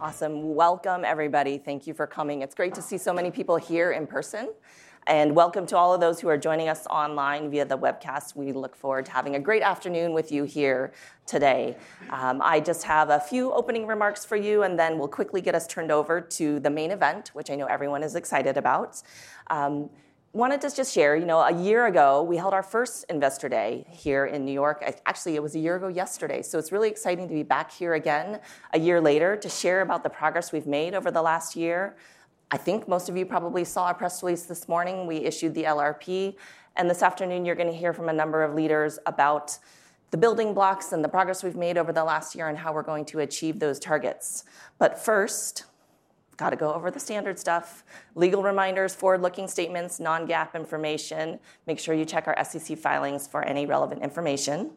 Awesome. Welcome, everybody. Thank you for coming. It's great to see so many people here in person. Welcome to all of those who are joining us online via the webcast. We look forward to having a great afternoon with you here today. I just have a few opening remarks for you, and then we'll quickly get us turned over to the main event, which I know everyone is excited about. I wanted to just share, you know, a year ago we held our first Investor Day here in New York. Actually, it was a year ago yesterday. It is really exciting to be back here again a year later to share about the progress we've made over the last year. I think most of you probably saw our press release this morning. We issued the LRP. This afternoon, you're going to hear from a number of leaders about the building blocks and the progress we've made over the last year and how we're going to achieve those targets. First, got to go over the standard stuff: legal reminders, forward-looking statements, non-GAAP information. Make sure you check our SEC filings for any relevant information.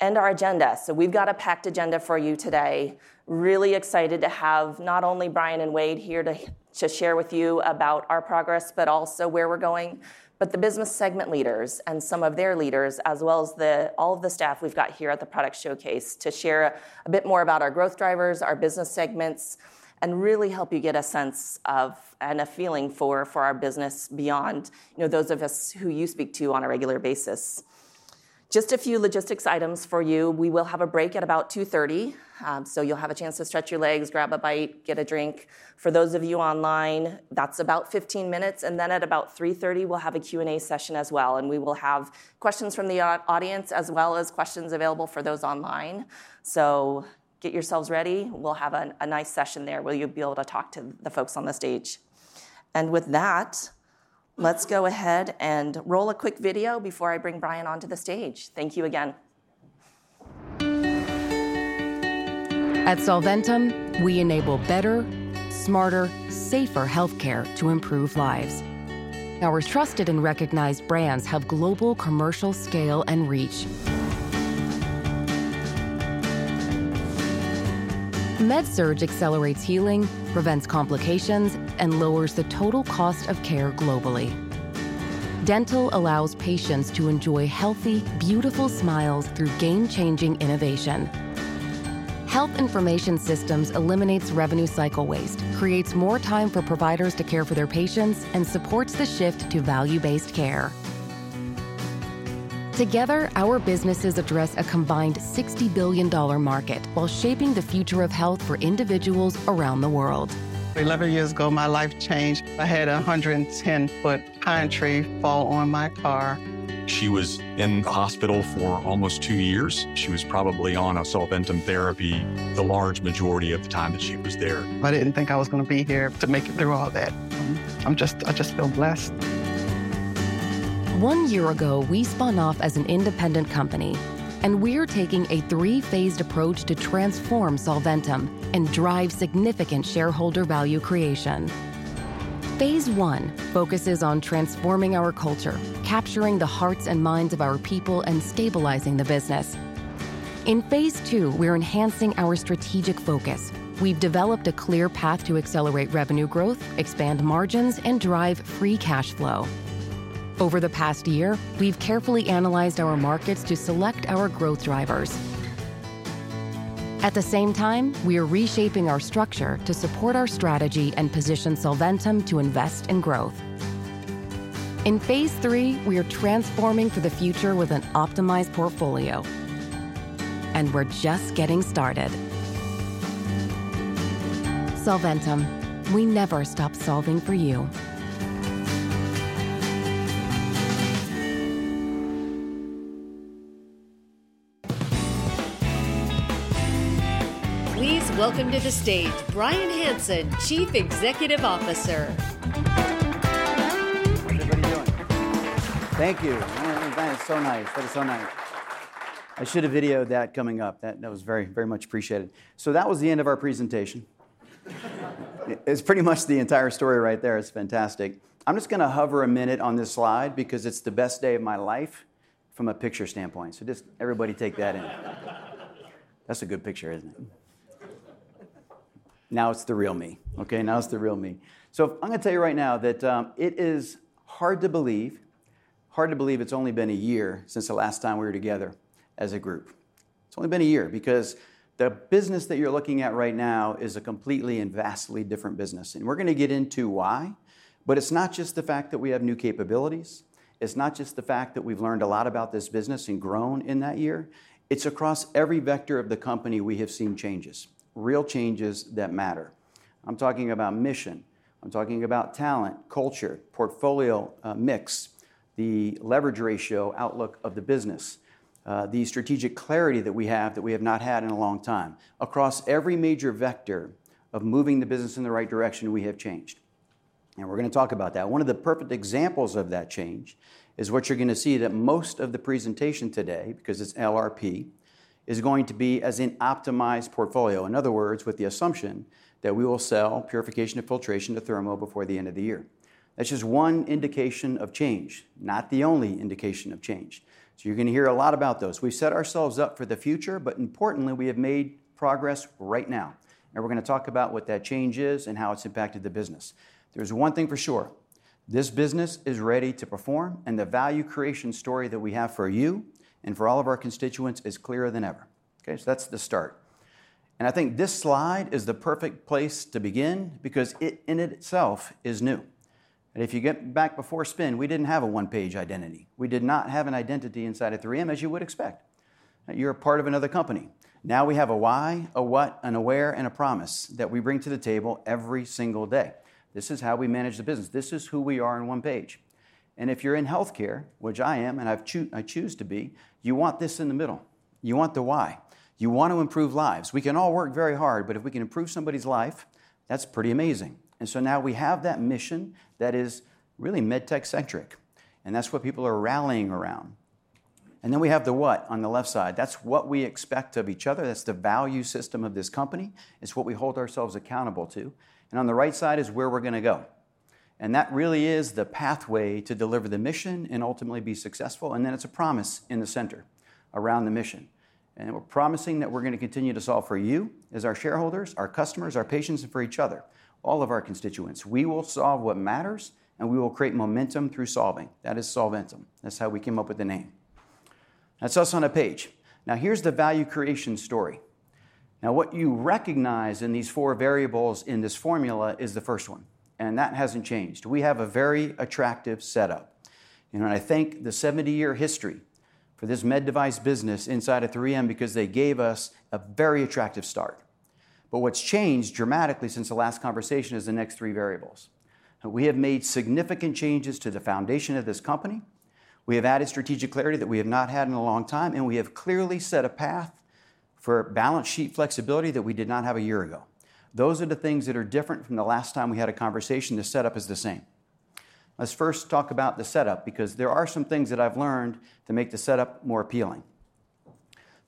Our agenda. We've got a packed agenda for you today. Really excited to have not only Bryan and Wayde here to share with you about our progress, but also where we're going. The business segment leaders and some of their leaders, as well as all of the staff we've got here at the product showcase, are here to share a bit more about our growth drivers, our business segments, and really help you get a sense of and a feeling for our business beyond those of us who you speak to on a regular basis. Just a few logistics items for you. We will have a break at about 2:30 P.M., so you'll have a chance to stretch your legs, grab a bite, get a drink. For those of you online, that's about 15 minutes. At about 3:30 P.M., we'll have a Q&A session as well. We will have questions from the audience as well as questions available for those online. Get yourselves ready. We'll have a nice session there where you'll be able to talk to the folks on the stage. With that, let's go ahead and roll a quick video before I bring Bryan onto the stage. Thank you again. At Solventum, we enable better, smarter, safer health care to improve lives. Our trusted and recognized brands have global commercial scale and reach. MedSurg accelerates healing, prevents complications, and lowers the total cost of care globally. Dental allows patients to enjoy healthy, beautiful smiles through game-changing innovation. Health information systems eliminate revenue cycle waste, create more time for providers to care for their patients, and support the shift to value-based care. Together, our businesses address a combined $60 billion market while shaping the future of health for individuals around the world. Eleven years ago, my life changed. I had a 110-foot pine tree fall on my car. She was in the hospital for almost two years. She was probably on a Solventum therapy the large majority of the time that she was there. I didn't think I was going to be here to make it through all that. I just feel blessed. One year ago, we spun off as an independent company, and we're taking a three-phased approach to transform Solventum and drive significant shareholder value creation. Phase one focuses on transforming our culture, capturing the hearts and minds of our people, and stabilizing the business. In phase two, we're enhancing our strategic focus. We've developed a clear path to accelerate revenue growth, expand margins, and drive free cash flow. Over the past year, we've carefully analyzed our markets to select our growth drivers. At the same time, we're reshaping our structure to support our strategy and position Solventum to invest in growth. In phase three, we're transforming for the future with an optimized portfolio. We're just getting started. Solventum, we never stop solving for you. Please welcome to the stage Bryan Hanson, Chief Executive Officer. Everybody doing? Thank you. That is so nice. That is so nice. I should have videoed that coming up. That was very, very much appreciated. That was the end of our presentation. It's pretty much the entire story right there. It's fantastic. I'm just going to hover a minute on this slide because it's the best day of my life from a picture standpoint. Just everybody take that in. That's a good picture, isn't it? Now it's the real me. Okay, now it's the real me. I'm going to tell you right now that it is hard to believe, hard to believe it's only been a year since the last time we were together as a group. It's only been a year because the business that you're looking at right now is a completely and vastly different business. We're going to get into why. It is not just the fact that we have new capabilities. It is not just the fact that we have learned a lot about this business and grown in that year. It is across every vector of the company we have seen changes, real changes that matter. I am talking about mission. I am talking about talent, culture, portfolio mix, the leverage ratio outlook of the business, the strategic clarity that we have that we have not had in a long time. Across every major vector of moving the business in the right direction, we have changed. We are going to talk about that. One of the perfect examples of that change is what you are going to see that most of the presentation today, because it is LRP, is going to be as an optimized portfolio. In other words, with the assumption that we will sell Purification and Filtration to Thermo before the end of the year. That is just one indication of change, not the only indication of change. You are going to hear a lot about those. We set ourselves up for the future, but importantly, we have made progress right now. We are going to talk about what that change is and how it has impacted the business. There is one thing for sure. This business is ready to perform, and the value creation story that we have for you and for all of our constituents is clearer than ever. Okay, that is the start. I think this slide is the perfect place to begin because it in itself is new. If you get back before spin, we did not have a one-page identity. We did not have an identity inside of 3M, as you would expect. You're a part of another company. Now we have a why, a what, an aware, and a promise that we bring to the table every single day. This is how we manage the business. This is who we are on one page. If you're in health care, which I am, and I choose to be, you want this in the middle. You want the why. You want to improve lives. We can all work very hard, but if we can improve somebody's life, that's pretty amazing. Now we have that mission that is really med tech-centric. That's what people are rallying around. We have the what on the left side. That's what we expect of each other. That's the value system of this company. It's what we hold ourselves accountable to. On the right side is where we're going to go. That really is the pathway to deliver the mission and ultimately be successful. It is a promise in the center around the mission. We're promising that we're going to continue to solve for you as our shareholders, our customers, our patients, and for each other, all of our constituents. We will solve what matters, and we will create momentum through solving. That is Solventum. That's how we came up with the name. That's us on a page. Now here's the value creation story. What you recognize in these four variables in this formula is the first one. That hasn't changed. We have a very attractive setup. I thank the 70-year history for this med device business inside of 3M because they gave us a very attractive start. What has changed dramatically since the last conversation is the next three variables. We have made significant changes to the foundation of this company. We have added strategic clarity that we have not had in a long time. We have clearly set a path for balance sheet flexibility that we did not have a year ago. Those are the things that are different from the last time we had a conversation. The setup is the same. Let's first talk about the setup because there are some things that I have learned to make the setup more appealing.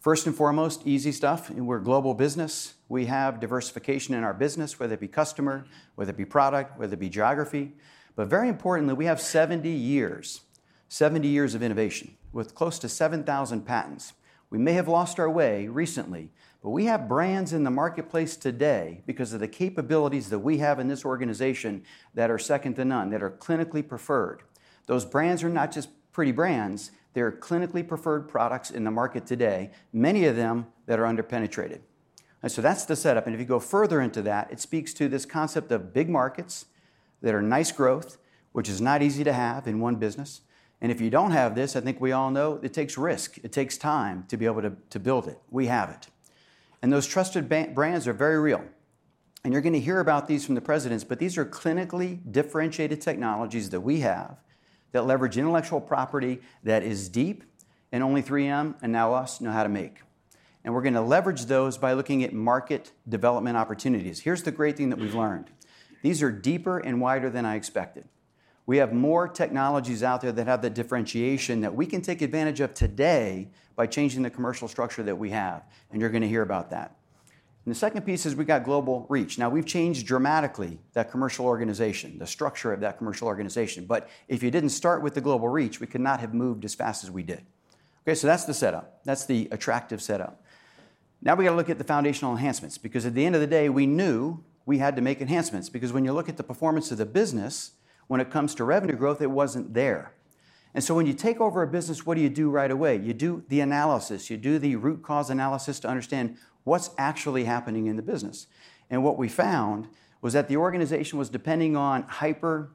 First and foremost, easy stuff. We are a global business. We have diversification in our business, whether it be customer, whether it be product, whether it be geography. Very importantly, we have 70 years, 70 years of innovation with close to 7,000 patents. We may have lost our way recently, but we have brands in the marketplace today because of the capabilities that we have in this organization that are second to none, that are clinically preferred. Those brands are not just pretty brands. They are clinically preferred products in the market today, many of them that are under-penetrated. That is the setup. If you go further into that, it speaks to this concept of big markets that are nice growth, which is not easy to have in one business. If you do not have this, I think we all know it takes risk. It takes time to be able to build it. We have it. Those trusted brands are very real. You are going to hear about these from the presidents. These are clinically differentiated technologies that we have that leverage intellectual property that is deep and only 3M and now us know how to make. We're going to leverage those by looking at market development opportunities. Here's the great thing that we've learned. These are deeper and wider than I expected. We have more technologies out there that have the differentiation that we can take advantage of today by changing the commercial structure that we have. You're going to hear about that. The second piece is we've got global reach. Now we've changed dramatically that commercial organization, the structure of that commercial organization. If you didn't start with the global reach, we could not have moved as fast as we did. Okay, that's the setup. That's the attractive setup. Now we've got to look at the foundational enhancements because at the end of the day, we knew we had to make enhancements. Because when you look at the performance of the business, when it comes to revenue growth, it wasn't there. When you take over a business, what do you do right away? You do the analysis. You do the root cause analysis to understand what's actually happening in the business. What we found was that the organization was depending on hyper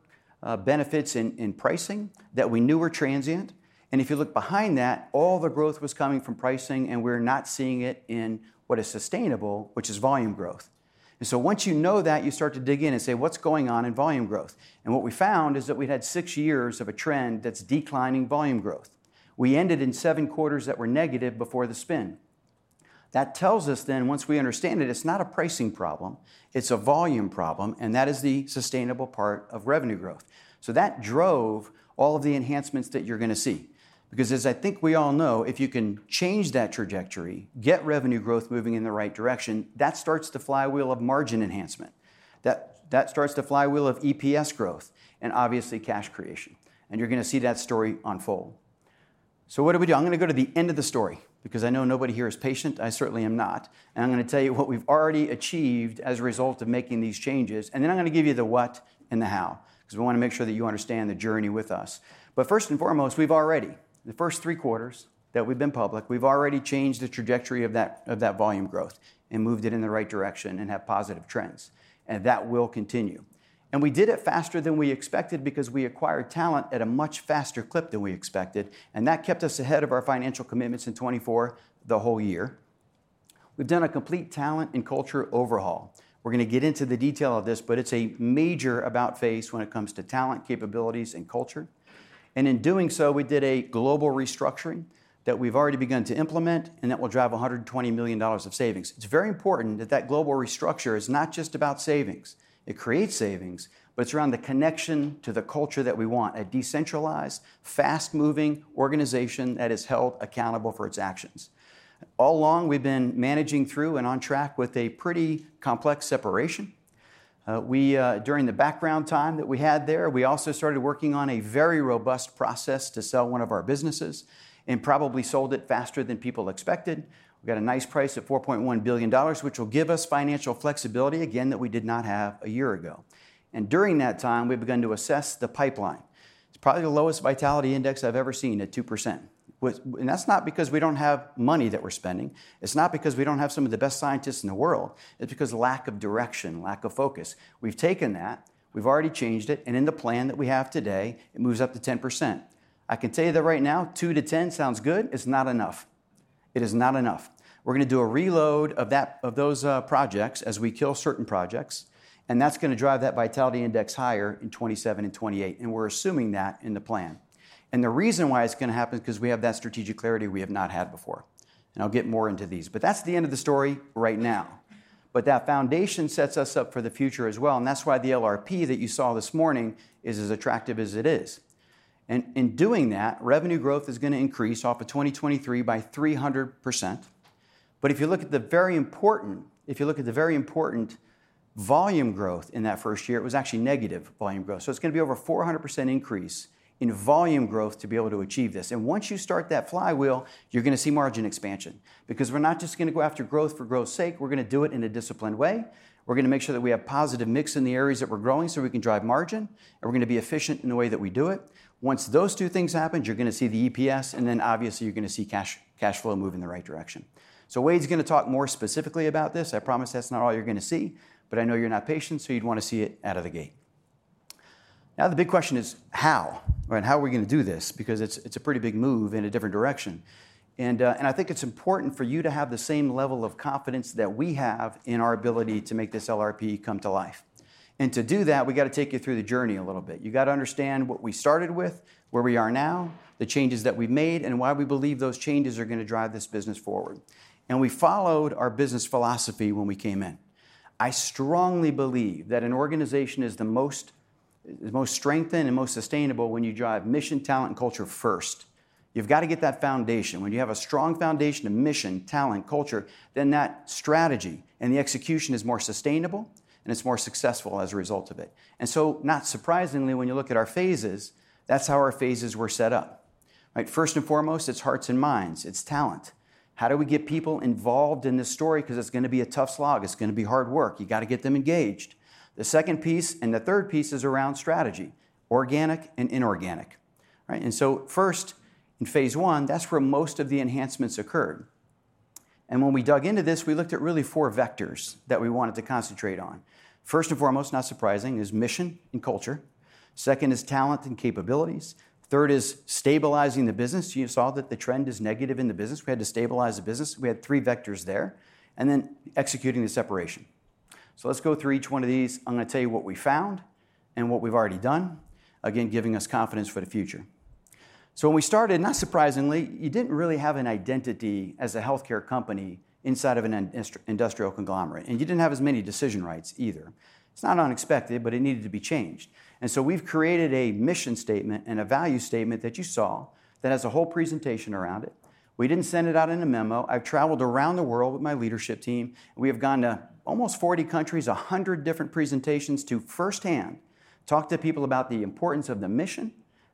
benefits in pricing that we knew were transient. If you look behind that, all the growth was coming from pricing, and we're not seeing it in what is sustainable, which is volume growth. Once you know that, you start to dig in and say, what's going on in volume growth? What we found is that we had six years of a trend that's declining volume growth. We ended in seven quarters that were negative before the spin. That tells us then, once we understand it, it's not a pricing problem. It's a volume problem. That is the sustainable part of revenue growth. That drove all of the enhancements that you're going to see. Because as I think we all know, if you can change that trajectory, get revenue growth moving in the right direction, that starts the flywheel of margin enhancement. That starts the flywheel of EPS growth and obviously cash creation. You're going to see that story unfold. What do we do? I'm going to go to the end of the story because I know nobody here is patient. I certainly am not. I'm going to tell you what we've already achieved as a result of making these changes. I'm going to give you the what and the how because we want to make sure that you understand the journey with us. First and foremost, we've already, in the first three quarters that we've been public, changed the trajectory of that volume growth and moved it in the right direction and have positive trends. That will continue. We did it faster than we expected because we acquired talent at a much faster clip than we expected. That kept us ahead of our financial commitments in 2024 the whole year. We've done a complete talent and culture overhaul. We're going to get into the detail of this, but it's a major about face when it comes to talent, capabilities, and culture. In doing so, we did a global restructuring that we've already begun to implement and that will drive $120 million of savings. It's very important that that global restructure is not just about savings. It creates savings, but it's around the connection to the culture that we want, a decentralized, fast-moving organization that is held accountable for its actions. All along, we've been managing through and on track with a pretty complex separation. During the background time that we had there, we also started working on a very robust process to sell one of our businesses and probably sold it faster than people expected. We got a nice price of $4.1 billion, which will give us financial flexibility, again, that we did not have a year ago. During that time, we've begun to assess the pipeline. It's probably the lowest vitality index I've ever seen at 2%. That is not because we do not have money that we are spending. It is not because we do not have some of the best scientists in the world. It is because of lack of direction, lack of focus. We have taken that. We have already changed it. In the plan that we have today, it moves up to 10%. I can tell you that right now, 2% to 10% sounds good. It is not enough. It is not enough. We are going to do a reload of those projects as we kill certain projects. That is going to drive that vitality index higher in 2027 and 2028. We are assuming that in the plan. The reason why it is going to happen is because we have that strategic clarity we have not had before. I will get more into these. That is the end of the story right now. That foundation sets us up for the future as well. That is why the LRP that you saw this morning is as attractive as it is. In doing that, revenue growth is going to increase off of 2023 by 300%. If you look at the very important, if you look at the very important volume growth in that first year, it was actually negative volume growth. It is going to be over 400% increase in volume growth to be able to achieve this. Once you start that flywheel, you are going to see margin expansion. We are not just going to go after growth for growth's sake. We are going to do it in a disciplined way. We are going to make sure that we have positive mix in the areas that we are growing so we can drive margin. We're going to be efficient in the way that we do it. Once those two things happen, you're going to see the EPS. Obviously, you're going to see cash flow move in the right direction. Wayde's going to talk more specifically about this. I promise that's not all you're going to see. I know you're not patient, so you'd want to see it out of the gate. The big question is how. How are we going to do this? Because it's a pretty big move in a different direction. I think it's important for you to have the same level of confidence that we have in our ability to make this LRP come to life. To do that, we've got to take you through the journey a little bit. You've got to understand what we started with, where we are now, the changes that we've made, and why we believe those changes are going to drive this business forward. We followed our business philosophy when we came in. I strongly believe that an organization is the most strengthened and most sustainable when you drive mission, talent, and culture first. You've got to get that foundation. When you have a strong foundation of mission, talent, culture, then that strategy and the execution is more sustainable, and it's more successful as a result of it. Not surprisingly, when you look at our phases, that's how our phases were set up. First and foremost, it's hearts and minds. It's talent. How do we get people involved in this story? Because it's going to be a tough slog. It's going to be hard work. You've got to get them engaged. The second piece and the third piece is around strategy, organic and inorganic. First, in phase one, that's where most of the enhancements occurred. When we dug into this, we looked at really four vectors that we wanted to concentrate on. First and foremost, not surprising, is mission and culture. Second is talent and capabilities. Third is stabilizing the business. You saw that the trend is negative in the business. We had to stabilize the business. We had three vectors there. Then executing the separation. Let's go through each one of these. I'm going to tell you what we found and what we've already done, again, giving us confidence for the future. When we started, not surprisingly, you didn't really have an identity as a health care company inside of an industrial conglomerate. You didn't have as many decision rights either. It's not unexpected, but it needed to be changed. We have created a mission statement and a value statement that you saw that has a whole presentation around it. We did not send it out in a memo. I have traveled around the world with my leadership team. We have gone to almost 40 countries, 100 different presentations to firsthand talk to people about the importance of the mission,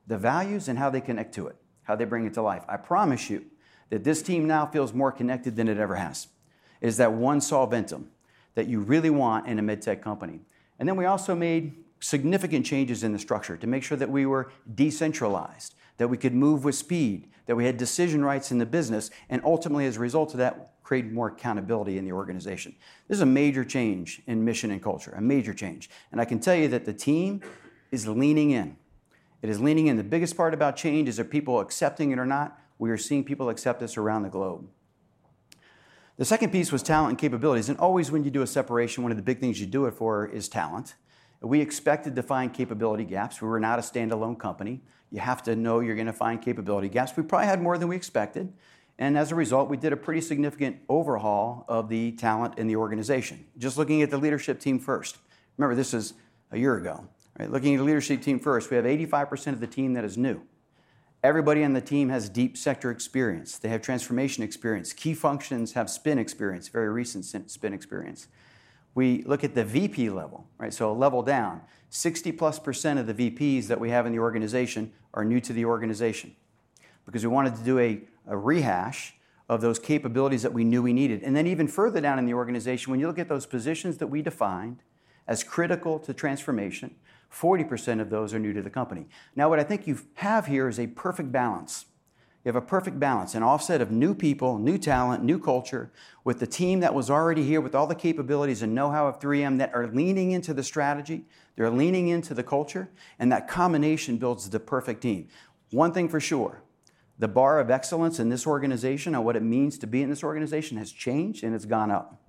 the values, and how they connect to it, how they bring it to life. I promise you that this team now feels more connected than it ever has. Is that one Solventum that you really want in a med tech company? We also made significant changes in the structure to make sure that we were decentralized, that we could move with speed, that we had decision rights in the business. Ultimately, as a result of that, create more accountability in the organization. This is a major change in mission and culture, a major change. I can tell you that the team is leaning in. It is leaning in. The biggest part about change is are people accepting it or not? We are seeing people accept this around the globe. The second piece was talent and capabilities. Always when you do a separation, one of the big things you do it for is talent. We expected to find capability gaps. We were not a standalone company. You have to know you're going to find capability gaps. We probably had more than we expected. As a result, we did a pretty significant overhaul of the talent in the organization. Just looking at the leadership team first. Remember, this is a year ago. Looking at the leadership team first, we have 85% of the team that is new. Everybody on the team has deep sector experience. They have transformation experience. Key functions have spin experience, very recent spin experience. We look at the VP level. So level down, 60%+ of the VPs that we have in the organization are new to the organization because we wanted to do a rehash of those capabilities that we knew we needed. And then even further down in the organization, when you look at those positions that we defined as critical to transformation, 40% of those are new to the company. Now what I think you have here is a perfect balance. You have a perfect balance, an offset of new people, new talent, new culture with the team that was already here with all the capabilities and know-how of 3M that are leaning into the strategy. They are leaning into the culture. That combination builds the perfect team. One thing for sure, the bar of excellence in this organization and what it means to be in this organization has changed and it has gone up.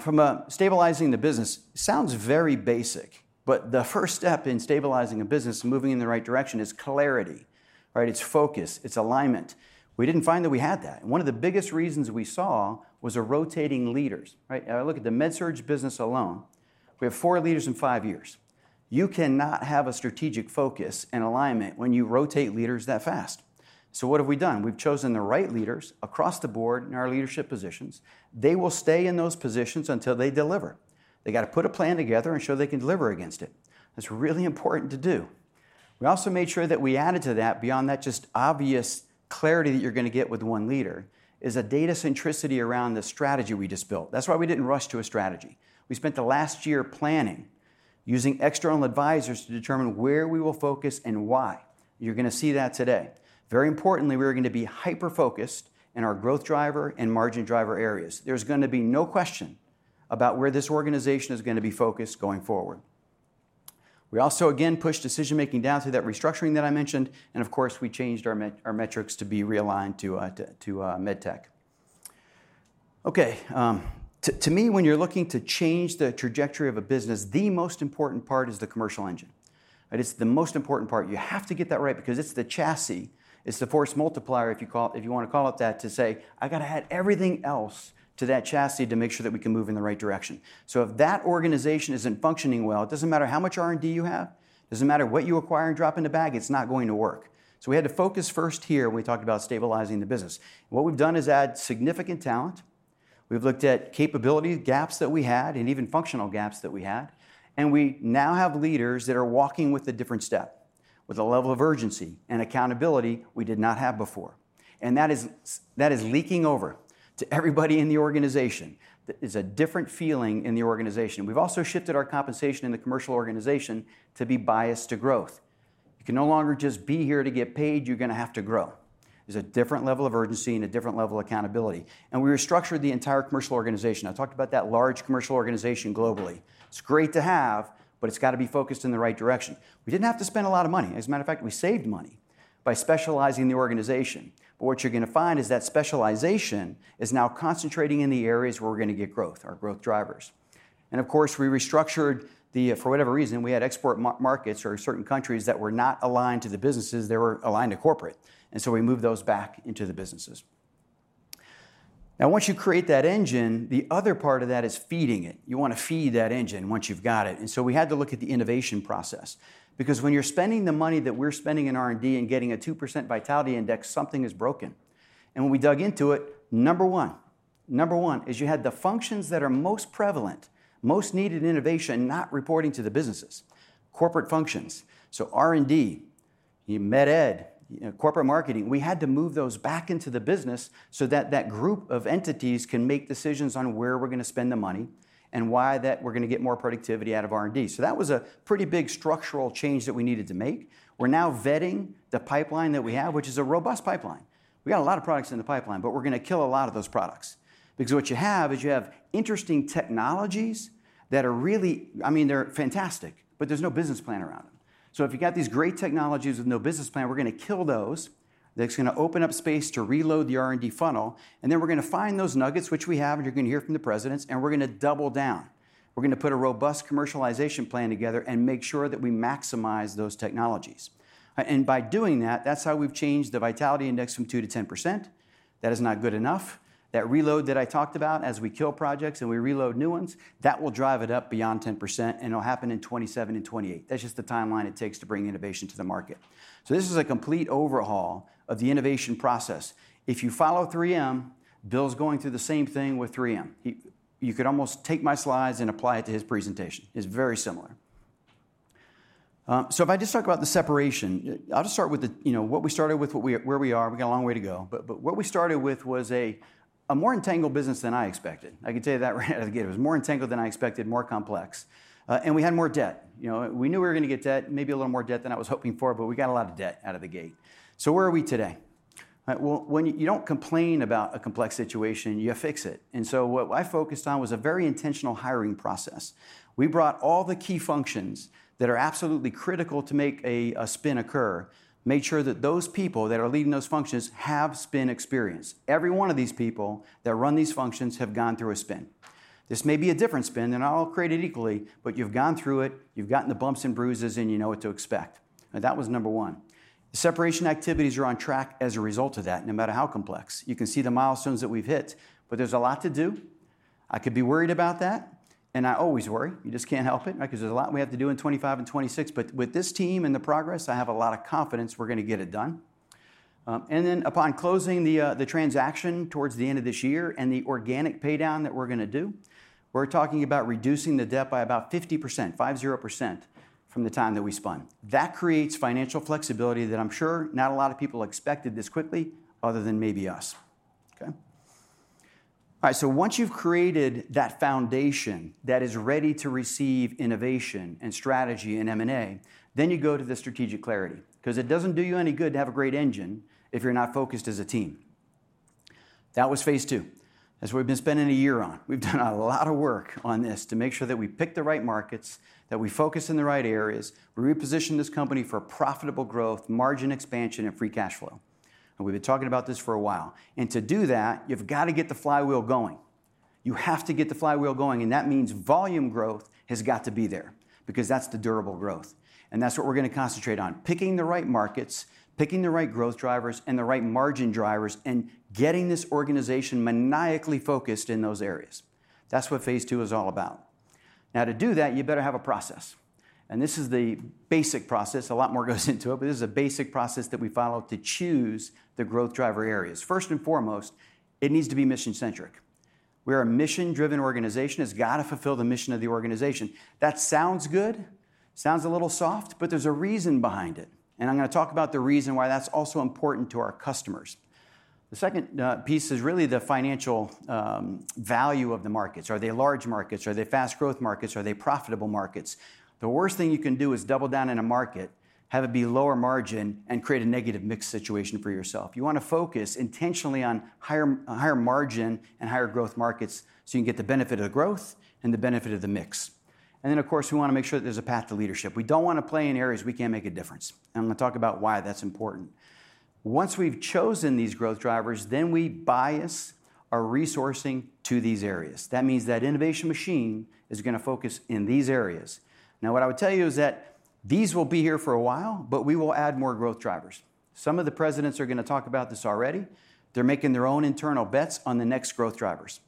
From stabilizing the business, it sounds very basic. The first step in stabilizing a business, moving in the right direction, is clarity. It is focus. It is alignment. We did not find that we had that. One of the biggest reasons we saw was rotating leaders. I look at the MedSurg business alone. We have four leaders in five years. You cannot have a strategic focus and alignment when you rotate leaders that fast. What have we done? We've chosen the right leaders across the board in our leadership positions. They will stay in those positions until they deliver. They've got to put a plan together and show they can deliver against it. That's really important to do. We also made sure that we added to that, beyond that just obvious clarity that you're going to get with one leader, is a data centricity around the strategy we just built. That's why we didn't rush to a strategy. We spent the last year planning using external advisors to determine where we will focus and why. You're going to see that today. Very importantly, we're going to be hyper-focused in our growth driver and margin driver areas. There's going to be no question about where this organization is going to be focused going forward. We also, again, pushed decision-making down through that restructuring that I mentioned. Of course, we changed our metrics to be realigned to med tech. Okay, to me, when you're looking to change the trajectory of a business, the most important part is the commercial engine. It's the most important part. You have to get that right because it's the chassis. It's the force multiplier, if you want to call it that, to say, I've got to add everything else to that chassis to make sure that we can move in the right direction. If that organization isn't functioning well, it doesn't matter how much R&D you have. It doesn't matter what you acquire and drop in the bag. It's not going to work. We had to focus first here when we talked about stabilizing the business. What we've done is add significant talent. We've looked at capability gaps that we had and even functional gaps that we had. We now have leaders that are walking with a different step, with a level of urgency and accountability we did not have before. That is leaking over to everybody in the organization. It's a different feeling in the organization. We've also shifted our compensation in the commercial organization to be biased to growth. You can no longer just be here to get paid. You're going to have to grow. There's a different level of urgency and a different level of accountability. We restructured the entire commercial organization. I talked about that large commercial organization globally. It's great to have, but it's got to be focused in the right direction. We didn't have to spend a lot of money. As a matter of fact, we saved money by specializing the organization. What you're going to find is that specialization is now concentrating in the areas where we're going to get growth, our growth drivers. Of course, we restructured the, for whatever reason, we had export markets or certain countries that were not aligned to the businesses. They were aligned to corporate. We moved those back into the businesses. Now once you create that engine, the other part of that is feeding it. You want to feed that engine once you've got it. We had to look at the innovation process. Because when you're spending the money that we're spending in R&D and getting a 2% vitality index, something is broken. When we dug into it, number one, number one is you had the functions that are most prevalent, most needed innovation, not reporting to the businesses, corporate functions. R&D, Med Ed, corporate marketing, we had to move those back into the business so that that group of entities can make decisions on where we're going to spend the money and why that we're going to get more productivity out of R&D. That was a pretty big structural change that we needed to make. We're now vetting the pipeline that we have, which is a robust pipeline. We've got a lot of products in the pipeline, but we're going to kill a lot of those products. Because what you have is you have interesting technologies that are really, I mean, they're fantastic, but there's no business plan around them. If you've got these great technologies with no business plan, we're going to kill those. That's going to open up space to reload the R&D funnel. We're going to find those nuggets, which we have, and you're going to hear from the presidents. We're going to double down. We're going to put a robust commercialization plan together and make sure that we maximize those technologies. By doing that, that's how we've changed the vitality index from 2% to 10%. That is not good enough. That reload that I talked about, as we kill projects and we reload new ones, that will drive it up beyond 10%. It'll happen in 2027 and 2028. That is just the timeline it takes to bring innovation to the market. This is a complete overhaul of the innovation process. If you follow 3M, Bill's going through the same thing with 3M. You could almost take my slides and apply it to his presentation. It's very similar. If I just talk about the separation, I'll just start with what we started with, where we are. We've got a long way to go. What we started with was a more entangled business than I expected. I can tell you that right out of the gate. It was more entangled than I expected, more complex. We had more debt. We knew we were going to get debt, maybe a little more debt than I was hoping for, but we got a lot of debt out of the gate. Where are we today? When you do not complain about a complex situation, you fix it. What I focused on was a very intentional hiring process. We brought all the key functions that are absolutely critical to make a spin occur, made sure that those people that are leading those functions have spin experience. Every one of these people that run these functions have gone through a spin. This may be a different spin, and I'll create it equally. You have gone through it. You have gotten the bumps and bruises, and you know what to expect. That was number one. The separation activities are on track as a result of that, no matter how complex. You can see the milestones that we have hit. There is a lot to do. I could be worried about that. I always worry. You just cannot help it. There is a lot we have to do in 2025 and 2026. With this team and the progress, I have a lot of confidence we are going to get it done. Upon closing the transaction towards the end of this year and the organic paydown that we're going to do, we're talking about reducing the debt by about 50%, 50% from the time that we spun. That creates financial flexibility that I'm sure not a lot of people expected this quickly, other than maybe us. All right, once you've created that foundation that is ready to receive innovation and strategy and M&A, you go to the strategic clarity. Because it doesn't do you any good to have a great engine if you're not focused as a team. That was phase two. That's what we've been spending a year on. We've done a lot of work on this to make sure that we pick the right markets, that we focus in the right areas. We reposition this company for profitable growth, margin expansion, and free cash flow. We have been talking about this for a while. To do that, you have got to get the flywheel going. You have to get the flywheel going. That means volume growth has got to be there because that is the durable growth. That is what we are going to concentrate on, picking the right markets, picking the right growth drivers and the right margin drivers, and getting this organization maniacally focused in those areas. That is what phase two is all about. Now to do that, you better have a process. This is the basic process. A lot more goes into it, but this is a basic process that we follow to choose the growth driver areas. First and foremost, it needs to be mission-centric. We are a mission-driven organization. It has got to fulfill the mission of the organization. That sounds good. Sounds a little soft. There is a reason behind it. I'm going to talk about the reason why that's also important to our customers. The second piece is really the financial value of the markets. Are they large markets? Are they fast growth markets? Are they profitable markets? The worst thing you can do is double down in a market, have it be lower margin, and create a negative mix situation for yourself. You want to focus intentionally on higher margin and higher growth markets so you can get the benefit of the growth and the benefit of the mix. Of course, we want to make sure that there's a path to leadership. We don't want to play in areas we can't make a difference. I'm going to talk about why that's important. Once we've chosen these growth drivers, we bias our resourcing to these areas. That means that innovation machine is going to focus in these areas. Now what I would tell you is that these will be here for a while, but we will add more growth drivers. Some of the presidents are going to talk about this already. They're making their own internal bets on the next growth drivers.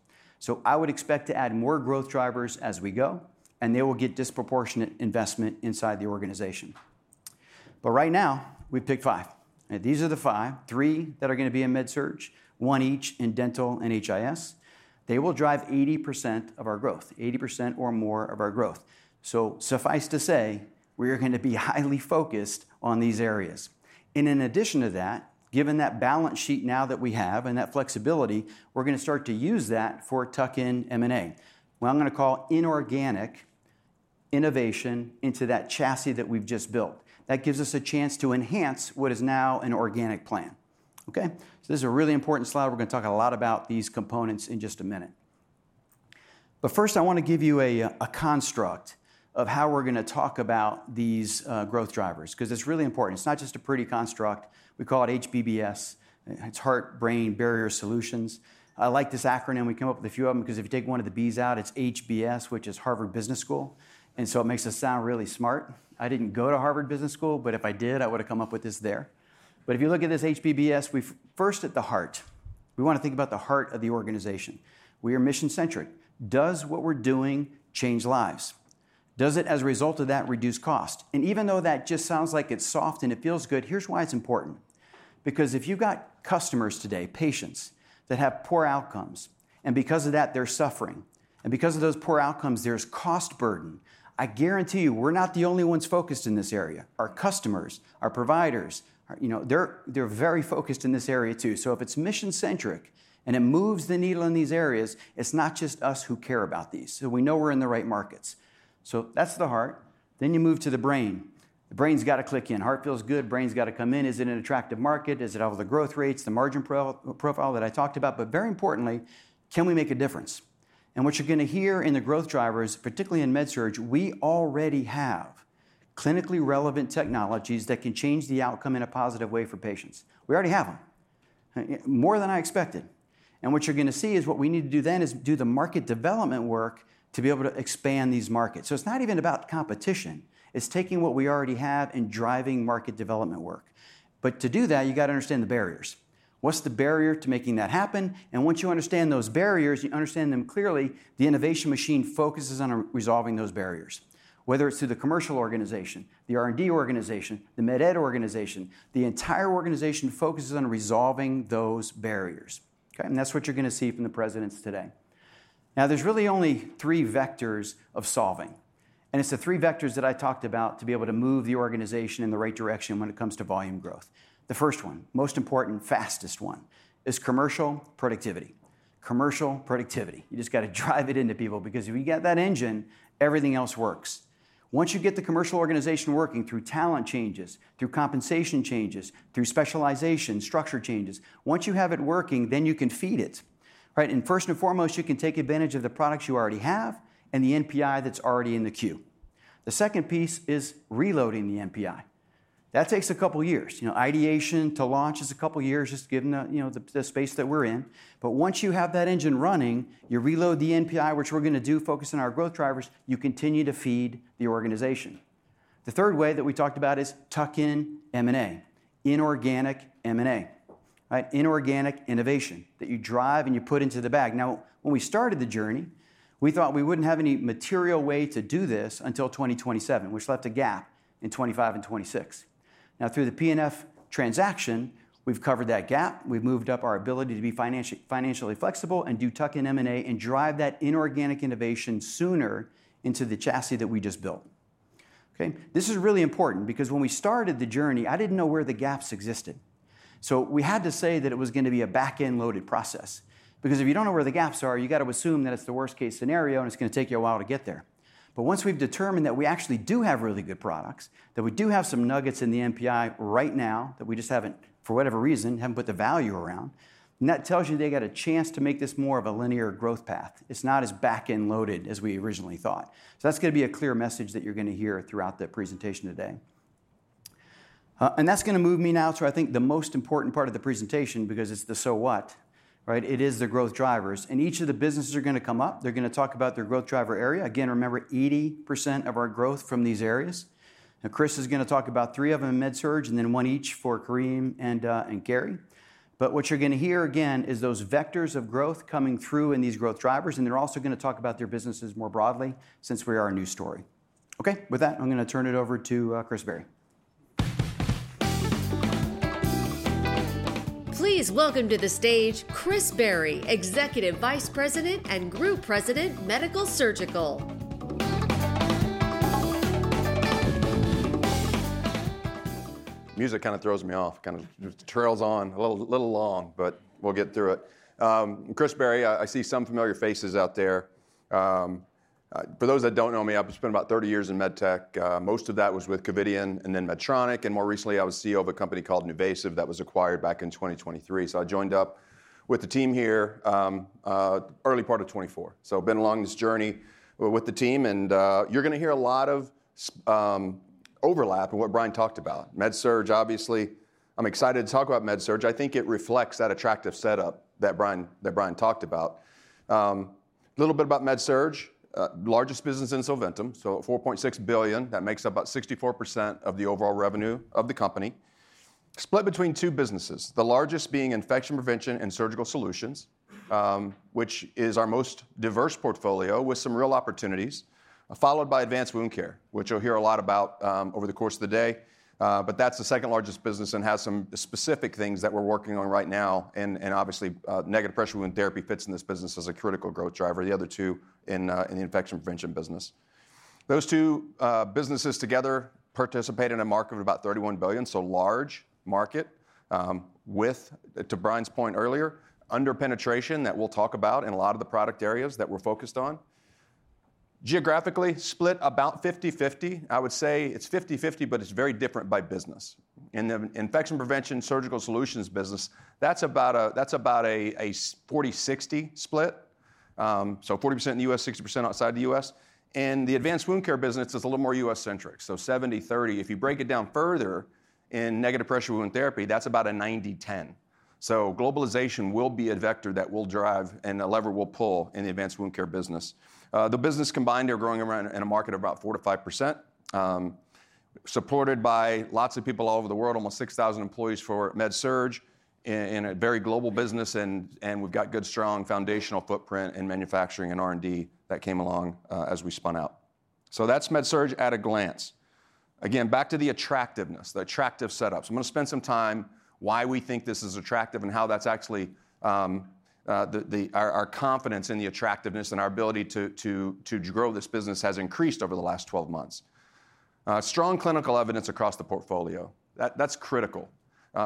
I would expect to add more growth drivers as we go. They will get disproportionate investment inside the organization. Right now, we picked five. These are the five. Three that are going to be in MedSurg, one each in dental and HIS. They will drive 80% of our growth, 80% or more of our growth. Suffice to say, we are going to be highly focused on these areas. In addition to that, given that balance sheet now that we have and that flexibility, we're going to start to use that for tuck-in M&A, what I'm going to call inorganic innovation into that chassis that we've just built. That gives us a chance to enhance what is now an organic plan. This is a really important slide. We're going to talk a lot about these components in just a minute. First, I want to give you a construct of how we're going to talk about these growth drivers because it's really important. It's not just a pretty construct. We call it HBBS. It's Heart, Brain, Barrier Solutions. I like this acronym. We come up with a few of them because if you take one of the B's out, it's HBS, which is Harvard Business School. It makes us sound really smart. I didn't go to Harvard Business School, but if I did, I would have come up with this there. If you look at this HBBS, we first at the heart, we want to think about the heart of the organization. We are mission-centric. Does what we're doing change lives? Does it, as a result of that, reduce cost? Even though that just sounds like it's soft and it feels good, here's why it's important. If you've got customers today, patients that have poor outcomes, and because of that, they're suffering. Because of those poor outcomes, there's cost burden. I guarantee you, we're not the only ones focused in this area. Our customers, our providers, they're very focused in this area too. If it's mission-centric and it moves the needle in these areas, it's not just us who care about these. We know we're in the right markets. That's the heart. You move to the brain. The brain's got to click in. Heart feels good. Brain's got to come in. Is it an attractive market? Is it all the growth rates, the margin profile that I talked about? Very importantly, can we make a difference? What you're going to hear in the growth drivers, particularly in MedSurg, we already have clinically relevant technologies that can change the outcome in a positive way for patients. We already have them, more than I expected. What you're going to see is what we need to do then is do the market development work to be able to expand these markets. It's not even about competition. It's taking what we already have and driving market development work. To do that, you've got to understand the barriers. What's the barrier to making that happen? Once you understand those barriers, you understand them clearly, the innovation machine focuses on resolving those barriers, whether it's through the commercial organization, the R&D organization, the Med Ed organization. The entire organization focuses on resolving those barriers. That's what you're going to see from the presidents today. Now there's really only three vectors of solving. It's the three vectors that I talked about to be able to move the organization in the right direction when it comes to volume growth. The first one, most important, fastest one is commercial productivity. Commercial productivity. You just got to drive it into people because if you get that engine, everything else works. Once you get the commercial organization working through talent changes, through compensation changes, through specialization, structure changes, once you have it working, you can feed it. First and foremost, you can take advantage of the products you already have and the NPI that's already in the queue. The second piece is reloading the NPI. That takes a couple of years. Ideation to launch is a couple of years just given the space that we're in. Once you have that engine running, you reload the NPI, which we're going to do, focus on our growth drivers, you continue to feed the organization. The third way that we talked about is tuck-in M&A, inorganic M&A, inorganic innovation that you drive and you put into the bag. When we started the journey, we thought we wouldn't have any material way to do this until 2027, which left a gap in 2025 and 2026. Now through the P&F transaction, we've covered that gap. We've moved up our ability to be financially flexible and do tuck-in M&A and drive that inorganic innovation sooner into the chassis that we just built. This is really important because when we started the journey, I didn't know where the gaps existed. We had to say that it was going to be a back-end loaded process. If you don't know where the gaps are, you've got to assume that it's the worst-case scenario and it's going to take you a while to get there. Once we've determined that we actually do have really good products, that we do have some nuggets in the NPI right now that we just haven't, for whatever reason, haven't put the value around, that tells you they got a chance to make this more of a linear growth path. It's not as back-end loaded as we originally thought. That's going to be a clear message that you're going to hear throughout the presentation today. That's going to move me now to, I think, the most important part of the presentation because it's the so what. It is the growth drivers. Each of the businesses are going to come up. They're going to talk about their growth driver area. Again, remember, 80% of our growth from these areas. Now Chris is going to talk about three of them in MedSurg and then one each for Karim and Garri. What you're going to hear again is those vectors of growth coming through in these growth drivers. They're also going to talk about their businesses more broadly since we are a news story. With that, I'm going to turn it over to Chris Barry. Please welcome to the stage Chris Barry, Executive Vice President and Group President, Medical Surgical. Music kind of throws me off. It kind of trails on a little long, but we'll get through it. Chris Barry, I see some familiar faces out there. For those that don't know me, I've spent about 30 years in MedTech. Most of that was with Covidien and then Medtronic. More recently, I was CEO of a company called NuVasive that was acquired back in 2023. I joined up with the team here early part of 2024. I've been along this journey with the team. You're going to hear a lot of overlap in what Bryan talked about. MedSurg, obviously, I'm excited to talk about MedSurg. I think it reflects that attractive setup that Bryan talked about. A little bit about MedSurg, largest business in Solventum. $4.6 billion, that makes up about 64% of the overall revenue of the company. Split between two businesses, the largest being Infection Prevention and Surgical Solutions, which is our most diverse portfolio with some real opportunities, followed by Advanced Wound Care, which you'll hear a lot about over the course of the day. That is the second largest business and has some specific things that we're working on right now. Obviously, negative pressure wound therapy fits in this business as a critical growth driver. The other two in the Infection Prevention business. Those two businesses together participate in a market of about $31 billion. Large market with, to Bryan's point earlier, under penetration that we'll talk about in a lot of the product areas that we're focused on. Geographically, split about 50/50. I would say it's 50/50, but it's very different by business. In the Infection Prevention, Surgical Solutions business, that's about a 40/60 split. Forty percent in the U.S., 60% outside the U.S. The advanced wound care business is a little more U.S.-centric, so 70-30. If you break it down further in negative pressure wound therapy, that's about a 90/10. Globalization will be a vector that will drive and a lever we will pull in the advanced wound care business. The business combined are growing in a market of about 4%-5%, supported by lots of people all over the world, almost 6,000 employees for MedSurg in a very global business. We have got good, strong foundational footprint in manufacturing and R&D that came along as we spun out. That is MedSurg at a glance. Again, back to the attractiveness, the attractive setups. I'm going to spend some time why we think this is attractive and how that's actually our confidence in the attractiveness and our ability to grow this business has increased over the last 12 months. Strong clinical evidence across the portfolio. That's critical.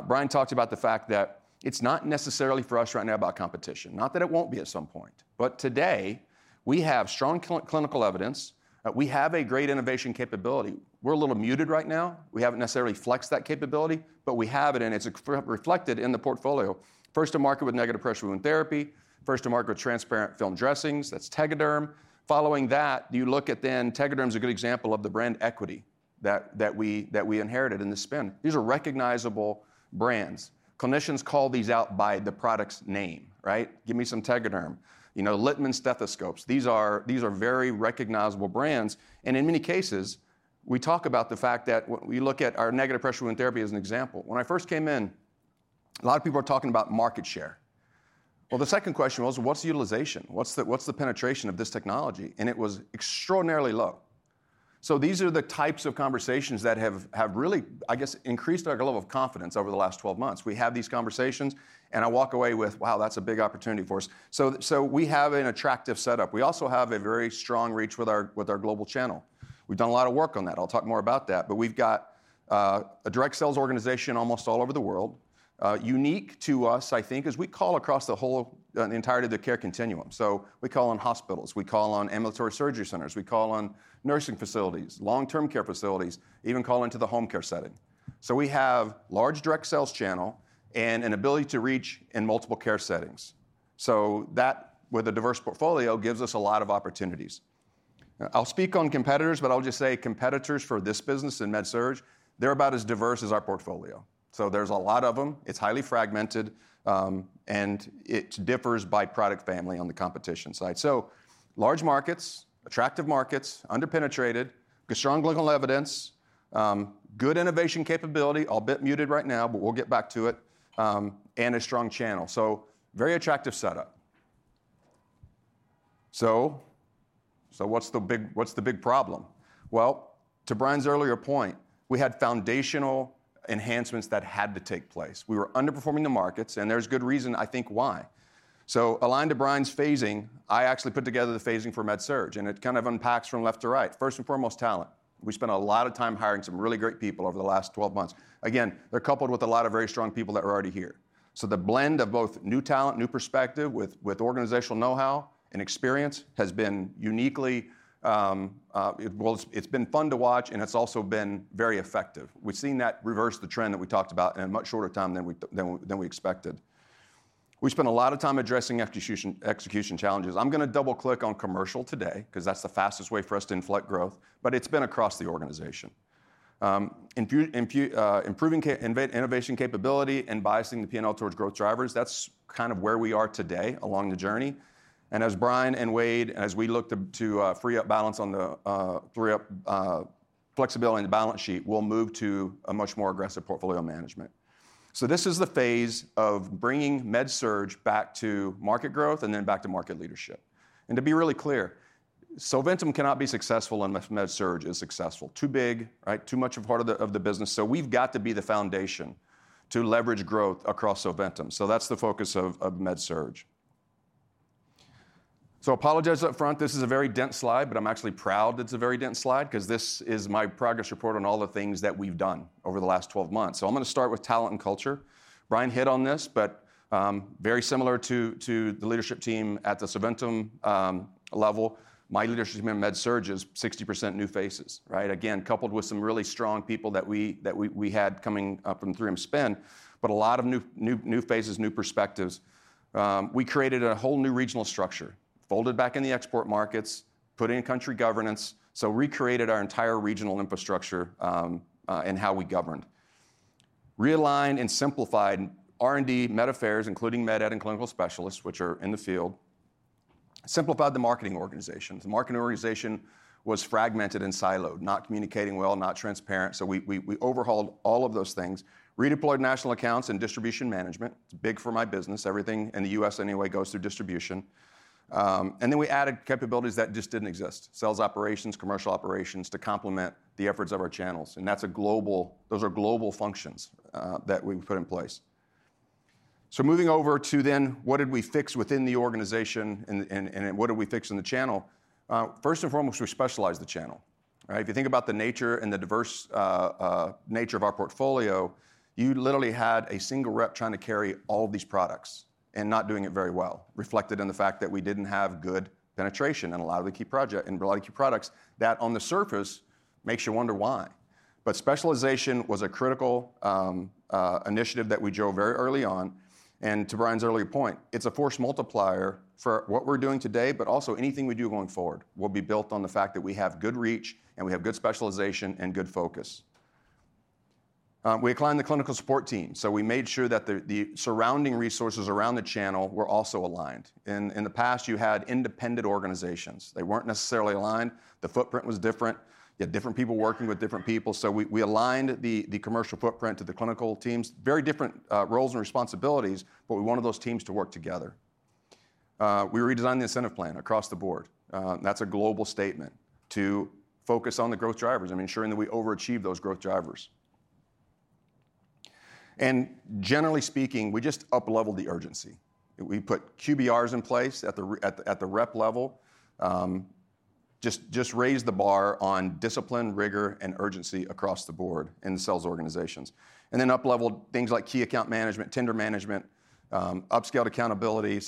Bryan talked about the fact that it's not necessarily for us right now about competition. Not that it won't be at some point. Today, we have strong clinical evidence. We have a great innovation capability. We're a little muted right now. We haven't necessarily flexed that capability, but we have it. It's reflected in the portfolio. First to market with negative pressure wound therapy, first to market with transparent film dressings. That's Tegaderm. Following that, you look at then Tegaderm is a good example of the brand equity that we inherited in the spin. These are recognizable brands. Clinicians call these out by the product's name. Give me some Tegaderm. Littmann Stethoscopes. These are very recognizable brands. In many cases, we talk about the fact that when you look at our negative pressure wound therapy as an example, when I first came in, a lot of people were talking about market share. The second question was, what's the utilization? What's the penetration of this technology? It was extraordinarily low. These are the types of conversations that have really, I guess, increased our level of confidence over the last 12 months. We have these conversations, and I walk away with, wow, that's a big opportunity for us. We have an attractive setup. We also have a very strong reach with our global channel. We've done a lot of work on that. I'll talk more about that. We've got a direct sales organization almost all over the world. Unique to us, I think, is we call across the whole entirety of the care continuum. We call on hospitals. We call on ambulatory surgery centers. We call on nursing facilities, long-term care facilities, even call into the home care setting. We have a large direct sales channel and an ability to reach in multiple care settings. That, with a diverse portfolio, gives us a lot of opportunities. I'll speak on competitors, but I'll just say competitors for this business in MedSurg, they're about as diverse as our portfolio. There are a lot of them. It's highly fragmented, and it differs by product family on the competition side. Large markets, attractive markets, under penetrated, strong clinical evidence, good innovation capability, a bit muted right now, but we'll get back to it, and a strong channel. Very attractive setup. What's the big problem? To Bryan's earlier point, we had foundational enhancements that had to take place. We were underperforming the markets, and there's good reason, I think, why. Aligned to Bryan's phasing, I actually put together the phasing for MedSurg, and it kind of unpacks from left to right. First and foremost, talent. We spent a lot of time hiring some really great people over the last 12 months. Again, they're coupled with a lot of very strong people that are already here. The blend of both new talent, new perspective with organizational know-how and experience has been uniquely, well, it's been fun to watch, and it's also been very effective. We've seen that reverse the trend that we talked about in a much shorter time than we expected. We spent a lot of time addressing execution challenges. I'm going to double-click on commercial today because that's the fastest way for us to inflect growth, but it's been across the organization. Improving innovation capability and biasing the P&L towards growth drivers, that's kind of where we are today along the journey. As Bryan and Wayde, as we look to free up balance on the flexibility and balance sheet, we'll move to a much more aggressive portfolio management. This is the phase of bringing MedSurg back to market growth and then back to market leadership. To be really clear, Solventum cannot be successful unless MedSurg is successful. Too big, too much of part of the business. We've got to be the foundation to leverage growth across Solventum. That's the focus of MedSurg. Apologize upfront. This is a very dense slide, but I'm actually proud it's a very dense slide because this is my progress report on all the things that we've done over the last 12 months. I'm going to start with talent and culture. Bryan hit on this, but very similar to the leadership team at the Solventum level, my leadership team at MedSurg is 60% new faces. Again, coupled with some really strong people that we had coming up from the three-year spin, but a lot of new faces, new perspectives. We created a whole new regional structure, folded back in the export markets, put in country governance. We created our entire regional infrastructure and how we governed. Realigned and simplified R&D, Med Affairs, including Med Ed and clinical specialists, which are in the field, simplified the marketing organization. The marketing organization was fragmented and siloed, not communicating well, not transparent. We overhauled all of those things, redeployed national accounts and distribution management. It's big for my business. Everything in the U.S. anyway goes through distribution. We added capabilities that just didn't exist, sales operations, commercial operations to complement the efforts of our channels. Those are global functions that we put in place. Moving over to then what did we fix within the organization and what did we fix in the channel? First and foremost, we specialized the channel. If you think about the nature and the diverse nature of our portfolio, you literally had a single rep trying to carry all of these products and not doing it very well. Reflected in the fact that we did not have good penetration in a lot of the key products that on the surface makes you wonder why. Specialization was a critical initiative that we drove very early on. To Bryan's earlier point, it is a force multiplier for what we are doing today, but also anything we do going forward will be built on the fact that we have good reach and we have good specialization and good focus. We aligned the clinical support team. We made sure that the surrounding resources around the channel were also aligned. In the past, you had independent organizations. They were not necessarily aligned. The footprint was different. You had different people working with different people. We aligned the commercial footprint to the clinical teams. Very different roles and responsibilities, but we wanted those teams to work together. We redesigned the incentive plan across the board. That's a global statement. To focus on the growth drivers and ensuring that we overachieve those growth drivers. Generally speaking, we just upleveled the urgency. We put QBRs in place at the rep level, just raised the bar on discipline, rigor, and urgency across the board in the sales organizations. We upleveled things like key account management, tender management, upscaled accountability.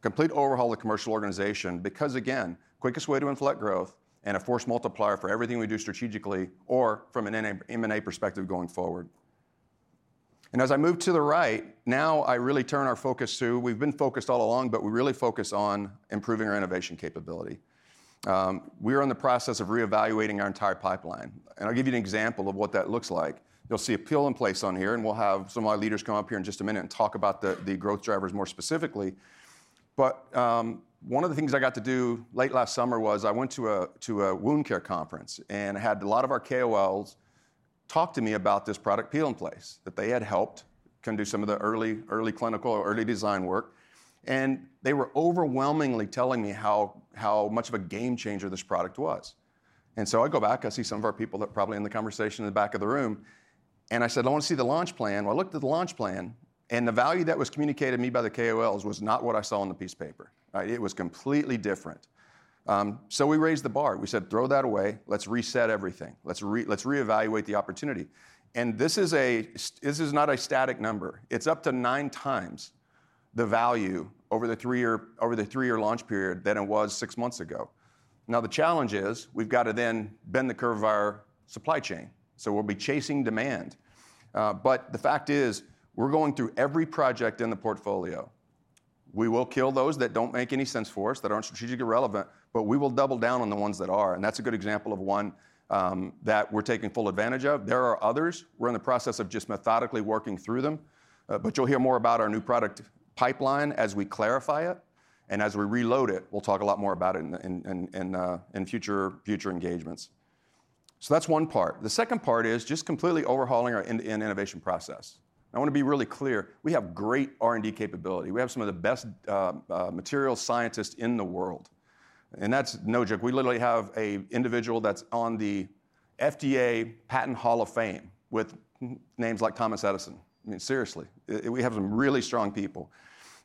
Complete overhaul of the commercial organization because, again, quickest way to inflect growth and a force multiplier for everything we do strategically or from an M&A perspective going forward. As I move to the right, now I really turn our focus to, we've been focused all along, but we really focus on improving our innovation capability. We are in the process of reevaluating our entire pipeline. I'll give you an example of what that looks like. You'll see a Peel and Place on here, and we'll have some of our leaders come up here in just a minute and talk about the growth drivers more specifically. One of the things I got to do late last summer was I went to a wound care conference and had a lot of our KOLs talk to me about this product, Peel and Place, that they had helped, could not do some of the early clinical, early design work. They were overwhelmingly telling me how much of a game changer this product was. I go back, I see some of our people that are probably in the conversation in the back of the room. I said, I want to see the launch plan. I looked at the launch plan, and the value that was communicated to me by the KOLs was not what I saw on the piece of paper. It was completely different. We raised the bar. We said, throw that away. Let's reset everything. Let's reevaluate the opportunity. This is not a static number. It's up to nine times the value over the three-year launch period than it was six months ago. The challenge is we've got to then bend the curve of our supply chain. We will be chasing demand. The fact is we're going through every project in the portfolio. We will kill those that do not make any sense for us, that are not strategically relevant, but we will double down on the ones that are. That is a good example of one that we're taking full advantage of. There are others. We're in the process of just methodically working through them. You'll hear more about our new product pipeline as we clarify it. As we reload it, we'll talk a lot more about it in future engagements. That's one part. The second part is just completely overhauling our end-to-end innovation process. I want to be really clear. We have great R&D capability. We have some of the best material scientists in the world. That's no joke. We literally have an individual that's on the FDA Patent Hall of Fame with names like Thomas Edison. I mean, seriously, we have some really strong people.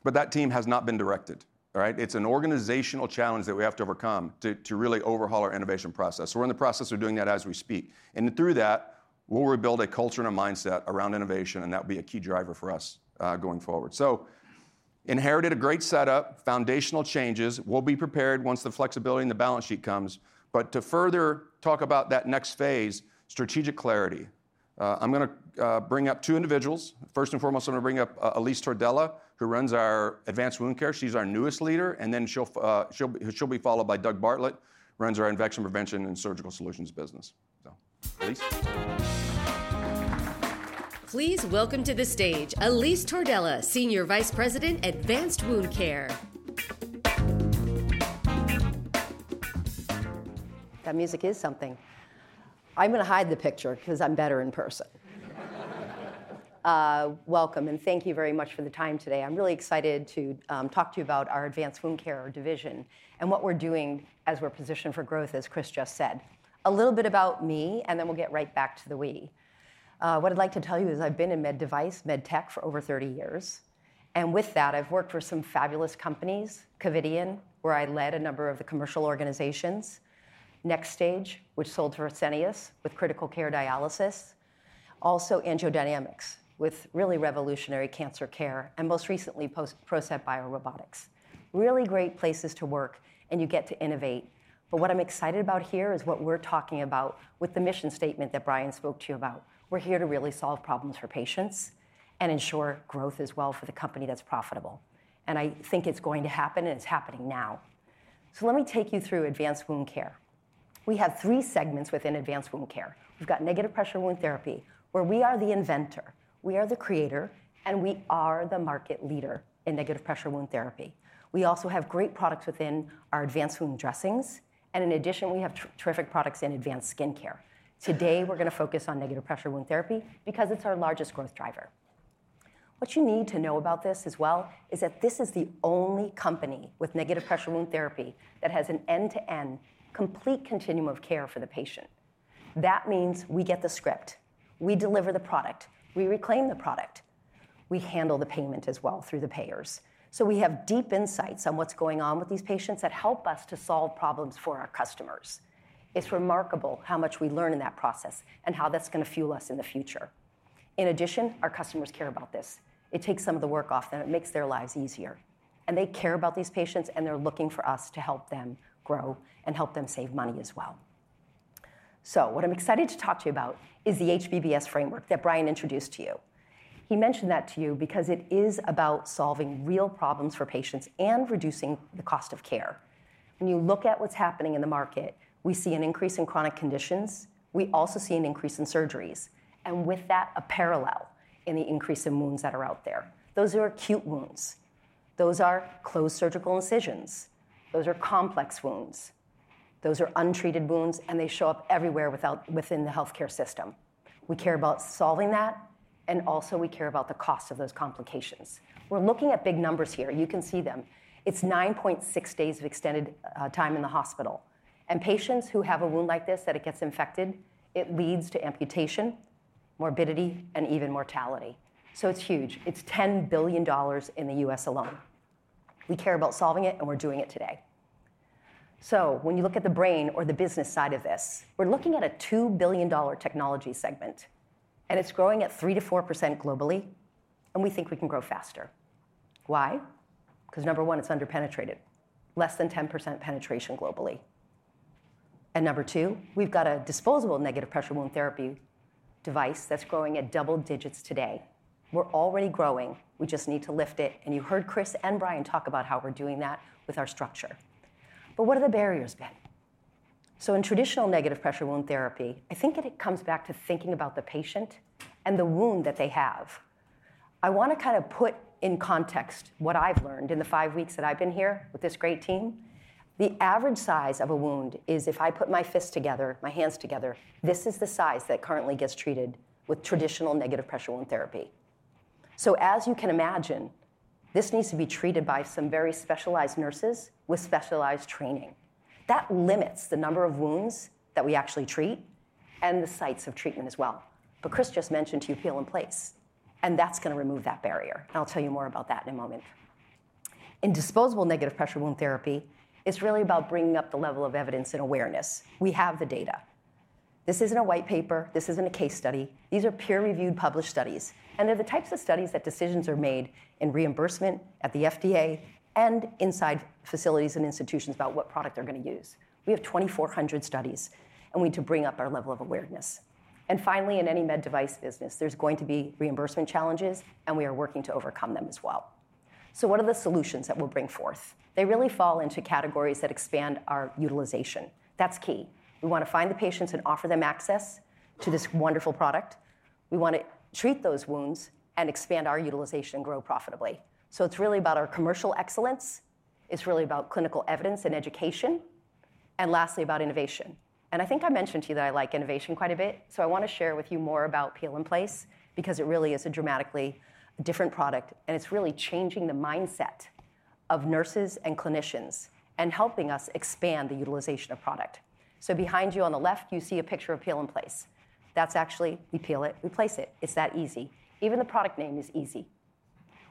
That team has not been directed. It's an organizational challenge that we have to overcome to really overhaul our innovation process. We're in the process of doing that as we speak. Through that, we'll rebuild a culture and a mindset around innovation, and that will be a key driver for us going forward. I inherited a great setup, foundational changes. We'll be prepared once the flexibility and the balance sheet comes. To further talk about that next phase, strategic clarity, I'm going to bring up two individuals. First and foremost, I'm going to bring up Elise Tordella, who runs our Advanced Wound Care. She's our newest leader. She'll be followed by Doug Bartlett, who runs our Infection Prevention and Surgical Solutions business. Elise, please welcome to the stage Elise Tordella, Senior Vice President, Advanced Wound Care. That music is something. I'm going to hide the picture because I'm better in person. Welcome, and thank you very much for the time today. I'm really excited to talk to you about our Advanced Wound Care division and what we're doing as we're positioned for growth, as Chris just said. A little bit about me, and then we'll get right back to the we. What I'd like to tell you is I've been in Med Device, MedTech for over 30 years. With that, I've worked for some fabulous companies, Covidien, where I led a number of the commercial organizations, NxtStage, which sold to Fresenius with critical care dialysis, also AngioDynamics with really revolutionary cancer care, and most recently, PROCEPT BioRobotics. Really great places to work, and you get to innovate. What I'm excited about here is what we're talking about with the mission statement that Bryan spoke to you about. We're here to really solve problems for patients and ensure growth as well for the company that's profitable. I think it's going to happen, and it's happening now. Let me take you through Advanced Wound Care. We have three segments within Advanced Wound Care. We've got negative pressure wound therapy, where we are the inventor, we are the creator, and we are the market leader in negative pressure wound therapy. We also have great products within our advanced wound dressings. In addition, we have terrific products in advanced skin care. Today, we're going to focus on negative pressure wound therapy because it's our largest growth driver. What you need to know about this as well is that this is the only company with negative pressure wound therapy that has an end-to-end complete continuum of care for the patient. That means we get the script. We deliver the product. We reclaim the product. We handle the payment as well through the payers. We have deep insights on what's going on with these patients that help us to solve problems for our customers. It's remarkable how much we learn in that process and how that's going to fuel us in the future. In addition, our customers care about this. It takes some of the work off them. It makes their lives easier. They care about these patients, and they're looking for us to help them grow and help them save money as well. What I'm excited to talk to you about is the HBBS framework that Bryan introduced to you. He mentioned that to you because it is about solving real problems for patients and reducing the cost of care. When you look at what's happening in the market, we see an increase in chronic conditions. We also see an increase in surgeries. With that, a parallel in the increase in wounds that are out there. Those are acute wounds. Those are closed surgical incisions. Those are complex wounds. Those are untreated wounds, and they show up everywhere within the healthcare system. We care about solving that, and also we care about the cost of those complications. We are looking at big numbers here. You can see them. It is 9.6 days of extended time in the hospital. And patients who have a wound like this, that it gets infected, it leads to amputation, morbidity, and even mortality. It is huge. It is $10 billion in the U.S. alone. We care about solving it, and we are doing it today. When you look at the brain or the business side of this, we are looking at a $2 billion technology segment, and it is growing at 3%-4% globally, and we think we can grow faster. Why? Because number one, it's underpenetrated, less than 10% penetration globally. Number two, we've got a disposable negative pressure wound therapy device that's growing at double digits today. We're already growing. We just need to lift it. You heard Chris and Bryan talk about how we're doing that with our structure. What have the barriers been? In traditional negative pressure wound therapy, I think it comes back to thinking about the patient and the wound that they have. I want to kind of put in context what I've learned in the five weeks that I've been here with this great team. The average size of a wound is if I put my fists together, my hands together, this is the size that currently gets treated with traditional negative pressure wound therapy. As you can imagine, this needs to be treated by some very specialized nurses with specialized training. That limits the number of wounds that we actually treat and the sites of treatment as well. Chris just mentioned to you Peel and Place. That is going to remove that barrier. I'll tell you more about that in a moment. In disposable negative pressure wound therapy, it's really about bringing up the level of evidence and awareness. We have the data. This isn't a white paper. This isn't a case study. These are peer-reviewed published studies. They're the types of studies that decisions are made in reimbursement at the FDA and inside facilities and institutions about what product they're going to use. We have 2,400 studies, and we need to bring up our level of awareness. Finally, in any med device business, there's going to be reimbursement challenges, and we are working to overcome them as well. What are the solutions that we'll bring forth? They really fall into categories that expand our utilization. That's key. We want to find the patients and offer them access to this wonderful product. We want to treat those wounds and expand our utilization and grow profitably. It is really about our commercial excellence. It is really about clinical evidence and education, and lastly, about innovation. I think I mentioned to you that I like innovation quite a bit. I want to share with you more about Peel and Place because it really is a dramatically different product. It is really changing the mindset of nurses and clinicians and helping us expand the utilization of product. Behind you on the left, you see a picture of Peel and Place. That's actually, we peel it, we place it. It's that easy. Even the product name is easy.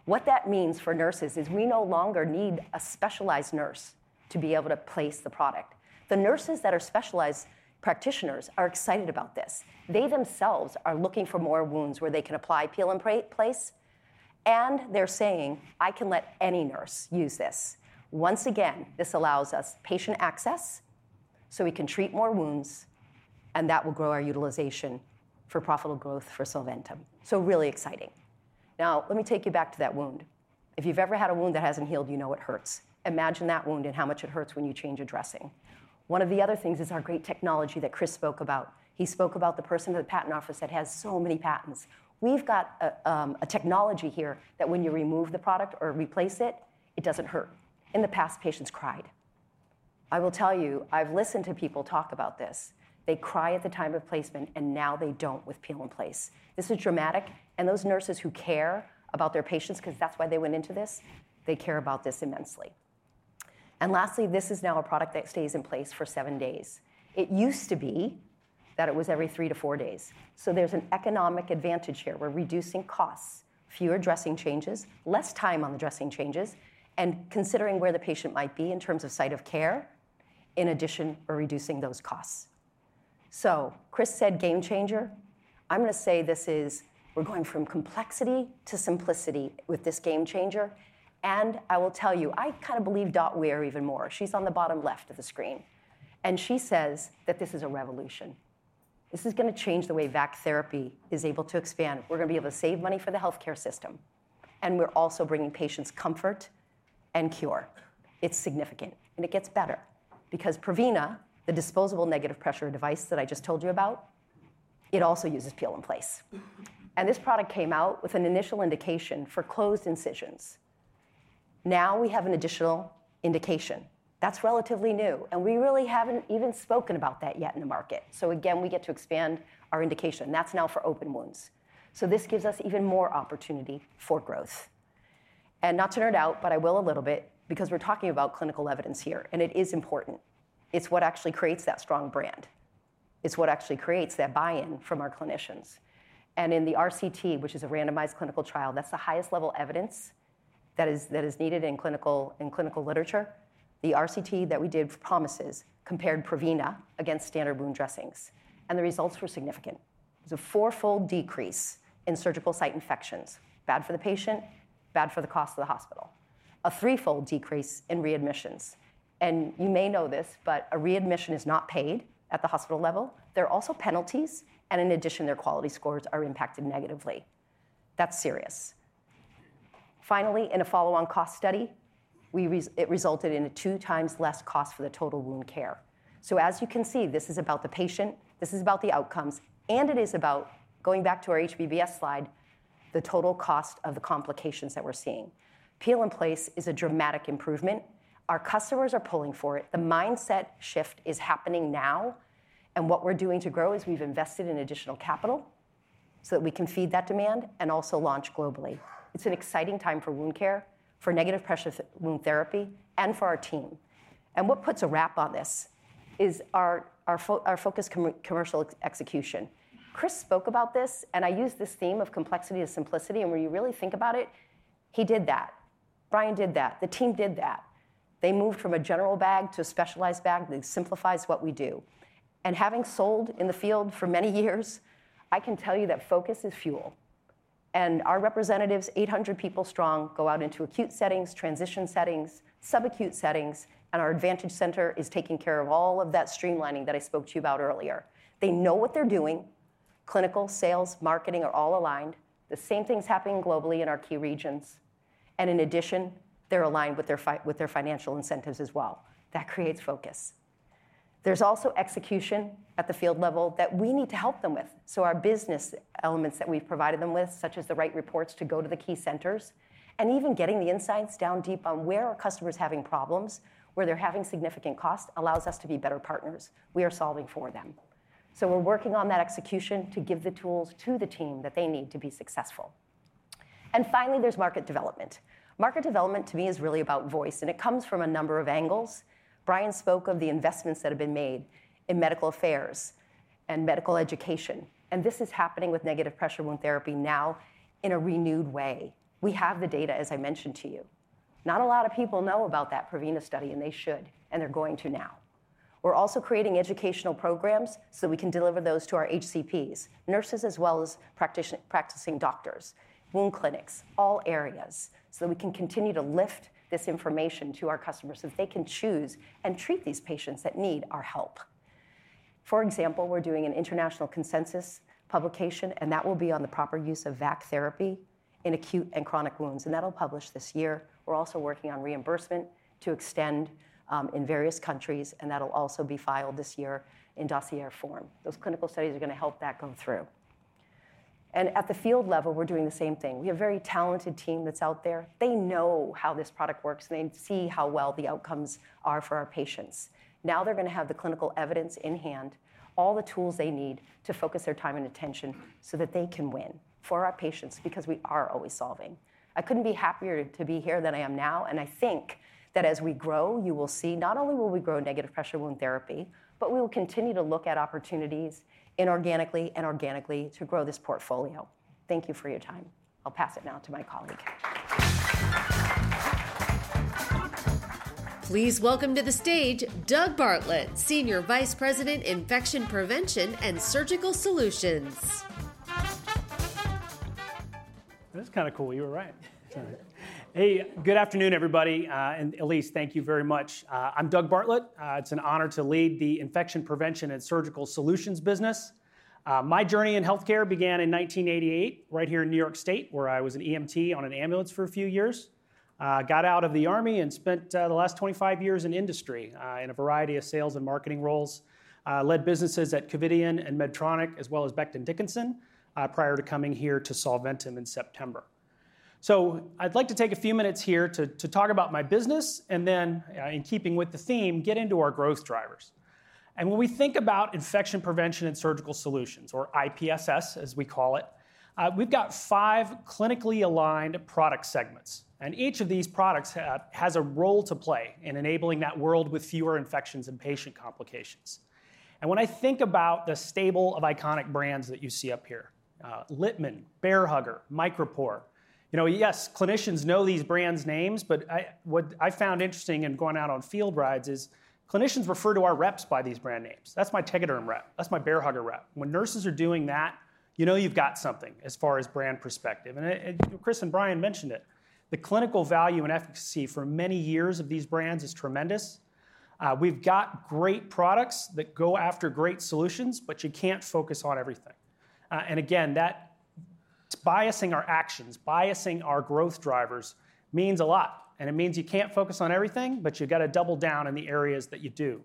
What that means for nurses is we no longer need a specialized nurse to be able to place the product. The nurses that are specialized practitioners are excited about this. They themselves are looking for more wounds where they can apply Peel and Place. They're saying, I can let any nurse use this. Once again, this allows us patient access so we can treat more wounds, and that will grow our utilization for profitable growth for Solventum. Really exciting. Now, let me take you back to that wound. If you've ever had a wound that hasn't healed, you know it hurts. Imagine that wound and how much it hurts when you change a dressing. One of the other things is our great technology that Chris spoke about. He spoke about the person at the patent office that has so many patents. We've got a technology here that when you remove the product or replace it, it doesn't hurt. In the past, patients cried. I will tell you, I've listened to people talk about this. They cry at the time of placement, and now they don't with Peel and Place. This is dramatic. Those nurses who care about their patients, because that's why they went into this, they care about this immensely. Lastly, this is now a product that stays in place for seven days. It used to be that it was every three to four days. There is an economic advantage here. We're reducing costs, fewer dressing changes, less time on the dressing changes, and considering where the patient might be in terms of site of care, in addition, we're reducing those costs. Chris said game changer. I'm going to say this is we're going from complexity to simplicity with this game changer. I will tell you, I kind of believe Dot Weir even more. She's on the bottom left of the screen. She says that this is a revolution. This is going to change the way VAC Therapy is able to expand. We're going to be able to save money for the healthcare system. We're also bringing patients comfort and cure. It's significant. It gets better because Prevena, the disposable negative pressure device that I just told you about, it also uses Peel and Place. This product came out with an initial indication for closed incisions. Now we have an additional indication. That's relatively new. We really haven't even spoken about that yet in the market. We get to expand our indication. That's now for open wounds. This gives us even more opportunity for growth. Not to nerd out, but I will a little bit because we're talking about clinical evidence here. It is important. It's what actually creates that strong brand. It's what actually creates that buy-in from our clinicians. In the RCT, which is a randomized clinical trial, that's the highest level evidence that is needed in clinical literature. The RCT that we did promises compared Prevena against standard wound dressings. The results were significant. It was a four-fold decrease in surgical site infections. Bad for the patient, bad for the cost of the hospital. A three-fold decrease in readmissions. You may know this, but a readmission is not paid at the hospital level. There are also penalties. In addition, their quality scores are impacted negatively. That's serious. Finally, in a follow-on cost study, it resulted in a two-times less cost for the total wound care. As you can see, this is about the patient. This is about the outcomes. It is about, going back to our HBBS slide, the total cost of the complications that we're seeing. Peel and Place is a dramatic improvement. Our customers are pulling for it. The mindset shift is happening now. What we're doing to grow is we've invested in additional capital so that we can feed that demand and also launch globally. It's an exciting time for wound care, for negative pressure wound therapy, and for our team. What puts a wrap on this is our focus on commercial execution. Chris spoke about this, and I used this theme of complexity to simplicity. When you really think about it, he did that. Bryan did that. The team did that. They moved from a general bag to a specialized bag. It simplifies what we do. Having sold in the field for many years, I can tell you that focus is fuel. Our representatives, 800 people strong, go out into acute settings, transition settings, subacute settings. Our advantage center is taking care of all of that streamlining that I spoke to you about earlier. They know what they're doing. Clinical, sales, marketing are all aligned. The same thing's happening globally in our key regions. In addition, they're aligned with their financial incentives as well. That creates focus. There's also execution at the field level that we need to help them with. Our business elements that we've provided them with, such as the right reports to go to the key centers, and even getting the insights down deep on where our customers are having problems, where they're having significant cost, allows us to be better partners. We are solving for them. We're working on that execution to give the tools to the team that they need to be successful. Finally, there's market development. Market development, to me, is really about voice. It comes from a number of angles. Bryan spoke of the investments that have been made in medical affairs and medical education. This is happening with negative pressure wound therapy now in a renewed way. We have the data, as I mentioned to you. Not a lot of people know about that Prevena study, and they should, and they're going to now. We're also creating educational programs so that we can deliver those to our HCPs, nurses, as well as practicing doctors, wound clinics, all areas, so that we can continue to lift this information to our customers so that they can choose and treat these patients that need our help. For example, we're doing an international consensus publication, and that will be on the proper use of VAC therapy in acute and chronic wounds. That will publish this year. We're also working on reimbursement to extend in various countries. That will also be filed this year in dossier form. Those clinical studies are going to help that go through. At the field level, we're doing the same thing. We have a very talented team that's out there. They know how this product works, and they see how well the outcomes are for our patients. Now they're going to have the clinical evidence in hand, all the tools they need to focus their time and attention so that they can win for our patients because we are always solving. I couldn't be happier to be here than I am now. I think that as we grow, you will see not only will we grow negative pressure wound therapy, but we will continue to look at opportunities inorganically and organically to grow this portfolio. Thank you for your time. I'll pass it now to my colleague. Please welcome to the stage, Doug Bartlett, Senior Vice President, Infection Prevention and Surgical Solutions. That's kind of cool. You were right. Hey, good afternoon, everybody. Elise, thank you very much. I'm Doug Bartlett. It's an honor to lead the Infection Prevention and Surgical Solutions business. My journey in healthcare began in 1988, right here in New York State, where I was an EMT on an ambulance for a few years. Got out of the army and spent the last 25 years in industry in a variety of sales and marketing roles. Led businesses at Covidien and Medtronic, as well as Becton Dickinson, prior to coming here to Solventum in September. I would like to take a few minutes here to talk about my business and then, in keeping with the theme, get into our growth drivers. When we think about Infection Prevention and Surgical Solutions, or IPSS, as we call it, we've got five clinically aligned product segments. Each of these products has a role to play in enabling that world with fewer infections and patient complications. When I think about the stable of iconic brands that you see up here, Littmann, Bair Hugger, Micropore, yes, clinicians know these brands' names. What I found interesting in going out on field rides is clinicians refer to our reps by these brand names. That's my Tegaderm rep. That's my Bair Hugger rep. When nurses are doing that, you know you've got something as far as brand perspective. Chris and Bryan mentioned it. The clinical value and efficacy for many years of these brands is tremendous. We've got great products that go after great solutions, but you can't focus on everything. Again, that's biasing our actions, biasing our growth drivers, means a lot. It means you can't focus on everything, but you've got to double down in the areas that you do.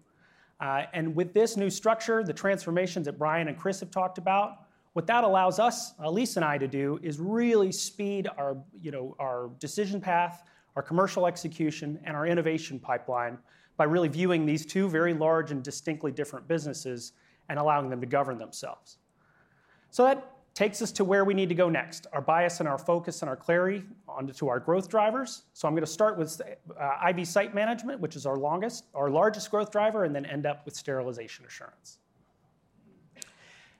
With this new structure, the transformations that Bryan and Chris have talked about, what that allows us, Elise and I to do, is really speed our decision path, our commercial execution, and our innovation pipeline by really viewing these two very large and distinctly different businesses and allowing them to govern themselves. That takes us to where we need to go next, our bias and our focus and our clarity onto our growth drivers. I'm going to start with IV site management, which is our largest growth driver, and then end up with sterilization assurance.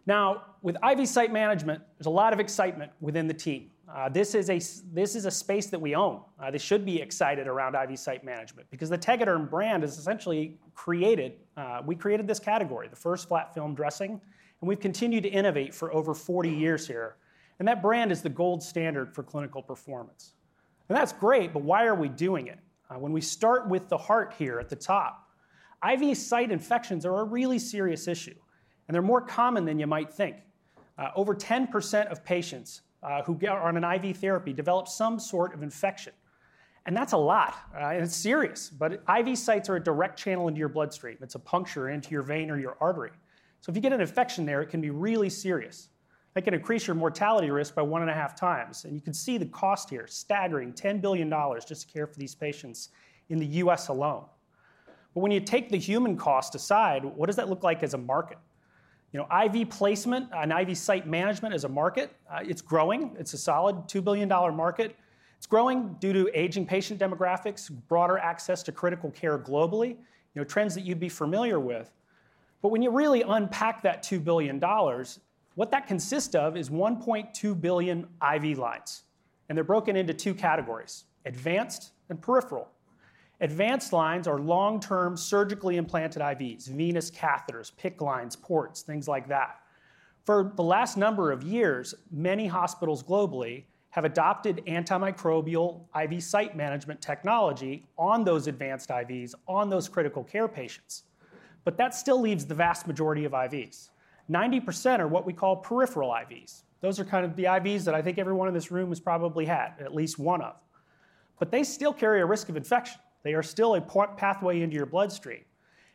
Now, with IV site management, there's a lot of excitement within the team. This is a space that we own. They should be excited around IV site management because the Tegaderm brand is essentially created. We created this category, the first flat film dressing. We have continued to innovate for over 40 years here. That brand is the gold standard for clinical performance. That is great, but why are we doing it? When we start with the heart here at the top, IV site infections are a really serious issue. They are more common than you might think. Over 10% of patients who are on IV therapy develop some sort of infection. That is a lot. It is serious. IV sites are a direct channel into your bloodstream. It is a puncture into your vein or your artery. If you get an infection there, it can be really serious. It can increase your mortality risk by one and a half times. You can see the cost here, a staggering $10 billion just to care for these patients in the U.S. alone. When you take the human cost aside, what does that look like as a market? IV placement, and IV site management as a market, it's growing. It's a solid $2 billion market. It's growing due to aging patient demographics, broader access to critical care globally, trends that you'd be familiar with. When you really unpack that $2 billion, what that consists of is 1.2 billion IV lines. They're broken into two categories, advanced and peripheral. Advanced lines are long-term surgically implanted IVs, venous catheters, PICC lines, ports, things like that. For the last number of years, many hospitals globally have adopted antimicrobial IV site management technology on those advanced IVs, on those critical care patients. That still leaves the vast majority of IVs. 90% are what we call peripheral IVs. Those are kind of the IVs that I think everyone in this room has probably had, at least one of. They still carry a risk of infection. They are still a pathway into your bloodstream.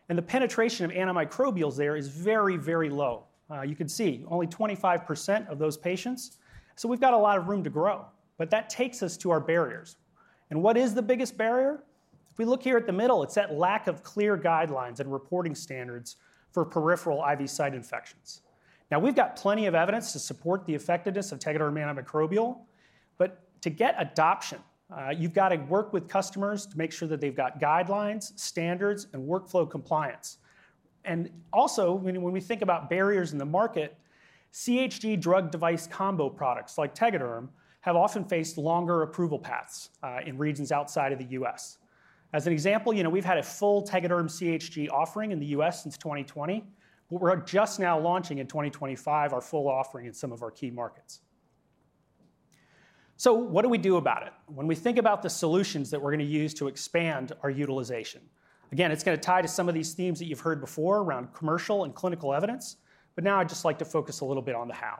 The penetration of antimicrobials there is very, very low. You can see only 25% of those patients. We have a lot of room to grow. That takes us to our barriers. What is the biggest barrier? If we look here at the middle, it is that lack of clear guidelines and reporting standards for peripheral IV site infections. We have plenty of evidence to support the effectiveness of Tegaderm Antimicrobial. To get adoption, you have to work with customers to make sure that they have guidelines, standards, and workflow compliance. Also, when we think about barriers in the market, CHG drug device combo products like Tegaderm have often faced longer approval paths in regions outside of the U.S. As an example, we've had a full Tegaderm CHG offering in the U.S. since 2020. We're just now launching in 2025 our full offering in some of our key markets. What do we do about it? When we think about the solutions that we're going to use to expand our utilization, again, it's going to tie to some of these themes that you've heard before around commercial and clinical evidence. I'd just like to focus a little bit on the how.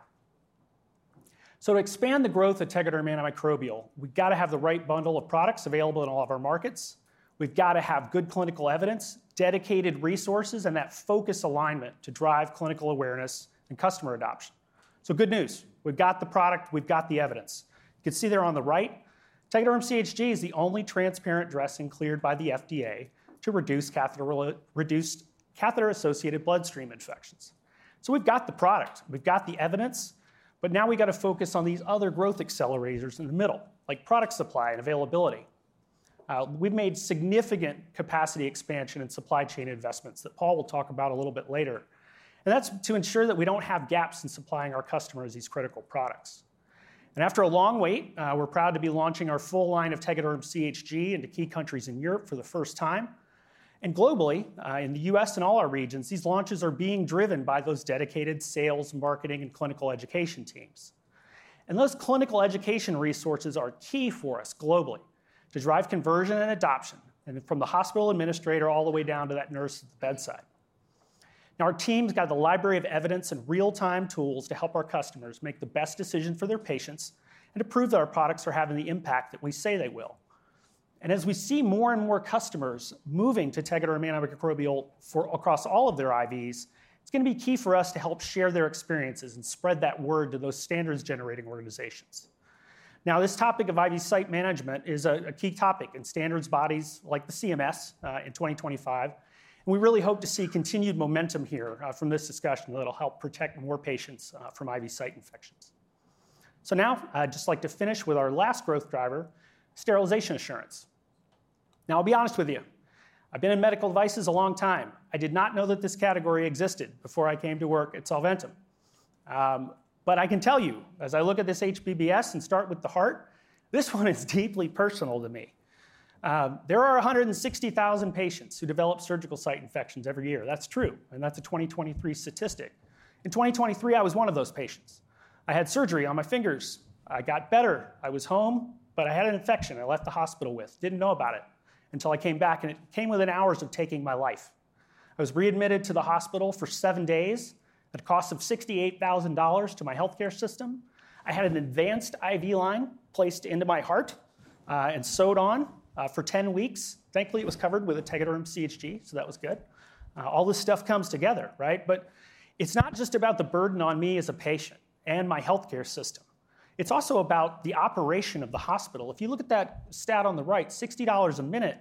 To expand the growth of Tegaderm Antimicrobial, we've got to have the right bundle of products available in all of our markets. have got to have good clinical evidence, dedicated resources, and that focus alignment to drive clinical awareness and customer adoption. Good news. We have got the product. We have got the evidence. You can see there on the right, Tegaderm CHG is the only transparent dressing cleared by the FDA to reduce catheter-associated bloodstream infections. We have got the product. We have got the evidence. Now we have got to focus on these other growth accelerators in the middle, like product supply and availability. We have made significant capacity expansion and supply chain investments that Paul will talk about a little bit later. That is to ensure that we do not have gaps in supplying our customers these critical products. After a long wait, we are proud to be launching our full line of Tegaderm CHG into key countries in Europe for the first time. Globally, in the U.S. and all our regions, these launches are being driven by those dedicated sales, marketing, and clinical education teams. Those clinical education resources are key for us globally to drive conversion and adoption from the hospital administrator all the way down to that nurse at the bedside. Our team's got the library of evidence and real-time tools to help our customers make the best decision for their patients and to prove that our products are having the impact that we say they will. As we see more and more customers moving to Tegaderm Antimicrobial across all of their IVs, it's going to be key for us to help share their experiences and spread that word to those standards-generating organizations. This topic of IV site management is a key topic in standards bodies like the CMS in 2025. We really hope to see continued momentum here from this discussion that'll help protect more patients from IV site infections. I'd just like to finish with our last growth driver, sterilization assurance. I'll be honest with you. I've been in medical devices a long time. I did not know that this category existed before I came to work at Solventum. I can tell you, as I look at this HBBS and start with the heart, this one is deeply personal to me. There are 160,000 patients who develop surgical site infections every year. That's true. That's a 2023 statistic. In 2023, I was one of those patients. I had surgery on my fingers. I got better. I was home, but I had an infection I left the hospital with, didn't know about it, until I came back. It came within hours of taking my life. I was readmitted to the hospital for seven days at a cost of $68,000 to my healthcare system. I had an advanced IV line placed into my heart and sewed on for 10 weeks. Thankfully, it was covered with a Tegaderm CHG, so that was good. All this stuff comes together, right? It is not just about the burden on me as a patient and my healthcare system. It is also about the operation of the hospital. If you look at that stat on the right, $60 a minute,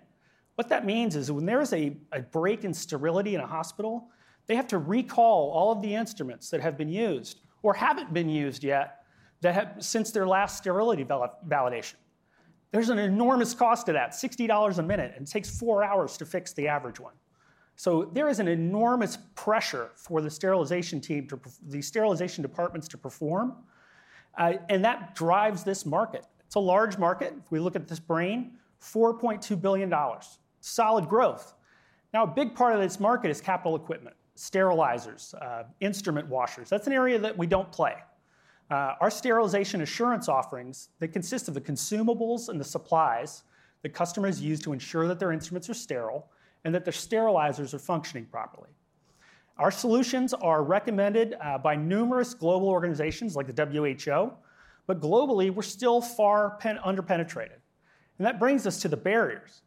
what that means is when there is a break in sterility in a hospital, they have to recall all of the instruments that have been used or have not been used yet since their last sterility validation. There is an enormous cost to that, $60 a minute. It takes four hours to fix the average one. There is an enormous pressure for the sterilization team, the sterilization departments, to perform. That drives this market. It is a large market. If we look at this brain, $4.2 billion, solid growth. Now, a big part of this market is capital equipment, sterilizers, instrument washers. That is an area that we do not play. Our sterilization assurance offerings consist of the consumables and the supplies that customers use to ensure that their instruments are sterile and that their sterilizers are functioning properly. Our solutions are recommended by numerous global organizations like the WHO. Globally, we are still far underpenetrated. That brings us to the barriers.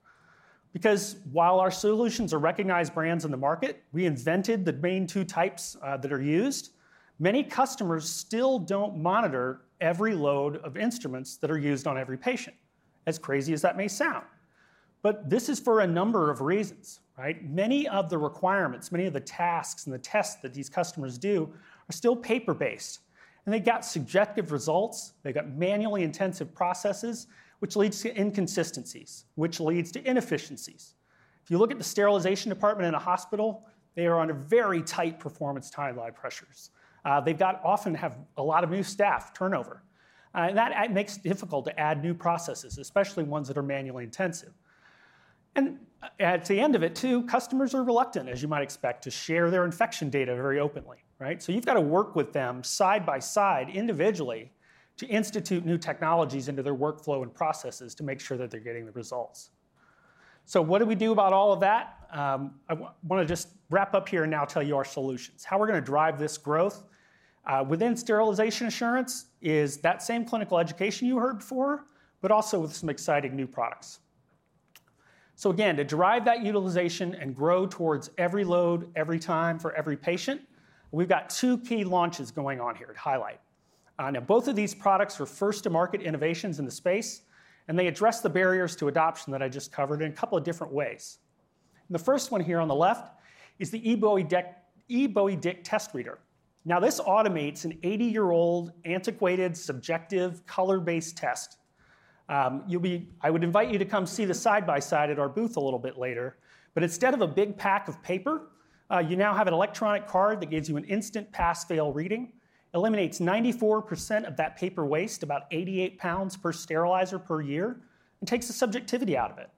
Because while our solutions are recognized brands in the market, we invented the main two types that are used, many customers still do not monitor every load of instruments that are used on every patient, as crazy as that may sound. This is for a number of reasons, right? Many of the requirements, many of the tasks and the tests that these customers do are still paper-based. They have got subjective results. They have got manually intensive processes, which leads to inconsistencies, which leads to inefficiencies. If you look at the sterilization department in a hospital, they are under very tight performance timeline pressures. They often have a lot of new staff turnover. That makes it difficult to add new processes, especially ones that are manually intensive. At the end of it, too, customers are reluctant, as you might expect, to share their infection data very openly, right? You have got to work with them side by side, individually, to institute new technologies into their workflow and processes to make sure that they are getting the results. What do we do about all of that? I want to just wrap up here and now tell you our solutions. How we are going to drive this growth within sterilization assurance is that same clinical education you heard before, but also with some exciting new products. Again, to drive that utilization and grow towards every load, every time, for every patient, we have got two key launches going on here to highlight. Now, both of these products are first-to-market innovations in the space. They address the barriers to adoption that I just covered in a couple of different ways. The first one here on the left is the eBowie-Dick Test Reader. Now, this automates an 80-year-old antiquated subjective color-based test. I would invite you to come see the side-by-side at our booth a little bit later. Instead of a big pack of paper, you now have an electronic card that gives you an instant pass/fail reading, eliminates 94% of that paper waste, about 88 lbs per sterilizer per year, and takes the subjectivity out of it.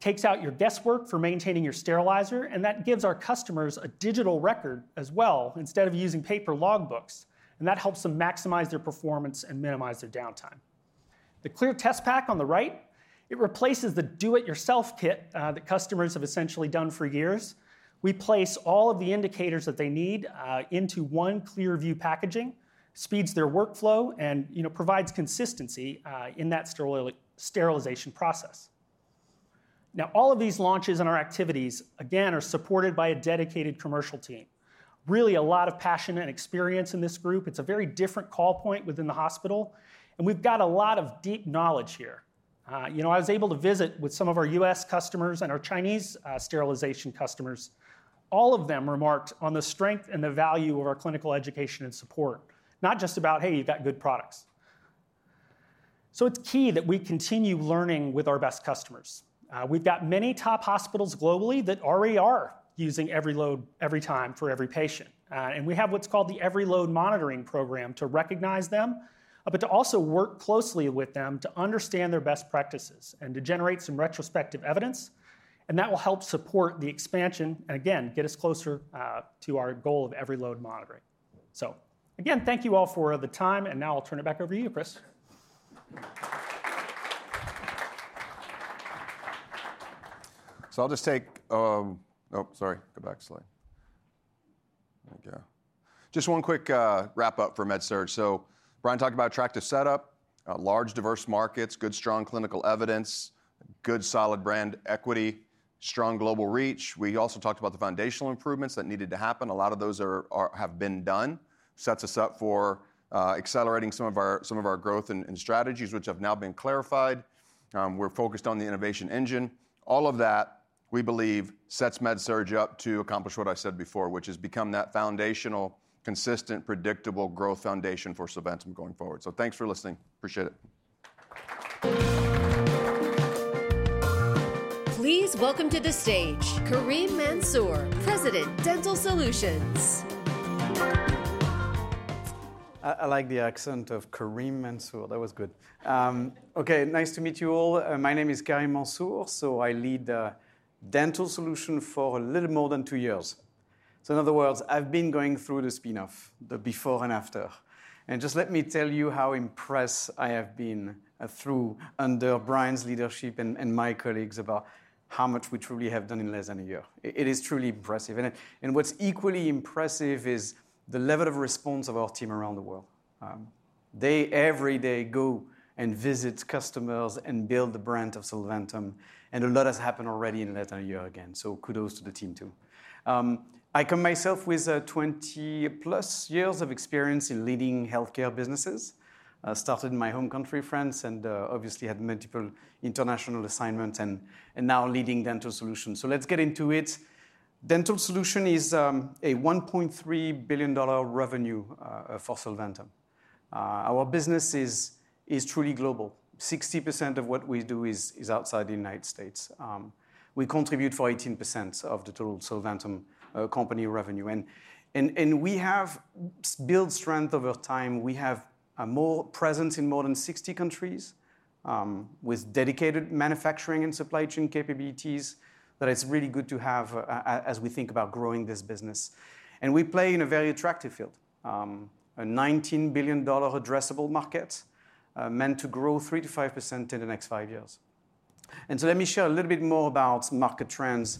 Takes out your guesswork for maintaining your sterilizer. That gives our customers a digital record as well, instead of using paper logbooks. That helps them maximize their performance and minimize their downtime. The clear test pack on the right replaces the do-it-yourself kit that customers have essentially done for years. We place all of the indicators that they need into one clear view packaging, speeds their workflow, and provides consistency in that sterilization process. Now, all of these launches and our activities, again, are supported by a dedicated commercial team. Really, a lot of passion and experience in this group. It's a very different call point within the hospital. We've got a lot of deep knowledge here. I was able to visit with some of our U.S. customers and our Chinese sterilization customers. All of them remarked on the strength and the value of our clinical education and support, not just about, "Hey, you've got good products." It's key that we continue learning with our best customers. We've got many top hospitals globally that already are using every load, every time, for every patient. We have what's called the every load monitoring program to recognize them, but to also work closely with them to understand their best practices and to generate some retrospective evidence. That will help support the expansion and, again, get us closer to our goal of every load monitoring. Again, thank you all for the time. Now I'll turn it back over to you, Chris. I'll just take, oh, sorry. Go back slowly. There we go. Just one quick wrap-up for MedSurg. Bryan talked about attractive setup, large diverse markets, good, strong clinical evidence, good solid brand equity, strong global reach. We also talked about the foundational improvements that needed to happen. A lot of those have been done. Sets us up for accelerating some of our growth and strategies, which have now been clarified. We're focused on the innovation engine. All of that, we believe, sets MedSurg up to accomplish what I said before, which is become that foundational, consistent, predictable growth foundation for Solventum going forward. Thanks for listening. Appreciate it. Please welcome to the stage Karim Mansour, President, Dental Solutions. I like the accent of Karim Mansour. That was good. Okay, nice to meet you all. My name is Karim Mansour. I lead Dental Solutions for a little more than two years. In other words, I've been going through the spinoff, the before and after. Just let me tell you how impressed I have been through under Bryan's leadership and my colleagues about how much we truly have done in less than a year. It is truly impressive. What's equally impressive is the level of response of our team around the world. They every day go and visit customers and build the brand of Solventum. A lot has happened already in less than a year again. Kudos to the team, too. I come myself with 20+ years of experience in leading healthcare businesses. Started in my home country, France, and obviously had multiple international assignments and now leading Dental Solutions. Let's get into it. Dental Solutions is a $1.3 billion revenue for Solventum. Our business is truly global. 60% of what we do is outside the United States. We contribute for 18% of the total Solventum company revenue. We have built strength over time. We have a presence in more than 60 countries with dedicated manufacturing and supply chain capabilities that it's really good to have as we think about growing this business. We play in a very attractive field, a $19 billion addressable market meant to grow 3%-5% in the next five years. Let me share a little bit more about market trends.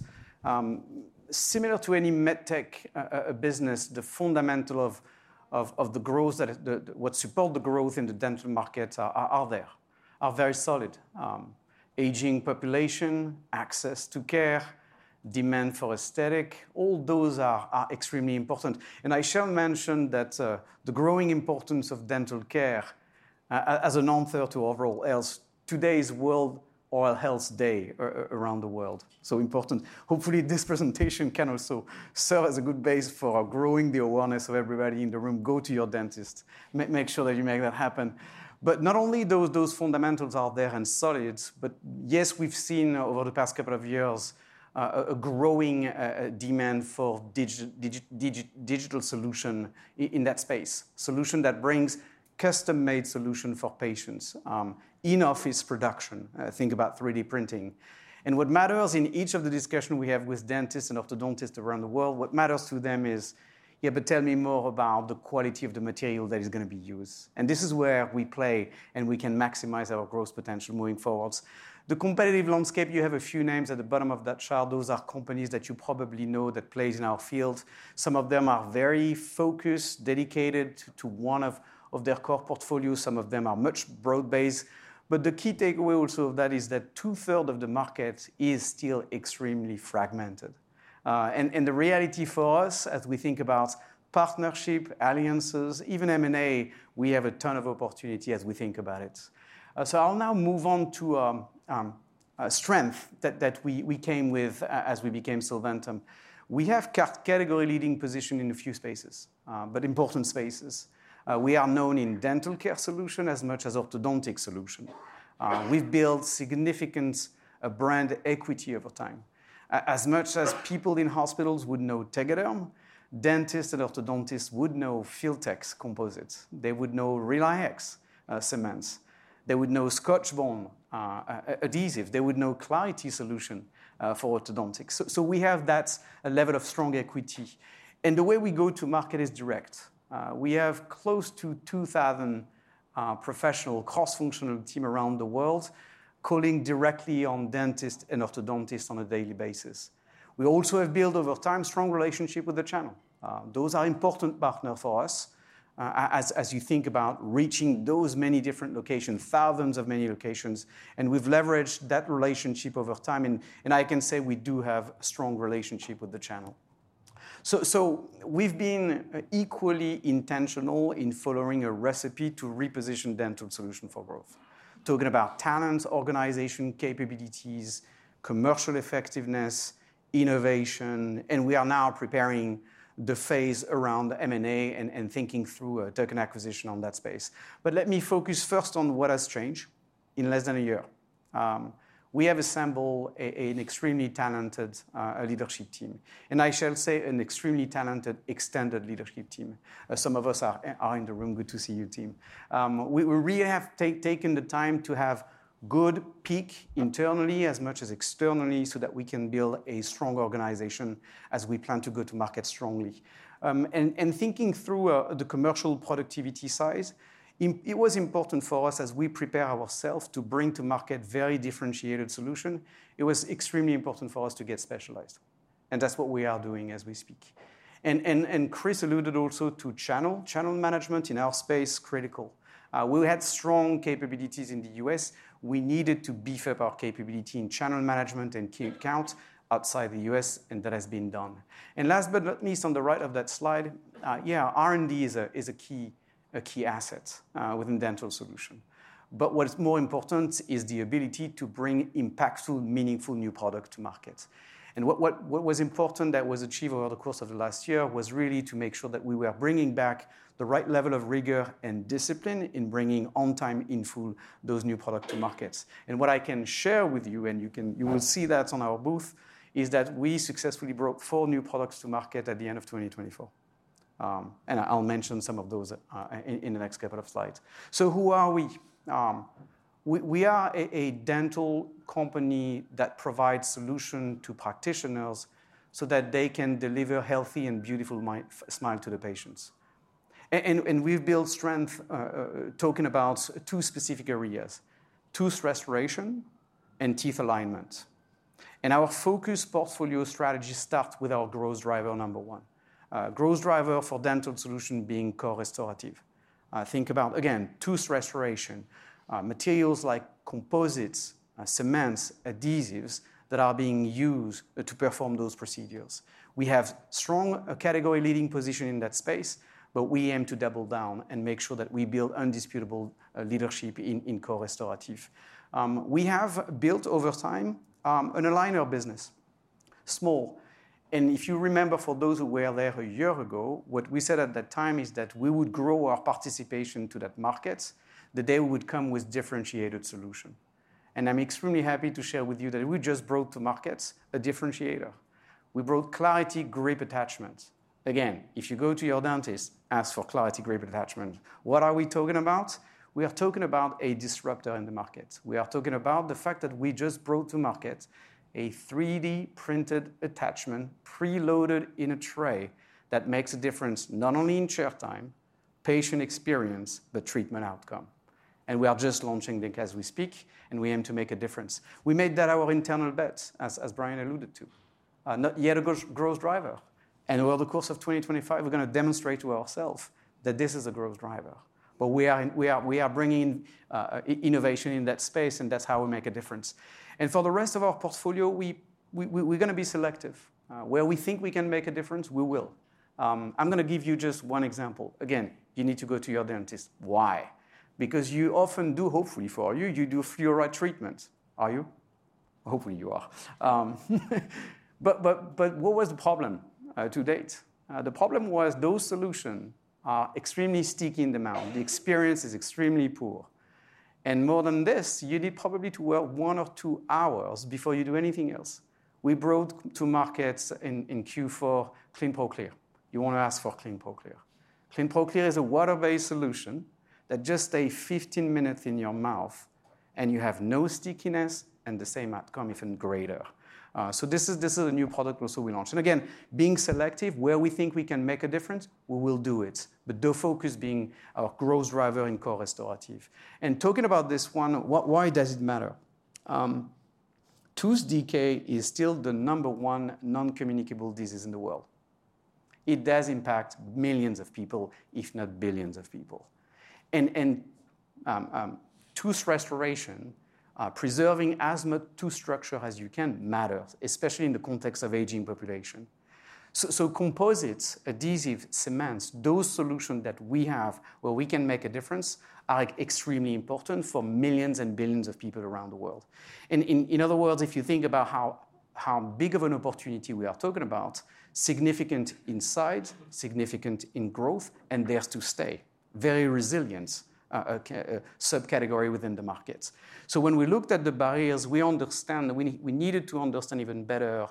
Similar to any medtech business, the fundamental of the growth that would support the growth in the dental markets are there, are very solid. Aging population, access to care, demand for aesthetic, all those are extremely important. I shall mention that the growing importance of dental care as an answer to overall health, today's World Oral Health Day around the world, so important. Hopefully, this presentation can also serve as a good base for growing the awareness of everybody in the room. Go to your dentist. Make sure that you make that happen. Not only those fundamentals are there and solid, but yes, we've seen over the past couple of years a growing demand for digital solution in that space, solution that brings custom-made solutions for patients in office production. Think about 3D printing. What matters in each of the discussions we have with dentists and orthodontists around the world, what matters to them is, yeah, but tell me more about the quality of the material that is going to be used. This is where we play and we can maximize our growth potential moving forward. The competitive landscape, you have a few names at the bottom of that chart. Those are companies that you probably know that play in our field. Some of them are very focused, dedicated to one of their core portfolios. Some of them are much broad-based. The key takeaway also of that is that two-thirds of the market is still extremely fragmented. The reality for us, as we think about partnership, alliances, even M&A, we have a ton of opportunity as we think about it. I'll now move on to strength that we came with as we became Solventum. We have category-leading position in a few spaces, but important spaces. We are known in dental care solutions as much as orthodontic solutions. We've built significant brand equity over time. As much as people in hospitals would know Tegaderm, dentists and orthodontists would know Filtek composites. They would know RelyX cements. They would know Scotchbond adhesive. They would know Clarity solution for orthodontics. We have that level of strong equity. The way we go to market is direct. We have close to 2,000 professional cross-functional teams around the world calling directly on dentists and orthodontists on a daily basis. We also have built over time strong relationships with the channel. Those are important partners for us as you think about reaching those many different locations, thousands of many locations. We have leveraged that relationship over time. I can say we do have a strong relationship with the channel. We have been equally intentional in following a recipe to reposition Dental Solutions for growth, talking about talents, organization, capabilities, commercial effectiveness, innovation. We are now preparing the phase around M&A and thinking through a token acquisition in that space. Let me focus first on what has changed in less than a year. We have assembled an extremely talented leadership team. I shall say an extremely talented extended leadership team. Some of us are in the room. Good to see you, team. We really have taken the time to have a good peek internally as much as externally so that we can build a strong organization as we plan to go to market strongly. Thinking through the commercial productivity side, it was important for us as we prepare ourselves to bring to market very differentiated solutions. It was extremely important for us to get specialized. That is what we are doing as we speak. Chris alluded also to channel. Channel management in our space is critical. We had strong capabilities in the U.S. We needed to beef up our capability in channel management and keep count outside the U.S. That has been done. Last but not least, on the right of that slide, R&D is a key asset within Dental Solutions. What is more important is the ability to bring impactful, meaningful new products to market. What was important that was achieved over the course of the last year was really to make sure that we were bringing back the right level of rigor and discipline in bringing on time in full those new products to markets. What I can share with you, and you will see that on our booth, is that we successfully brought four new products to market at the end of 2024. I will mention some of those in the next couple of slides. Who are we? We are a dental company that provides solutions to practitioners so that they can deliver a healthy and beautiful smile to the patients. We have built strength talking about two specific areas: tooth restoration and teeth alignment. Our focus portfolio strategy starts with our growth driver number one, growth driver for Dental Solutions being co-restorative. Think about, again, tooth restoration, materials like composites, cements, adhesives that are being used to perform those procedures. We have a strong category-leading position in that space, but we aim to double down and make sure that we build undisputable leadership in co-restorative. We have built over time an aligner business, small. If you remember, for those who were there a year ago, what we said at that time is that we would grow our participation to that market the day we would come with differentiated solutions. I am extremely happy to share with you that we just brought to market a differentiator. We brought Clarity Grip Attachments. Again, if you go to your dentist, ask for Clarity Grip Attachments. What are we talking about? We are talking about a disruptor in the market. We are talking about the fact that we just brought to market a 3D printed attachment preloaded in a tray that makes a difference not only in chair time, patient experience, but treatment outcome. We are just launching the link as we speak. We aim to make a difference. We made that our internal bet, as Bryan alluded to, not yet a growth driver. Over the course of 2025, we're going to demonstrate to ourselves that this is a growth driver. We are bringing innovation in that space. That is how we make a difference. For the rest of our portfolio, we're going to be selective. Where we think we can make a difference, we will. I'm going to give you just one example. Again, you need to go to your dentist. Why? Because you often do, hopefully for you, you do fluoride treatments. Are you? Hopefully you are. What was the problem to date? The problem was those solutions are extremely sticky in the mouth. The experience is extremely poor. More than this, you need probably to work one or two hours before you do anything else. We brought to market in Q4 Clinpro Clear. You want to ask for Clinpro Clear. Clinpro Clear is a water-based solution that just stays 15 minutes in your mouth. You have no stickiness and the same outcome, if not greater. This is a new product also we launched. Again, being selective, where we think we can make a difference, we will do it. The focus being our growth driver in co-restorative. Talking about this one, why does it matter? Tooth decay is still the number one non-communicable disease in the world. It does impact millions of people, if not billions of people. Tooth restoration, preserving as much tooth structure as you can matters, especially in the context of aging population. Composites, adhesives, cements, those solutions that we have where we can make a difference are extremely important for millions and billions of people around the world. In other words, if you think about how big of an opportunity we are talking about, significant insight, significant in growth, and there is to stay, very resilient subcategory within the markets. When we looked at the barriers, we understand we needed to understand even better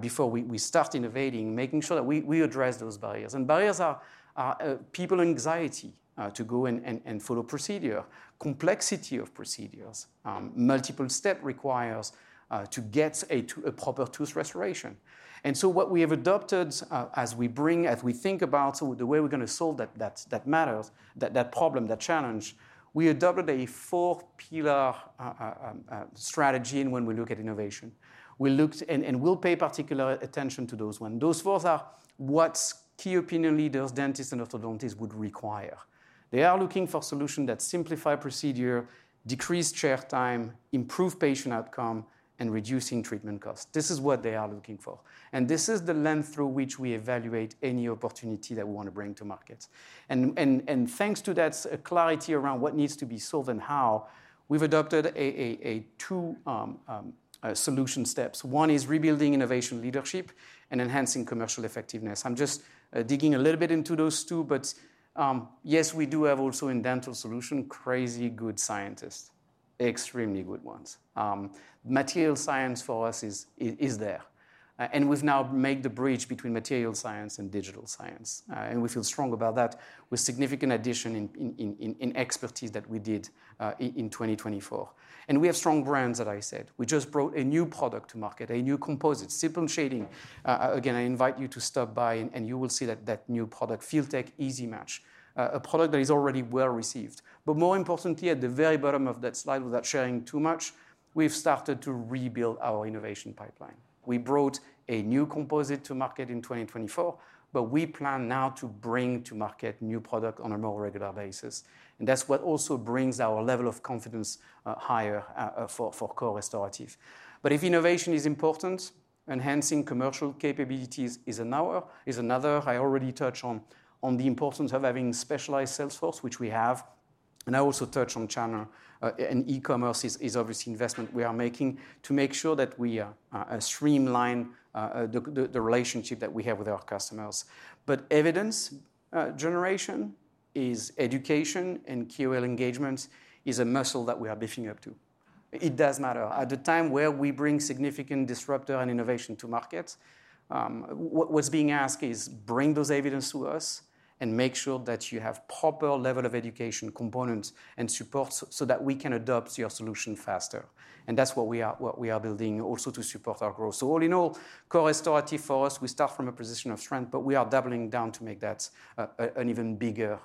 before we start innovating, making sure that we address those barriers. Barriers are people's anxiety to go and follow procedure, complexity of procedures, multiple steps required to get a proper tooth restoration. What we have adopted as we think about the way we're going to solve that matter, that problem, that challenge, we adopted a four-pillar strategy when we look at innovation. We looked and we'll pay particular attention to those ones. Those four are what key opinion leaders, dentists, and orthodontists would require. They are looking for solutions that simplify procedure, decrease chair time, improve patient outcome, and reduce treatment costs. This is what they are looking for. This is the lens through which we evaluate any opportunity that we want to bring to market. Thanks to that clarity around what needs to be solved and how, we've adopted two solution steps. One is rebuilding innovation leadership and enhancing commercial effectiveness. I'm just digging a little bit into those two. Yes, we do have also in Dental Solutions crazy good scientists, extremely good ones. Material science for us is there. We have now made the bridge between material science and digital science. We feel strong about that with significant addition in expertise that we did in 2024. We have strong brands, as I said. We just brought a new product to market, a new composite, simple shading. I invite you to stop by. You will see that new product, Filtek Easy Match, a product that is already well received. More importantly, at the very bottom of that slide, without sharing too much, we have started to rebuild our innovation pipeline. We brought a new composite to market in 2024. We plan now to bring to market new products on a more regular basis. That is what also brings our level of confidence higher for co-restorative. If innovation is important, enhancing commercial capabilities is another. I already touched on the importance of having specialized sales force, which we have. I also touched on channel. E-commerce is obviously an investment we are making to make sure that we streamline the relationship that we have with our customers. Evidence generation is education, and KOL engagement is a muscle that we are beefing up too. It does matter. At the time where we bring significant disruptor and innovation to market, what is being asked is bring those evidence to us and make sure that you have proper level of education components and support so that we can adopt your solution faster. That is what we are building also to support our growth. All in all, co-restorative for us, we start from a position of strength. We are doubling down to make that an even bigger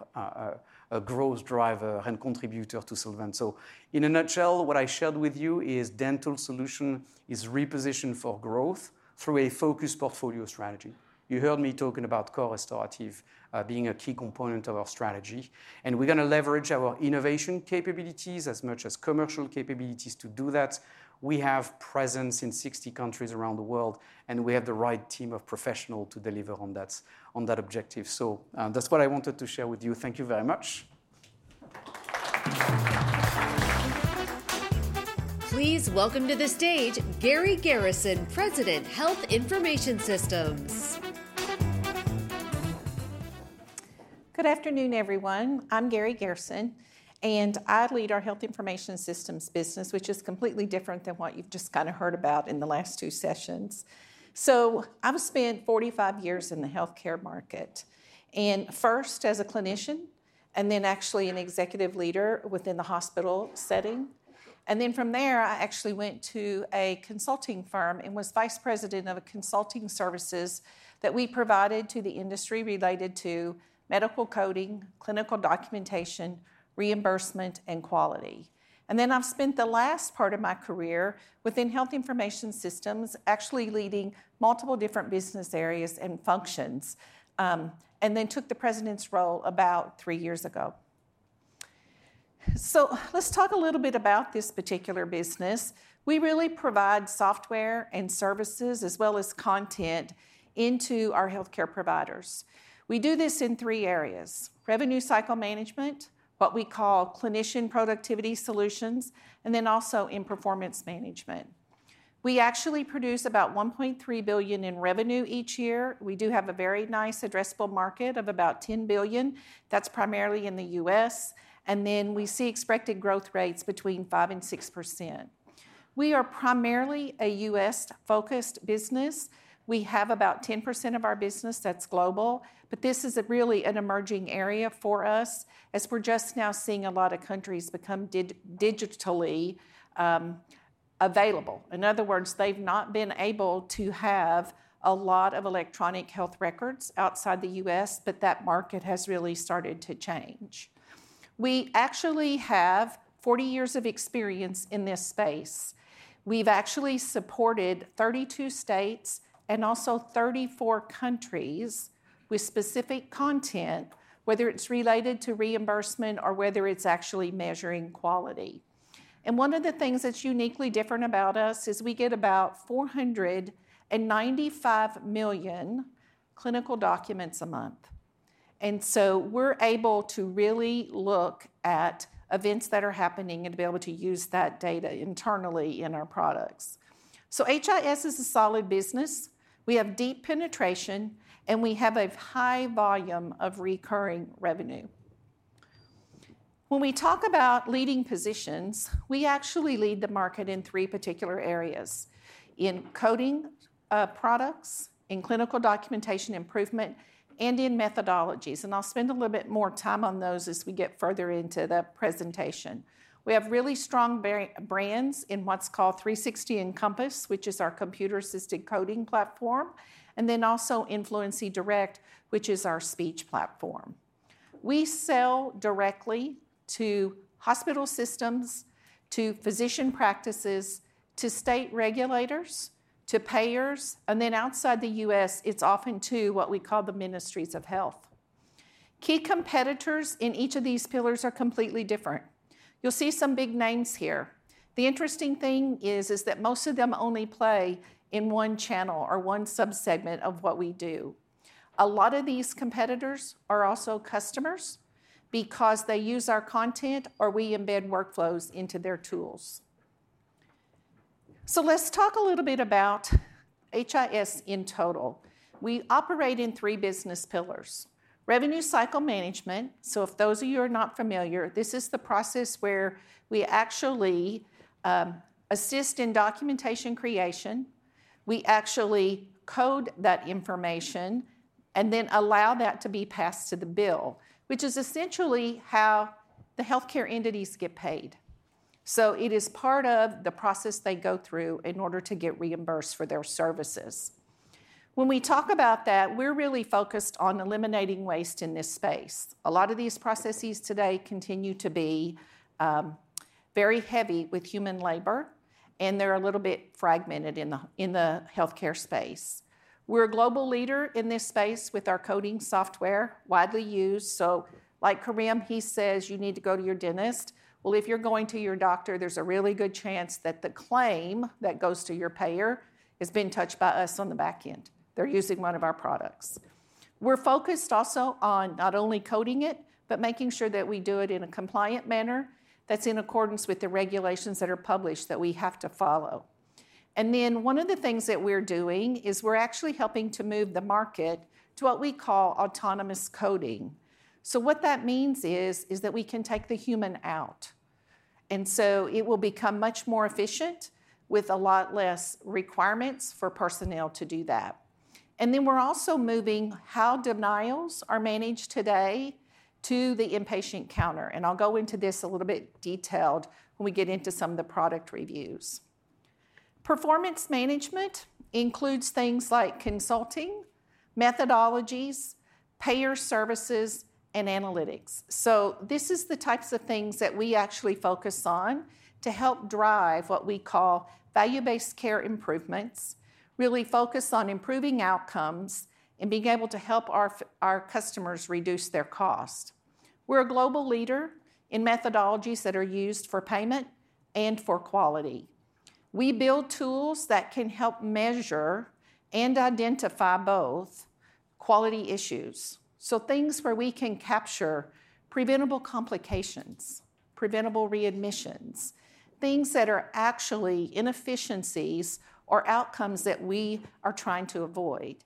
growth driver and contributor to Solventum. In a nutshell, what I shared with you is Dental Solutions is repositioned for growth through a focused portfolio strategy. You heard me talking about co-restorative being a key component of our strategy. We are going to leverage our innovation capabilities as much as commercial capabilities to do that. We have presence in 60 countries around the world. We have the right team of professionals to deliver on that objective. That is what I wanted to share with you. Thank you very much. Please welcome to the stage Garri Garrison, President, Health Information Systems. Good afternoon, everyone. I'm Garri Garrison. I lead our Health Information Systems business, which is completely different than what you've just kind of heard about in the last two sessions. I've spent 45 years in the health care market, first as a clinician and then actually an executive leader within the hospital setting. From there, I actually went to a consulting firm and was vice president of consulting services that we provided to the industry related to medical coding, clinical documentation, reimbursement, and quality. I've spent the last part of my career within Health Information Systems, actually leading multiple different business areas and functions, and then took the president's role about three years ago. Let's talk a little bit about this particular business. We really provide software and services as well as content into our health care providers. We do this in three areas: revenue cycle management, what we call clinician productivity solutions, and then also in performance management. We actually produce about $1.3 billion in revenue each year. We do have a very nice addressable market of about $10 billion. That is primarily in the U.S. We see expected growth rates between 5% and 6%. We are primarily a U.S.-focused business. We have about 10% of our business that is global. This is really an emerging area for us as we are just now seeing a lot of countries become digitally available. In other words, they have not been able to have a lot of electronic health records outside the U.S. That market has really started to change. We actually have 40 years of experience in this space. We've actually supported 32 states and also 34 countries with specific content, whether it's related to reimbursement or whether it's actually measuring quality. One of the things that's uniquely different about us is we get about 495 million clinical documents a month. We're able to really look at events that are happening and be able to use that data internally in our products. HIS is a solid business. We have deep penetration. We have a high volume of recurring revenue. When we talk about leading positions, we actually lead the market in three particular areas: in coding products, in clinical documentation improvement, and in methodologies. I'll spend a little bit more time on those as we get further into the presentation. We have really strong brands in what's called 360 Encompass, which is our computer-assisted coding platform, and then also Fluency Direct, which is our speech platform. We sell directly to hospital systems, to physician practices, to state regulators, to payers. Outside the U.S., it's often to what we call the ministries of health. Key competitors in each of these pillars are completely different. You'll see some big names here. The interesting thing is that most of them only play in one channel or one subsegment of what we do. A lot of these competitors are also customers because they use our content or we embed workflows into their tools. Let's talk a little bit about HIS in total. We operate in three business pillars: revenue cycle management. If those of you are not familiar, this is the process where we actually assist in documentation creation. We actually code that information and then allow that to be passed to the bill, which is essentially how the health care entities get paid. It is part of the process they go through in order to get reimbursed for their services. When we talk about that, we're really focused on eliminating waste in this space. A lot of these processes today continue to be very heavy with human labor. They're a little bit fragmented in the health care space. We're a global leader in this space with our coding software widely used. Like Karim, he says, you need to go to your dentist. If you're going to your doctor, there's a really good chance that the claim that goes to your payer has been touched by us on the back end. They're using one of our products. We're focused also on not only coding it, but making sure that we do it in a compliant manner that's in accordance with the regulations that are published that we have to follow. One of the things that we're doing is we're actually helping to move the market to what we call autonomous coding. What that means is that we can take the human out. It will become much more efficient with a lot less requirements for personnel to do that. We're also moving how denials are managed today to the inpatient counter. I'll go into this a little bit detailed when we get into some of the product reviews. Performance management includes things like consulting, methodologies, payer services, and analytics. This is the types of things that we actually focus on to help drive what we call value-based care improvements, really focus on improving outcomes and being able to help our customers reduce their cost. We're a global leader in methodologies that are used for payment and for quality. We build tools that can help measure and identify both quality issues. Things where we can capture preventable complications, preventable readmissions, things that are actually inefficiencies or outcomes that we are trying to avoid.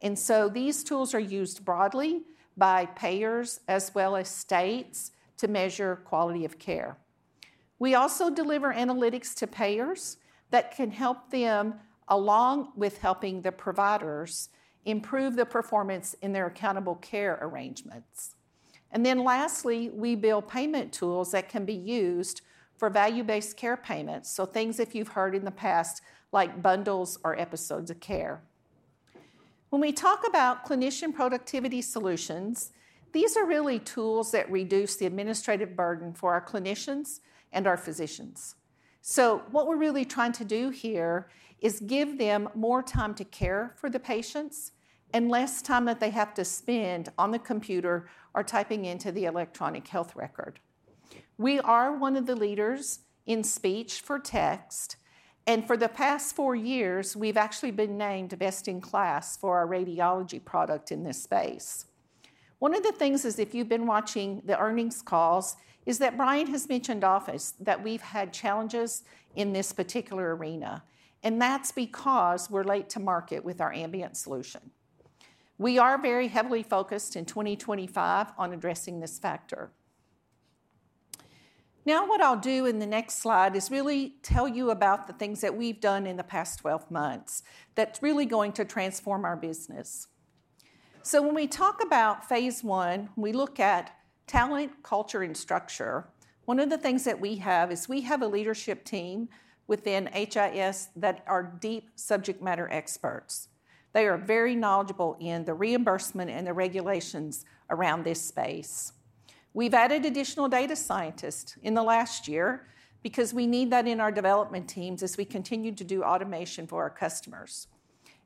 These tools are used broadly by payers as well as states to measure quality of care. We also deliver analytics to payers that can help them along with helping the providers improve the performance in their accountable care arrangements. Lastly, we build payment tools that can be used for value-based care payments, so things if you've heard in the past like bundles or episodes of care. When we talk about clinician productivity solutions, these are really tools that reduce the administrative burden for our clinicians and our physicians. What we're really trying to do here is give them more time to care for the patients and less time that they have to spend on the computer or typing into the electronic health record. We are one of the leaders in speech for text. For the past four years, we've actually been named best in class for our radiology product in this space. One of the things is if you've been watching the earnings calls is that Bryan has mentioned often that we've had challenges in this particular arena. That is because we are late to market with our ambient solution. We are very heavily focused in 2025 on addressing this factor. What I will do in the next slide is really tell you about the things that we have done in the past 12 months that are really going to transform our business. When we talk about phase one, we look at talent, culture, and structure. One of the things that we have is we have a leadership team within HIS that are deep subject matter experts. They are very knowledgeable in the reimbursement and the regulations around this space. We have added additional data scientists in the last year because we need that in our development teams as we continue to do automation for our customers.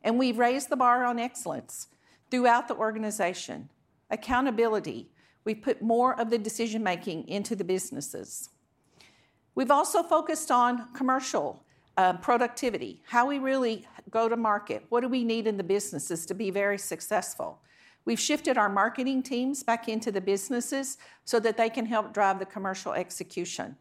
We have raised the bar on excellence throughout the organization. Accountability, we have put more of the decision-making into the businesses. We've also focused on commercial productivity, how we really go to market, what do we need in the businesses to be very successful. We've shifted our marketing teams back into the businesses so that they can help drive the commercial execution.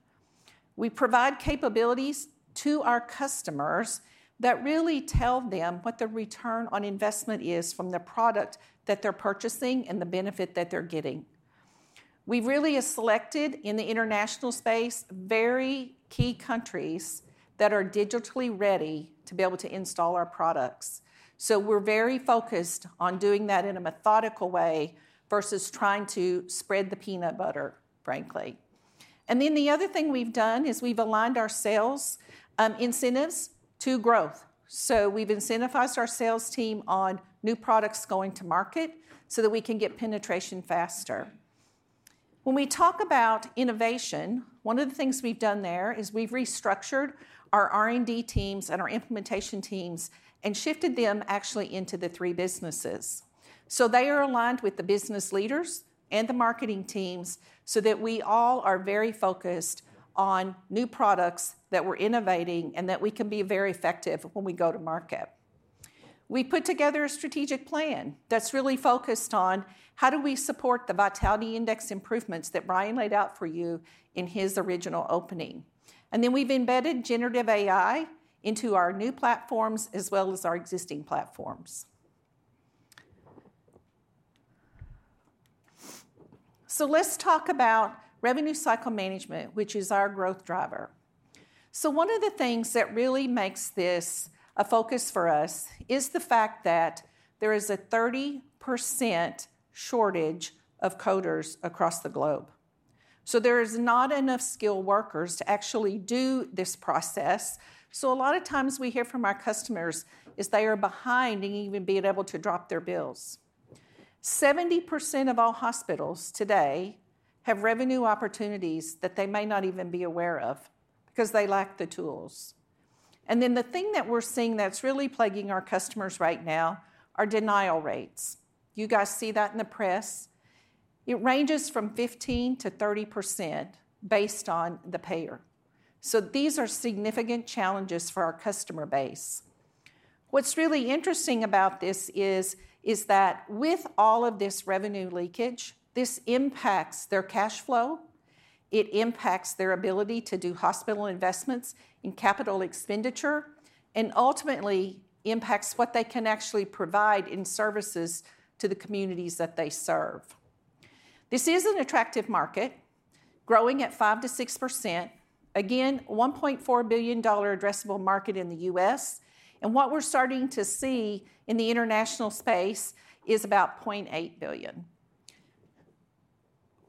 We provide capabilities to our customers that really tell them what the return on investment is from the product that they're purchasing and the benefit that they're getting. We've really selected in the international space very key countries that are digitally ready to be able to install our products. We are very focused on doing that in a methodical way versus trying to spread the peanut butter, frankly. The other thing we've done is we've aligned our sales incentives to growth. We've incentivized our sales team on new products going to market so that we can get penetration faster. When we talk about innovation, one of the things we've done there is we've restructured our R&D teams and our implementation teams and shifted them actually into the three businesses. They are aligned with the business leaders and the marketing teams so that we all are very focused on new products that we're innovating and that we can be very effective when we go to market. We put together a strategic plan that's really focused on how do we support the vitality index improvements that Bryan laid out for you in his original opening. We have embedded generative AI into our new platforms as well as our existing platforms. Let's talk about revenue cycle management, which is our growth driver. One of the things that really makes this a focus for us is the fact that there is a 30% shortage of coders across the globe. There is not enough skilled workers to actually do this process. A lot of times we hear from our customers is they are behind in even being able to drop their bills. 70% of all hospitals today have revenue opportunities that they may not even be aware of because they lack the tools. The thing that we're seeing that's really plaguing our customers right now are denial rates. You guys see that in the press. It ranges from 15%-30% based on the payer. These are significant challenges for our customer base. What's really interesting about this is that with all of this revenue leakage, this impacts their cash flow. It impacts their ability to do hospital investments and capital expenditure and ultimately impacts what they can actually provide in services to the communities that they serve. This is an attractive market, growing at 5%-6%, again, $1.4 billion addressable market in the U.S. What we're starting to see in the international space is about $0.8 billion.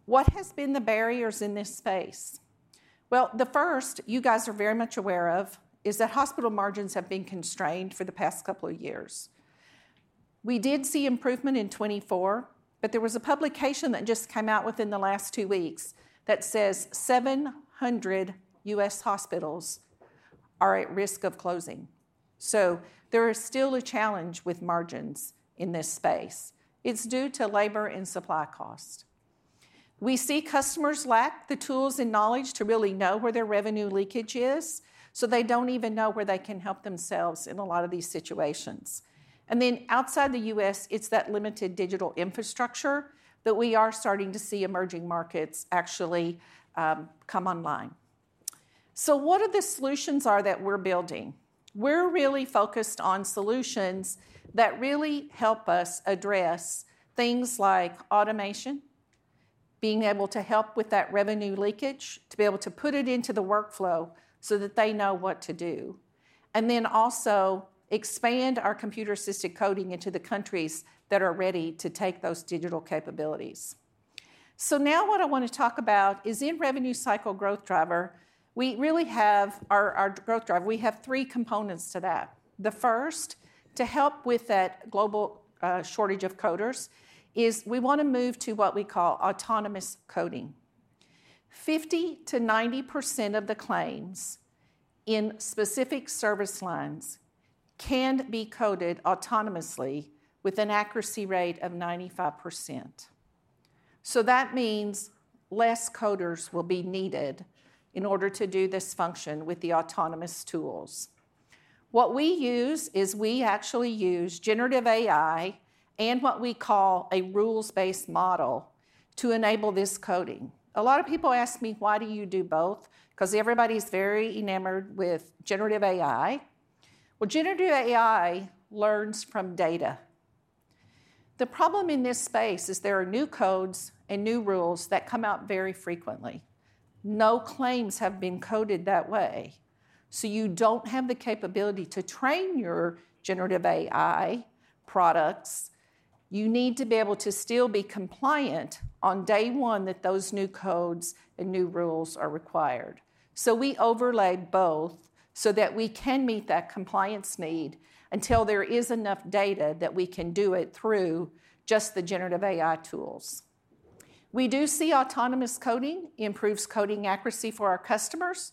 What has been the barriers in this space? The first you guys are very much aware of is that hospital margins have been constrained for the past couple of years. We did see improvement in 2024. There was a publication that just came out within the last two weeks that says 700 U.S. hospitals are at risk of closing. There is still a challenge with margins in this space. It's due to labor and supply cost. We see customers lack the tools and knowledge to really know where their revenue leakage is. They don't even know where they can help themselves in a lot of these situations. Outside the U.S., it's that limited digital infrastructure that we are starting to see emerging markets actually come online. What are the solutions that we're building? We're really focused on solutions that really help us address things like automation, being able to help with that revenue leakage, to be able to put it into the workflow so that they know what to do, and then also expand our computer-assisted coding into the countries that are ready to take those digital capabilities. What I want to talk about is in revenue cycle growth driver, we really have our growth driver. We have three components to that. The first, to help with that global shortage of coders, is we want to move to what we call autonomous coding. 50%-90% of the claims in specific service lines can be coded autonomously with an accuracy rate of 95%. That means less coders will be needed in order to do this function with the autonomous tools. What we use is we actually use generative AI and what we call a rules-based model to enable this coding. A lot of people ask me, why do you do both? Because everybody's very enamored with generative AI. Generative AI learns from data. The problem in this space is there are new codes and new rules that come out very frequently. No claims have been coded that way. You do not have the capability to train your generative AI products. You need to be able to still be compliant on day one that those new codes and new rules are required. We overlay both so that we can meet that compliance need until there is enough data that we can do it through just the generative AI tools. We do see autonomous coding improves coding accuracy for our customers.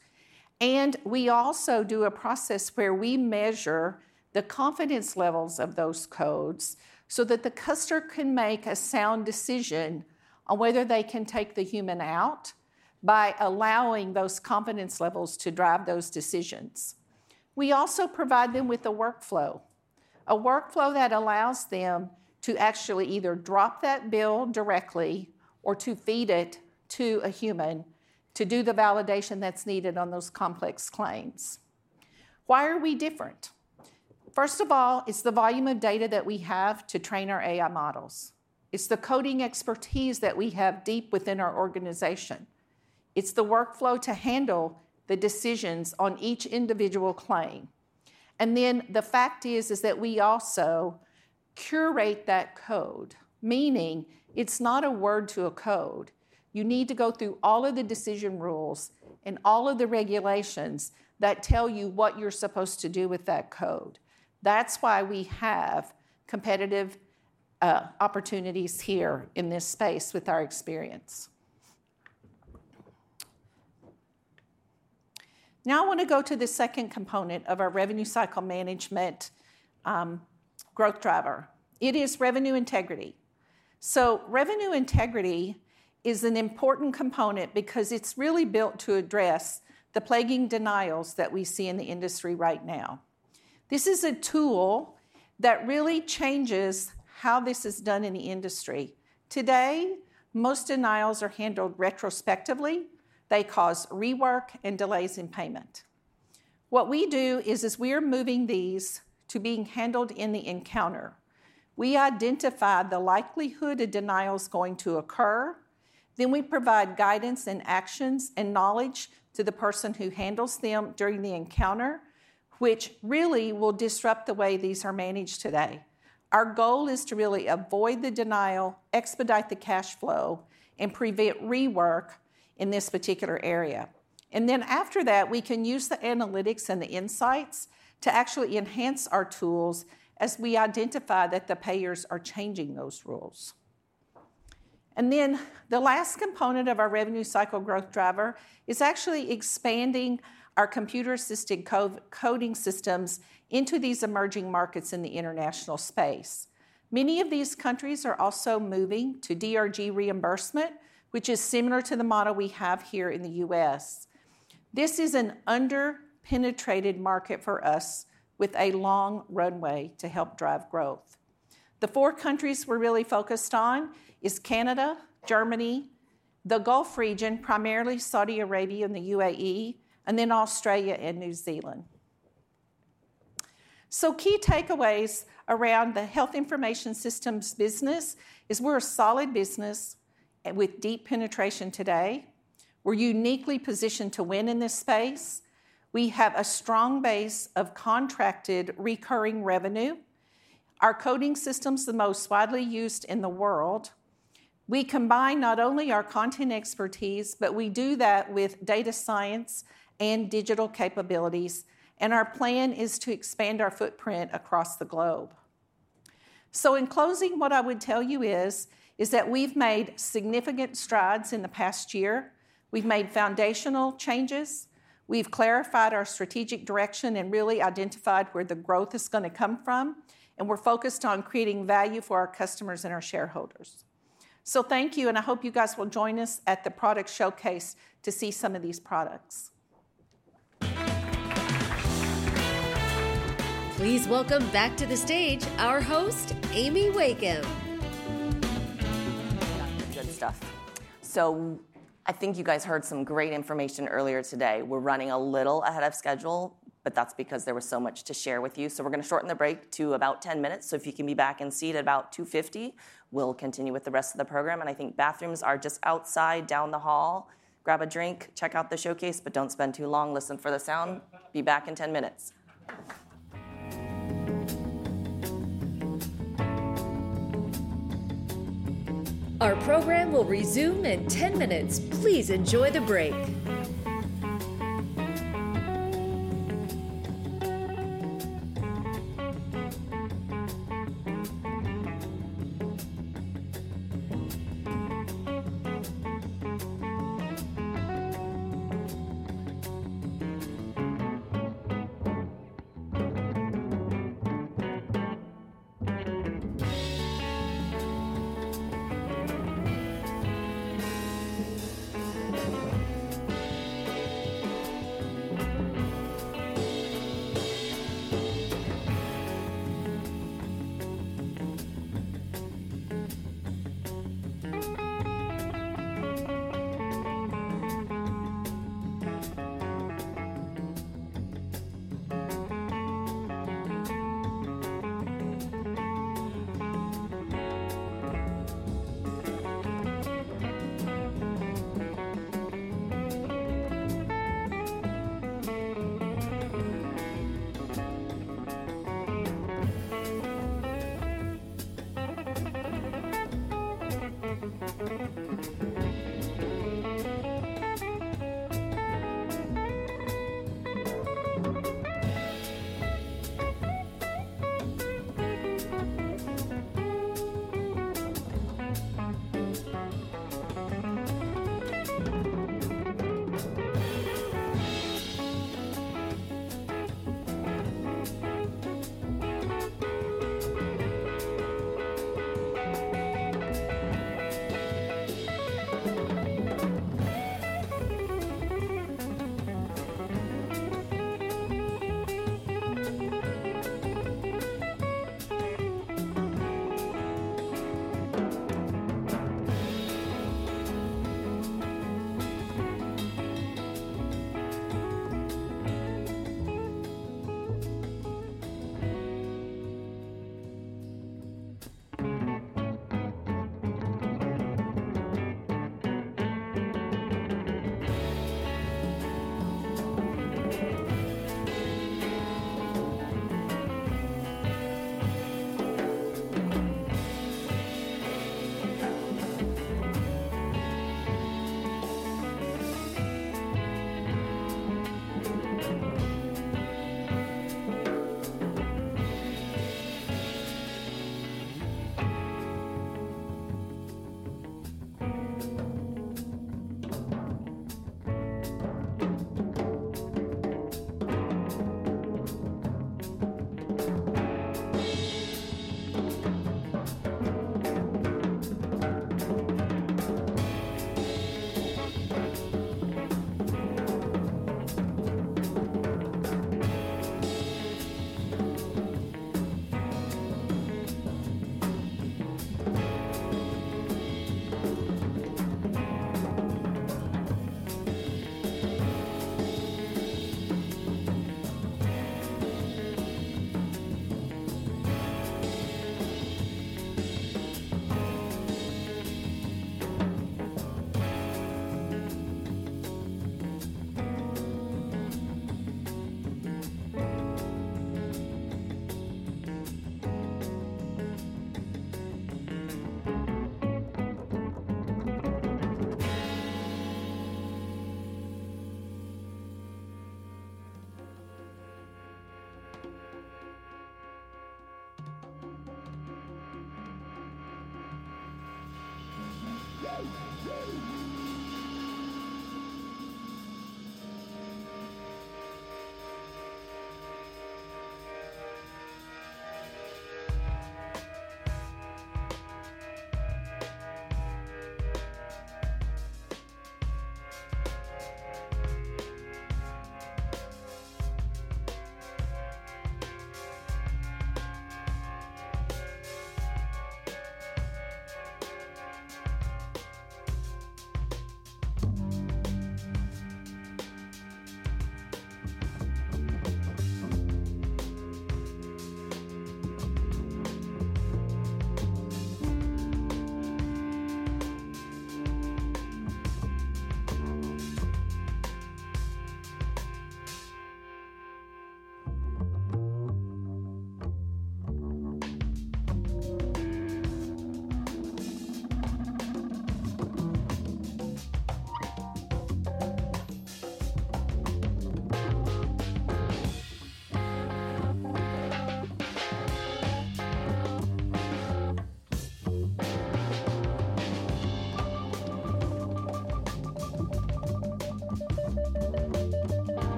We also do a process where we measure the confidence levels of those codes so that the customer can make a sound decision on whether they can take the human out by allowing those confidence levels to drive those decisions. We also provide them with a workflow, a workflow that allows them to actually either drop that bill directly or to feed it to a human to do the validation that is needed on those complex claims. Why are we different? First of all, it is the volume of data that we have to train our AI models. It is the coding expertise that we have deep within our organization. It's the workflow to handle the decisions on each individual claim. The fact is that we also curate that code, meaning it's not a word to a code. You need to go through all of the decision rules and all of the regulations that tell you what you're supposed to do with that code. That's why we have competitive opportunities here in this space with our experience. Now I want to go to the second component of our revenue cycle management growth driver. It is revenue integrity. Revenue integrity is an important component because it's really built to address the plaguing denials that we see in the industry right now. This is a tool that really changes how this is done in the industry. Today, most denials are handled retrospectively. They cause rework and delays in payment. What we do is we are moving these to being handled in the encounter. We identify the likelihood of denials going to occur. We provide guidance and actions and knowledge to the person who handles them during the encounter, which really will disrupt the way these are managed today. Our goal is to really avoid the denial, expedite the cash flow, and prevent rework in this particular area. After that, we can use the analytics and the insights to actually enhance our tools as we identify that the payers are changing those rules. The last component of our revenue cycle growth driver is actually expanding our computer-assisted coding systems into these emerging markets in the international space. Many of these countries are also moving to DRG reimbursement, which is similar to the model we have here in the U.S. This is an under-penetrated market for us with a long runway to help drive growth. The four countries we're really focused on are Canada, Germany, the Gulf region, primarily Saudi Arabia and the UAE, and then Australia and New Zealand. Key takeaways around the Health Information Systems business is we're a solid business with deep penetration today. We're uniquely positioned to win in this space. We have a strong base of contracted recurring revenue. Our coding systems are the most widely used in the world. We combine not only our content expertise, but we do that with data science and digital capabilities. Our plan is to expand our footprint across the globe. In closing, what I would tell you is that we've made significant strides in the past year. We've made foundational changes. We've clarified our strategic direction and really identified where the growth is going to come from. We're focused on creating value for our customers and our shareholders. Thank you. I hope you guys will join us at the product showcase to see some of these products. Please welcome back to the stage our host, Amy Wakeham. Good stuff. I think you guys heard some great information earlier today. We're running a little ahead of schedule, but that's because there was so much to share with you. We're going to shorten the break to about 10 minutes. If you can be back in seat at about 2:50 P.M., we'll continue with the rest of the program. I think bathrooms are just outside down the hall. Grab a drink, check out the showcase, but don't spend too long. Listen for the sound. Be back in 10 minutes. Our program will resume in 10 minutes. Please enjoy the break.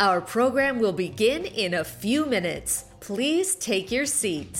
Our program will begin in a few minutes. Please take your seats.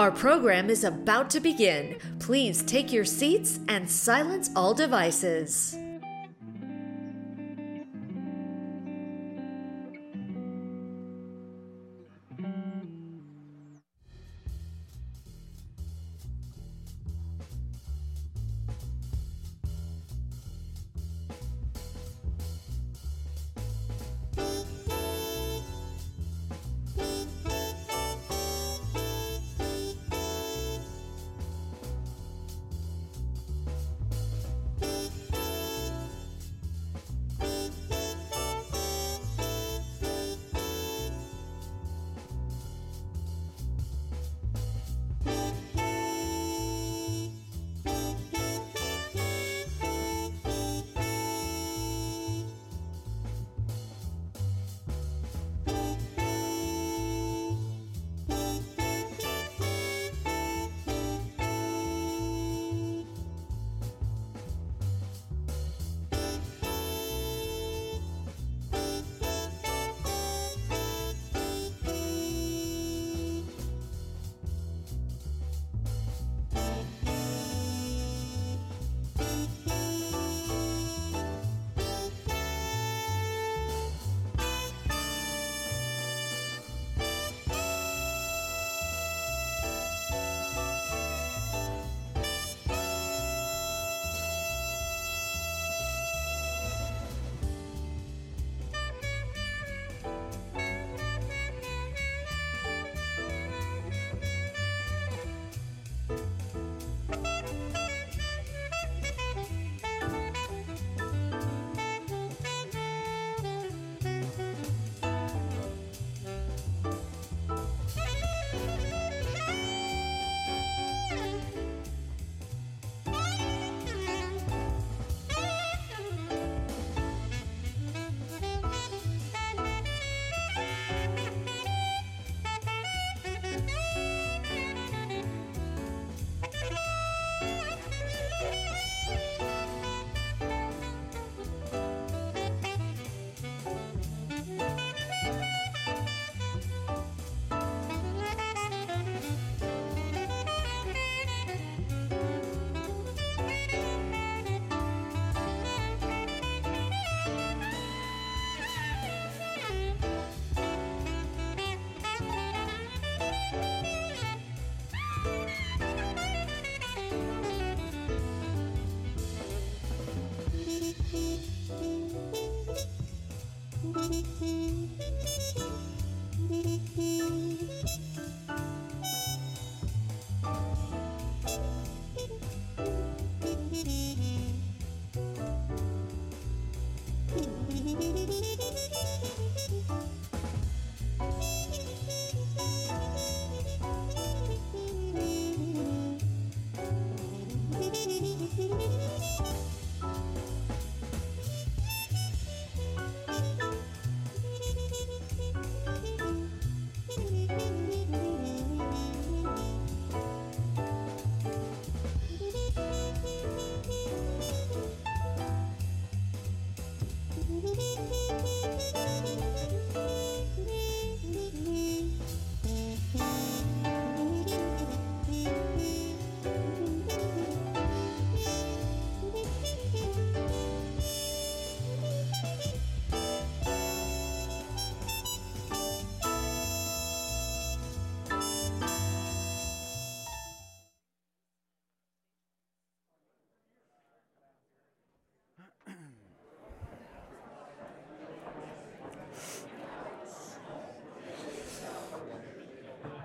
Our program is about to begin. Please take your seats and silence all devices.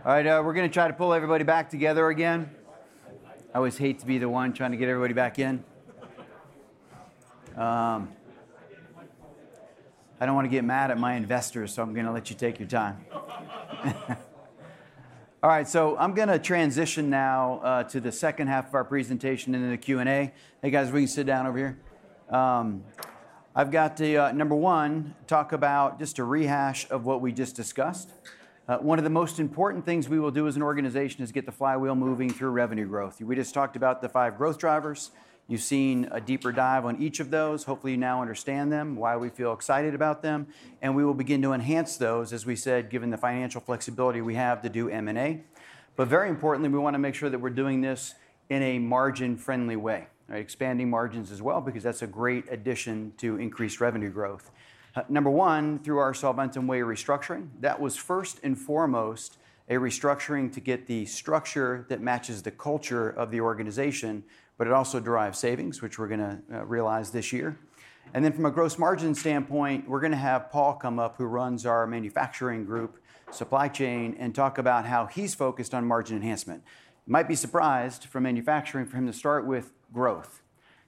All right, we're going to try to pull everybody back together again. I always hate to be the one trying to get everybody back in. I don't want to get mad at my investors, so I'm going to let you take your time. All right, so I'm going to transition now to the second half of our presentation and then the Q&A. Hey guys, we can sit down over here. I've got to, number one, talk about just a rehash of what we just discussed. One of the most important things we will do as an organization is get the flywheel moving through revenue growth. We just talked about the five growth drivers. You've seen a deeper dive on each of those. Hopefully, you now understand them, why we feel excited about them. We will begin to enhance those, as we said, given the financial flexibility we have to do M&A. Very importantly, we want to make sure that we're doing this in a margin-friendly way, expanding margins as well, because that's a great addition to increased revenue growth. Number one, through our Solventum way restructuring, that was first and foremost a restructuring to get the structure that matches the culture of the organization, but it also derives savings, which we're going to realize this year. From a gross margin standpoint, we're going to have Paul come up, who runs our manufacturing group, supply chain, and talk about how he's focused on margin enhancement. You might be surprised from manufacturing for him to start with growth.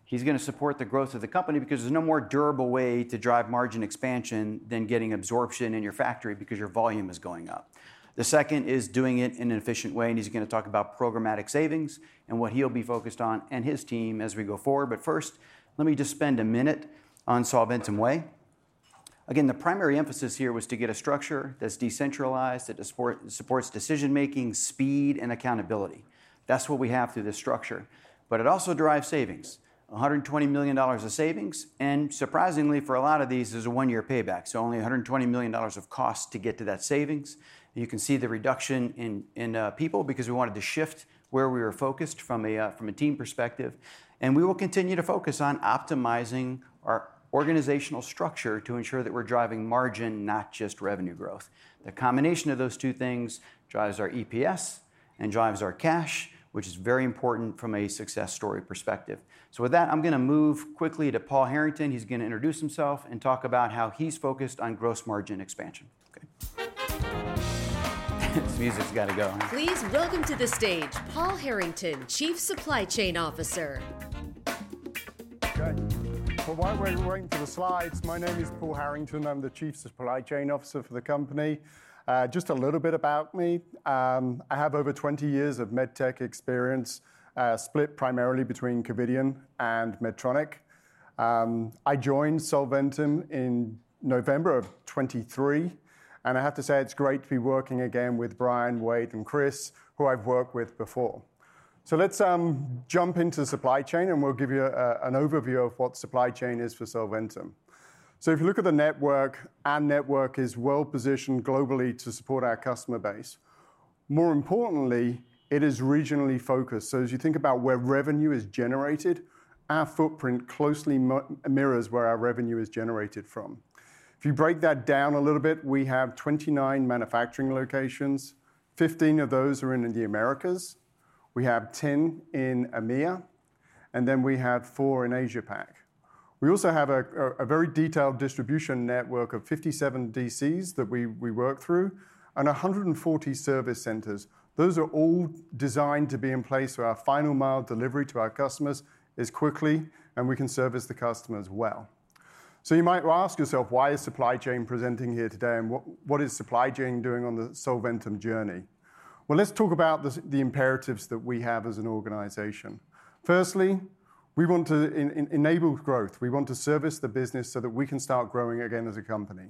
He's going to support the growth of the company because there's no more durable way to drive margin expansion than getting absorption in your factory because your volume is going up. The second is doing it in an efficient way. He's going to talk about programmatic savings and what he'll be focused on and his team as we go forward. First, let me just spend a minute on Solventum and way. Again, the primary emphasis here was to get a structure that's decentralized, that supports decision-making, speed, and accountability. That's what we have through this structure. It also derives savings, $120 million of savings. Surprisingly, for a lot of these, there's a one-year payback. Only $120 million of costs to get to that savings. You can see the reduction in people because we wanted to shift where we were focused from a team perspective. We will continue to focus on optimizing our organizational structure to ensure that we're driving margin, not just revenue growth. The combination of those two things drives our EPS and drives our cash, which is very important from a success story perspective. With that, I'm going to move quickly to Paul Harrington. He's going to introduce himself and talk about how he's focused on gross margin expansion. Okay. This music's got to go. Please welcome to the stage, Paul Harrington, Chief Supply Chain Officer. Okay. While we're waiting for the slides, my name is Paul Harrington. I'm the Chief Supply Chain Officer for the company. Just a little bit about me. I have over 20 years of MedTech experience, split primarily between Covidien and Medtronic. I joined Solventum in November of 2023. I have to say it's great to be working again with Bryan, Wayde, and Chris, who I've worked with before. Let's jump into supply chain, and we'll give you an overview of what supply chain is for Solventum. If you look at the network, our network is well-positioned globally to support our customer base. More importantly, it is regionally focused. As you think about where revenue is generated, our footprint closely mirrors where our revenue is generated from. If you break that down a little bit, we have 29 manufacturing locations. Fifteen of those are in the Americas. We have 10 in EMEA, and we have four in Asia-Pac. We also have a very detailed distribution network of 57 DCs that we work through and 140 service centers. Those are all designed to be in place so our final mile delivery to our customers is quickly, and we can service the customers well. You might ask yourself, why is supply chain presenting here today, and what is supply chain doing on the Solventum journey? Let's talk about the imperatives that we have as an organization. Firstly, we want to enable growth. We want to service the business so that we can start growing again as a company.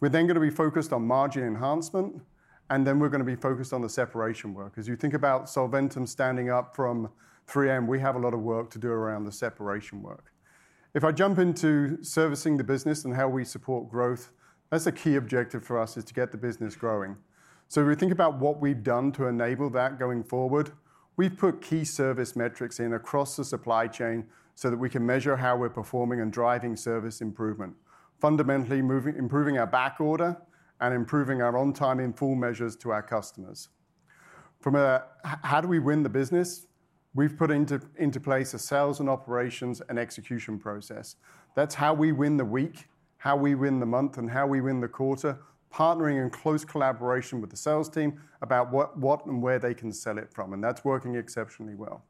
We're then going to be focused on margin enhancement, and then we're going to be focused on the separation work. As you think about Solventum standing up from 3M, we have a lot of work to do around the separation work. If I jump into servicing the business and how we support growth, that's a key objective for us is to get the business growing. We think about what we've done to enable that going forward. We've put key service metrics in across the supply chain so that we can measure how we're performing and driving service improvement, fundamentally improving our back order and improving our on-time in full measures to our customers. From a how do we win the business, we've put into place a sales and operations and execution process. That's how we win the week, how we win the month, and how we win the quarter, partnering in close collaboration with the sales team about what and where they can sell it from. That's working exceptionally well.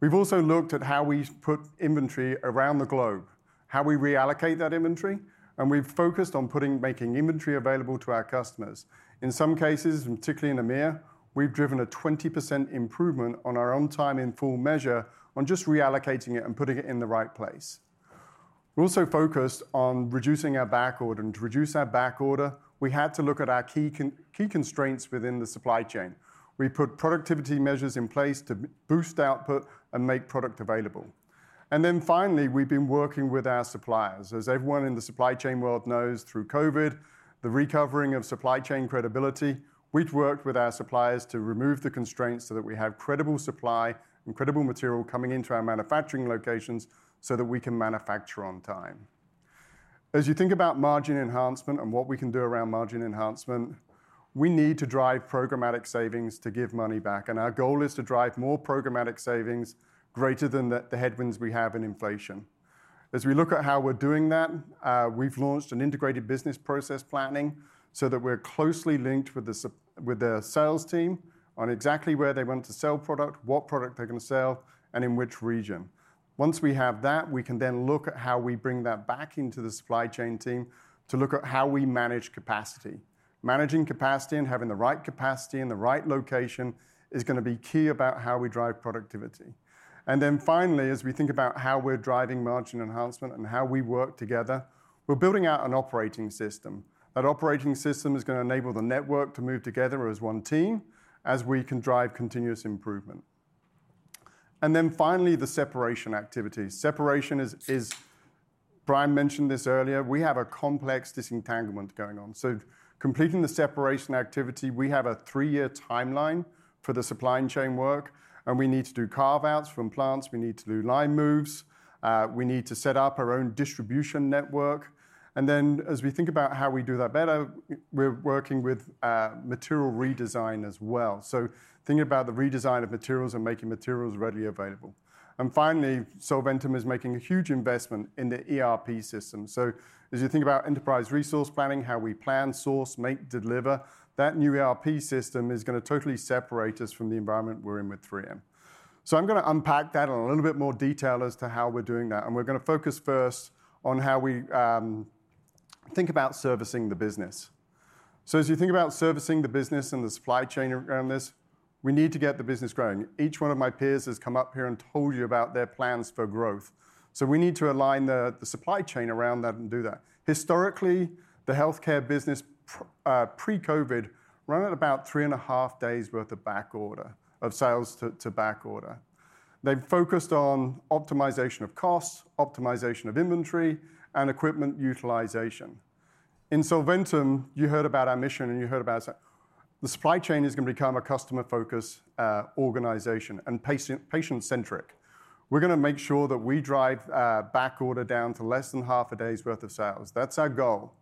We've also looked at how we put inventory around the globe, how we reallocate that inventory, and we've focused on making inventory available to our customers. In some cases, and particularly in EMEA, we've driven a 20% improvement on our on-time in full measure on just reallocating it and putting it in the right place. We're also focused on reducing our back order. To reduce our back order, we had to look at our key constraints within the supply chain. We put productivity measures in place to boost output and make product available. Finally, we've been working with our suppliers. As everyone in the supply chain world knows, through COVID, the recovering of supply chain credibility, we've worked with our suppliers to remove the constraints so that we have credible supply and credible material coming into our manufacturing locations so that we can manufacture on time. As you think about margin enhancement and what we can do around margin enhancement, we need to drive programmatic savings to give money back. Our goal is to drive more programmatic savings, greater than the headwinds we have in inflation. As we look at how we're doing that, we've launched an integrated business process planning so that we're closely linked with the sales team on exactly where they want to sell product, what product they're going to sell, and in which region. Once we have that, we can then look at how we bring that back into the supply chain team to look at how we manage capacity. Managing capacity and having the right capacity in the right location is going to be key about how we drive productivity. Finally, as we think about how we're driving margin enhancement and how we work together, we're building out an operating system. That operating system is going to enable the network to move together as one team as we can drive continuous improvement. Finally, the separation activities. Separation is, Bryan mentioned this earlier, we have a complex disentanglement going on. Completing the separation activity, we have a three-year timeline for the supply chain work, and we need to do carve-outs from plants. We need to do line moves. We need to set up our own distribution network. As we think about how we do that better, we're working with material redesign as well. Thinking about the redesign of materials and making materials readily available. Finally, Solventum is making a huge investment in the ERP system. As you think about enterprise resource planning, how we plan, source, make, deliver, that new ERP system is going to totally separate us from the environment we're in with 3M. I'm going to unpack that in a little bit more detail as to how we're doing that. We're going to focus first on how we think about servicing the business. As you think about servicing the business and the supply chain around this, we need to get the business growing. Each one of my peers has come up here and told you about their plans for growth. We need to align the supply chain around that and do that. Historically, the healthcare business pre-COVID ran at about three and a half days' worth of back order, of sales to back order. They've focused on optimization of costs, optimization of inventory, and equipment utilization. In Solventum, you heard about our mission, and you heard about the supply chain is going to become a customer-focused organization and patient-centric. We're going to make sure that we drive back order down to less than half a day's worth of sales. That's our goal.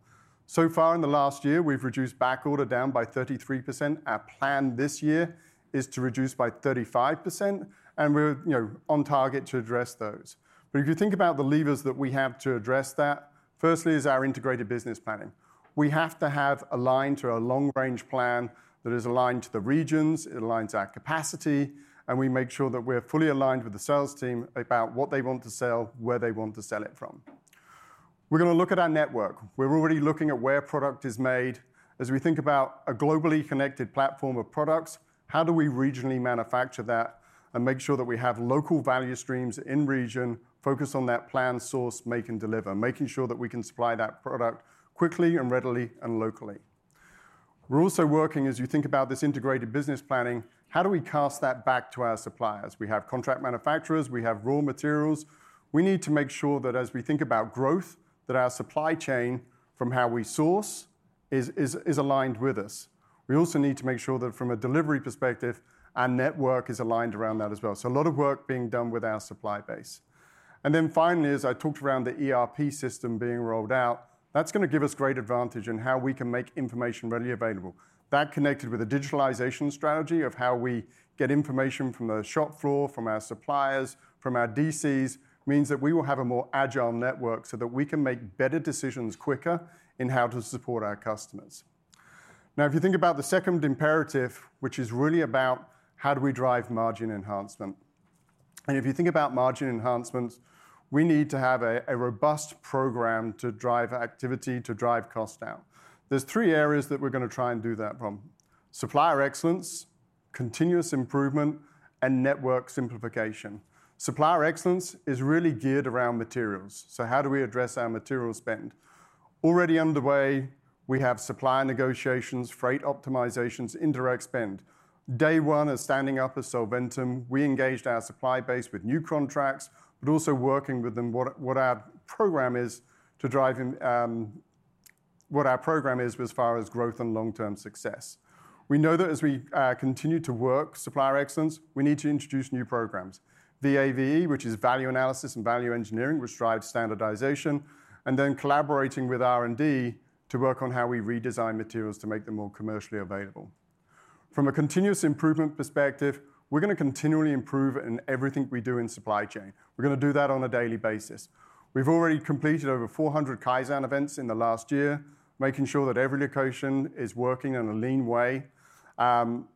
In the last year, we've reduced back order down by 33%. Our plan this year is to reduce by 35%, and we're on target to address those. If you think about the levers that we have to address that, firstly is our integrated business planning. We have to have aligned to a long-range plan that is aligned to the regions. It aligns our capacity, and we make sure that we're fully aligned with the sales team about what they want to sell, where they want to sell it from. We're going to look at our network. We're already looking at where product is made. As we think about a globally connected platform of products, how do we regionally manufacture that and make sure that we have local value streams in region focused on that plan, source, make, and deliver, making sure that we can supply that product quickly and readily and locally. We're also working, as you think about this integrated business planning, how do we cast that back to our suppliers? We have contract manufacturers. We have raw materials. We need to make sure that as we think about growth, that our supply chain from how we source is aligned with us. We also need to make sure that from a delivery perspective, our network is aligned around that as well. A lot of work being done with our supply base. Finally, as I talked around the ERP system being rolled out, that's going to give us great advantage in how we can make information readily available. That connected with a digitalization strategy of how we get information from the shop floor, from our suppliers, from our DCs means that we will have a more agile network so that we can make better decisions quicker in how to support our customers. Now, if you think about the second imperative, which is really about how do we drive margin enhancement. If you think about margin enhancement, we need to have a robust program to drive activity, to drive cost down. There are three areas that we're going to try and do that from: supplier excellence, continuous improvement, and network simplification. Supplier excellence is really geared around materials. So how do we address our material spend? Already underway, we have supplier negotiations, freight optimizations, indirect spend. Day one of standing up as Solventum, we engaged our supply base with new contracts, but also working with them what our program is to drive what our program is as far as growth and long-term success. We know that as we continue to work supplier excellence, we need to introduce new programs, VAVE, which is value analysis and value engineering, which drives standardization, and then collaborating with R&D to work on how we redesign materials to make them more commercially available. From a continuous improvement perspective, we're going to continually improve in everything we do in supply chain. We're going to do that on a daily basis. We've already completed over 400 Kaizen events in the last year, making sure that every location is working in a lean way.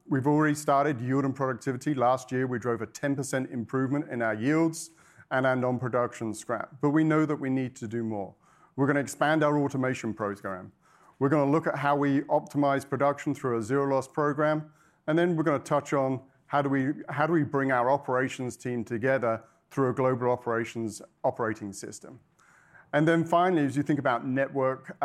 We've already started yield and productivity. Last year, we drove a 10% improvement in our yields and our non-production scrap. We know that we need to do more. We're going to expand our automation program. We're going to look at how we optimize production through a zero-loss program. We're going to touch on how do we bring our operations team together through a global operations operating system. Finally, as you think about network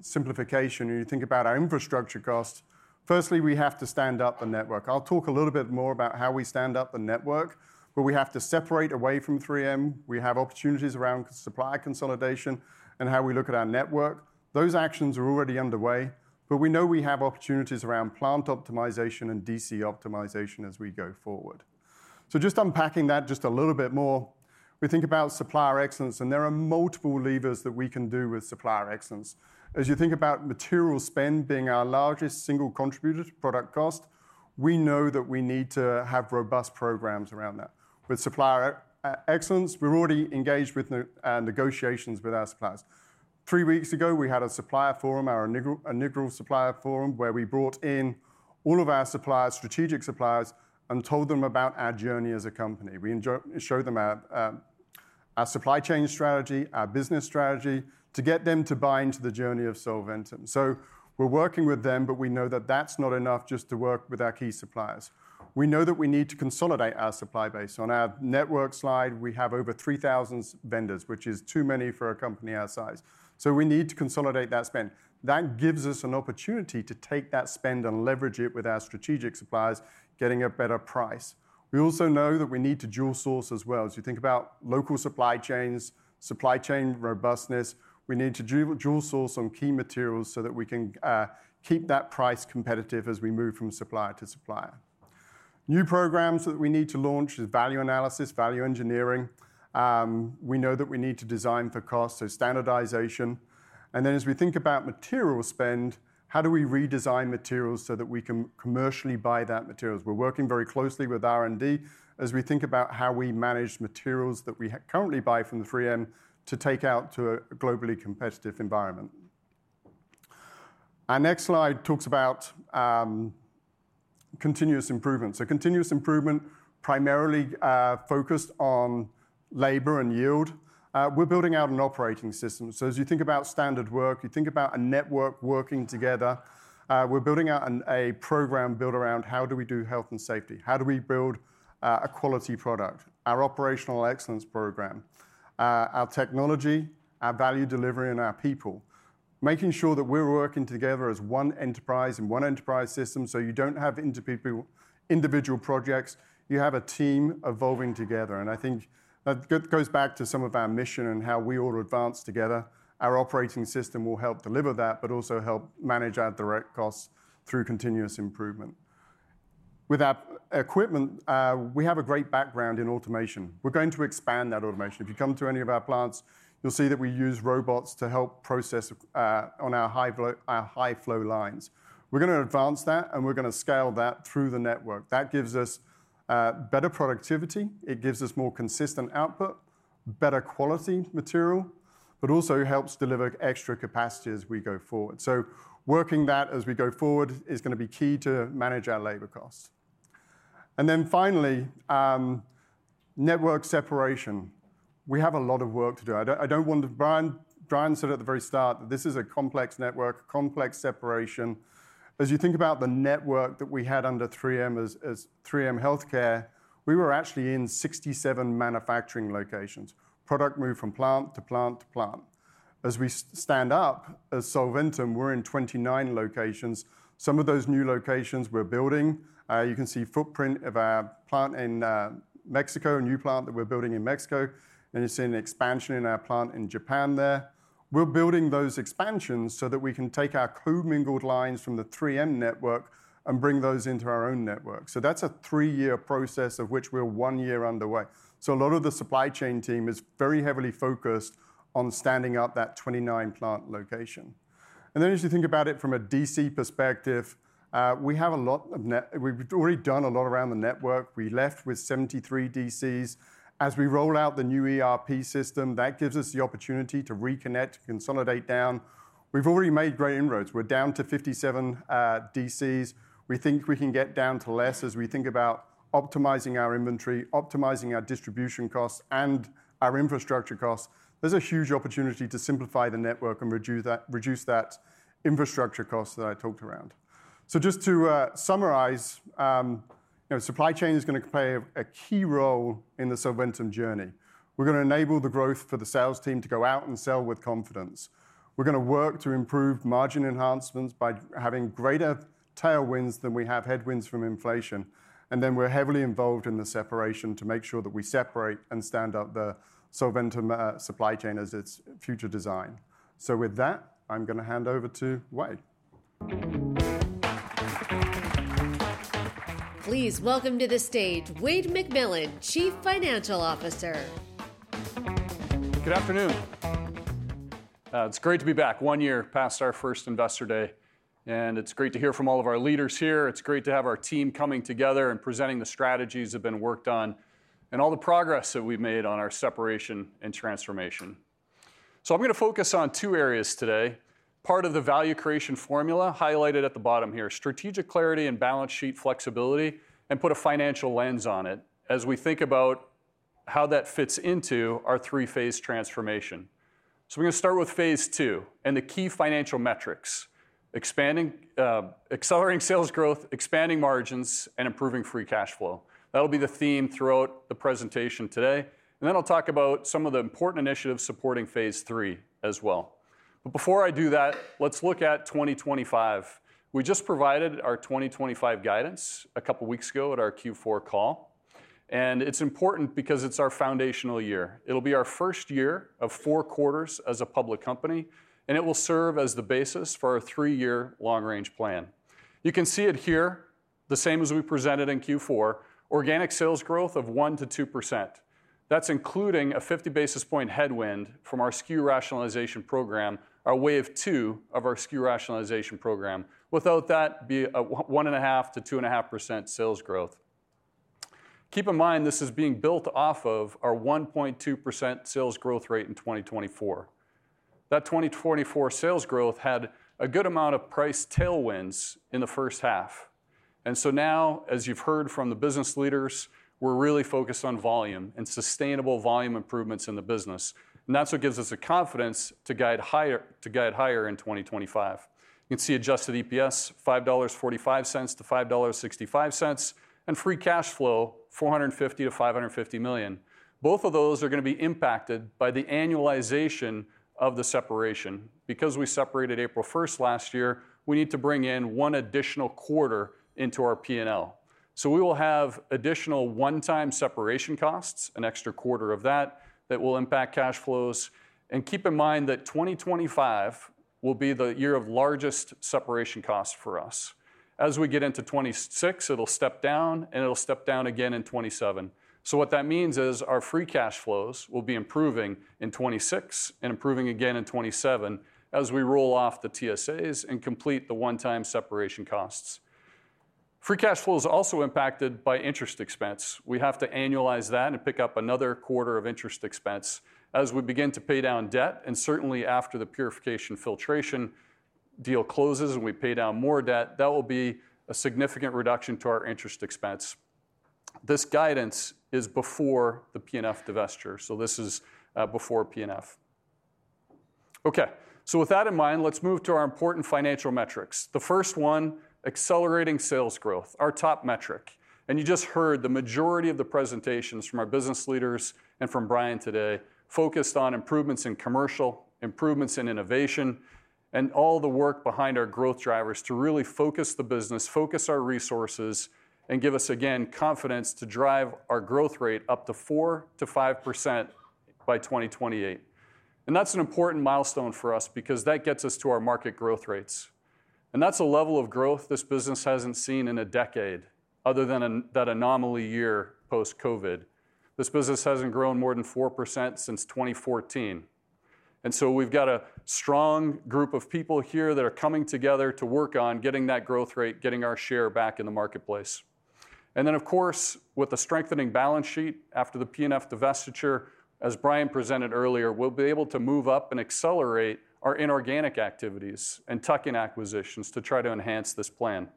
simplification, you think about our infrastructure costs, firstly, we have to stand up the network. I'll talk a little bit more about how we stand up the network, but we have to separate away from 3M. We have opportunities around supply consolidation and how we look at our network. Those actions are already underway, but we know we have opportunities around plant optimization and DC optimization as we go forward. Just unpacking that just a little bit more, we think about supplier excellence, and there are multiple levers that we can do with supplier excellence. As you think about material spend being our largest single contributor to product cost, we know that we need to have robust programs around that. With supplier excellence, we're already engaged with negotiations with our suppliers. Three weeks ago, we had a supplier forum, our inaugural supplier forum, where we brought in all of our strategic suppliers and told them about our journey as a company. We showed them our supply chain strategy, our business strategy to get them to buy into the journey of Solventum. We're working with them, but we know that that's not enough just to work with our key suppliers. We know that we need to consolidate our supply base. On our network slide, we have over 3,000 vendors, which is too many for a company our size. We need to consolidate that spend. That gives us an opportunity to take that spend and leverage it with our strategic suppliers, getting a better price. We also know that we need to dual source as well. As you think about local supply chains, supply chain robustness, we need to dual source on key materials so that we can keep that price competitive as we move from supplier to supplier. New programs that we need to launch is value analysis, value engineering. We know that we need to design for cost, so standardization. As we think about material spend, how do we redesign materials so that we can commercially buy that materials? We're working very closely with R&D as we think about how we manage materials that we currently buy from 3M to take out to a globally competitive environment. Our next slide talks about continuous improvement. Continuous improvement, primarily focused on labor and yield. We're building out an operating system. As you think about standard work, you think about a network working together. We're building out a program built around how do we do health and safety, how do we build a quality product, our operational excellence program, our technology, our value delivery, and our people, making sure that we're working together as one enterprise and one enterprise system so you do not have individual projects. You have a team evolving together. I think that goes back to some of our mission and how we all advance together. Our operating system will help deliver that, but also help manage our direct costs through continuous improvement. With our equipment, we have a great background in automation. We're going to expand that automation. If you come to any of our plants, you'll see that we use robots to help process on our high-flow lines. We're going to advance that, and we're going to scale that through the network. That gives us better productivity. It gives us more consistent output, better quality material, but also helps deliver extra capacity as we go forward. Working that as we go forward is going to be key to manage our labor costs. Finally, network separation. We have a lot of work to do. I don't want to, Bryan said at the very start that this is a complex network, complex separation. As you think about the network that we had under 3M Healthcare, we were actually in 67 manufacturing locations. Product moved from plant to plant to plant. As we stand up as Solventum, we're in 29 locations. Some of those new locations we're building. You can see footprint of our plant in Mexico, a new plant that we're building in Mexico. You see an expansion in our plant in Japan there. We're building those expansions so that we can take our co-mingled lines from the 3M network and bring those into our own network. That's a three-year process of which we're one year underway. A lot of the supply chain team is very heavily focused on standing up that 29 plant location. As you think about it from a DC perspective, we've already done a lot around the network. We left with 73 DCs. As we roll out the new ERP system, that gives us the opportunity to reconnect, consolidate down. We've already made great inroads. We're down to 57 DCs. We think we can get down to less as we think about optimizing our inventory, optimizing our distribution costs, and our infrastructure costs. There is a huge opportunity to simplify the network and reduce that infrastructure cost that I talked around. Just to summarize, supply chain is going to play a key role in the Solventum journey. We're going to enable the growth for the sales team to go out and sell with confidence. We're going to work to improve margin enhancements by having greater tailwinds than we have headwinds from inflation. We are heavily involved in the separation to make sure that we separate and stand up the Solventum supply chain as its future design. With that, I'm going to hand over to Wayde. Please welcome to the stage Wayde McMillan, Chief Financial Officer. Good afternoon. It's great to be back. One year past our first Investor Day. It's great to hear from all of our leaders here. It's great to have our team coming together and presenting the strategies that have been worked on and all the progress that we've made on our separation and transformation. I'm going to focus on two areas today. Part of the value creation formula highlighted at the bottom here, strategic clarity and balance sheet flexibility, and put a financial lens on it as we think about how that fits into our three-phase transformation. We're going to start with phase two and the key financial metrics: accelerating sales growth, expanding margins, and improving free cash flow. That'll be the theme throughout the presentation today. I'll talk about some of the important initiatives supporting phase III as well. Before I do that, let's look at 2025. We just provided our 2025 guidance a couple of weeks ago at our Q4 call. It's important because it's our foundational year. It'll be our first year of four quarters as a public company, and it will serve as the basis for our three-year long-range plan. You can see it here, the same as we presented in Q4, organic sales growth of 1%-2%. That's including a 50 basis point headwind from our SKU rationalization program, our wave two of our SKU rationalization program. Without that, it would be a 1.5%-2.5% sales growth. Keep in mind, this is being built off of our 1.2% sales growth rate in 2024. That 2024 sales growth had a good amount of price tailwinds in the first half. As you have heard from the business leaders, we are really focused on volume and sustainable volume improvements in the business. That is what gives us the confidence to guide higher in 2025. You can see adjusted EPS, $5.45-$5.65, and free cash flow, $450 million-$550 million. Both of those are going to be impacted by the annualization of the separation. Because we separated April 1st last year, we need to bring in one additional quarter into our P&L. We will have additional one-time separation costs, an extra quarter of that that will impact cash flows. Keep in mind that 2025 will be the year of largest separation costs for us. As we get into 2026, it will step down, and it will step down again in 2027. What that means is our free cash flows will be improving in 2026 and improving again in 2027 as we roll off the TSAs and complete the one-time separation costs. Free cash flow is also impacted by interest expense. We have to annualize that and pick up another quarter of interest expense as we begin to pay down debt. Certainly, after the Purification Filtration deal closes and we pay down more debt, that will be a significant reduction to our interest expense. This guidance is before the P&F divestiture. This is before P&F. Okay. With that in mind, let's move to our important financial metrics. The first one, accelerating sales growth, our top metric. You just heard the majority of the presentations from our business leaders and from Bryan today focused on improvements in commercial, improvements in innovation, and all the work behind our growth drivers to really focus the business, focus our resources, and give us, again, confidence to drive our growth rate up to 4%-5% by 2028. That is an important milestone for us because that gets us to our market growth rates. That is a level of growth this business has not seen in a decade other than that anomaly year post-COVID. This business has not grown more than 4% since 2014. We have a strong group of people here that are coming together to work on getting that growth rate, getting our share back in the marketplace. Of course, with the strengthening balance sheet after the P&F divestiture, as Bryan presented earlier, we'll be able to move up and accelerate our inorganic activities and tuck in acquisitions to try to enhance this plan.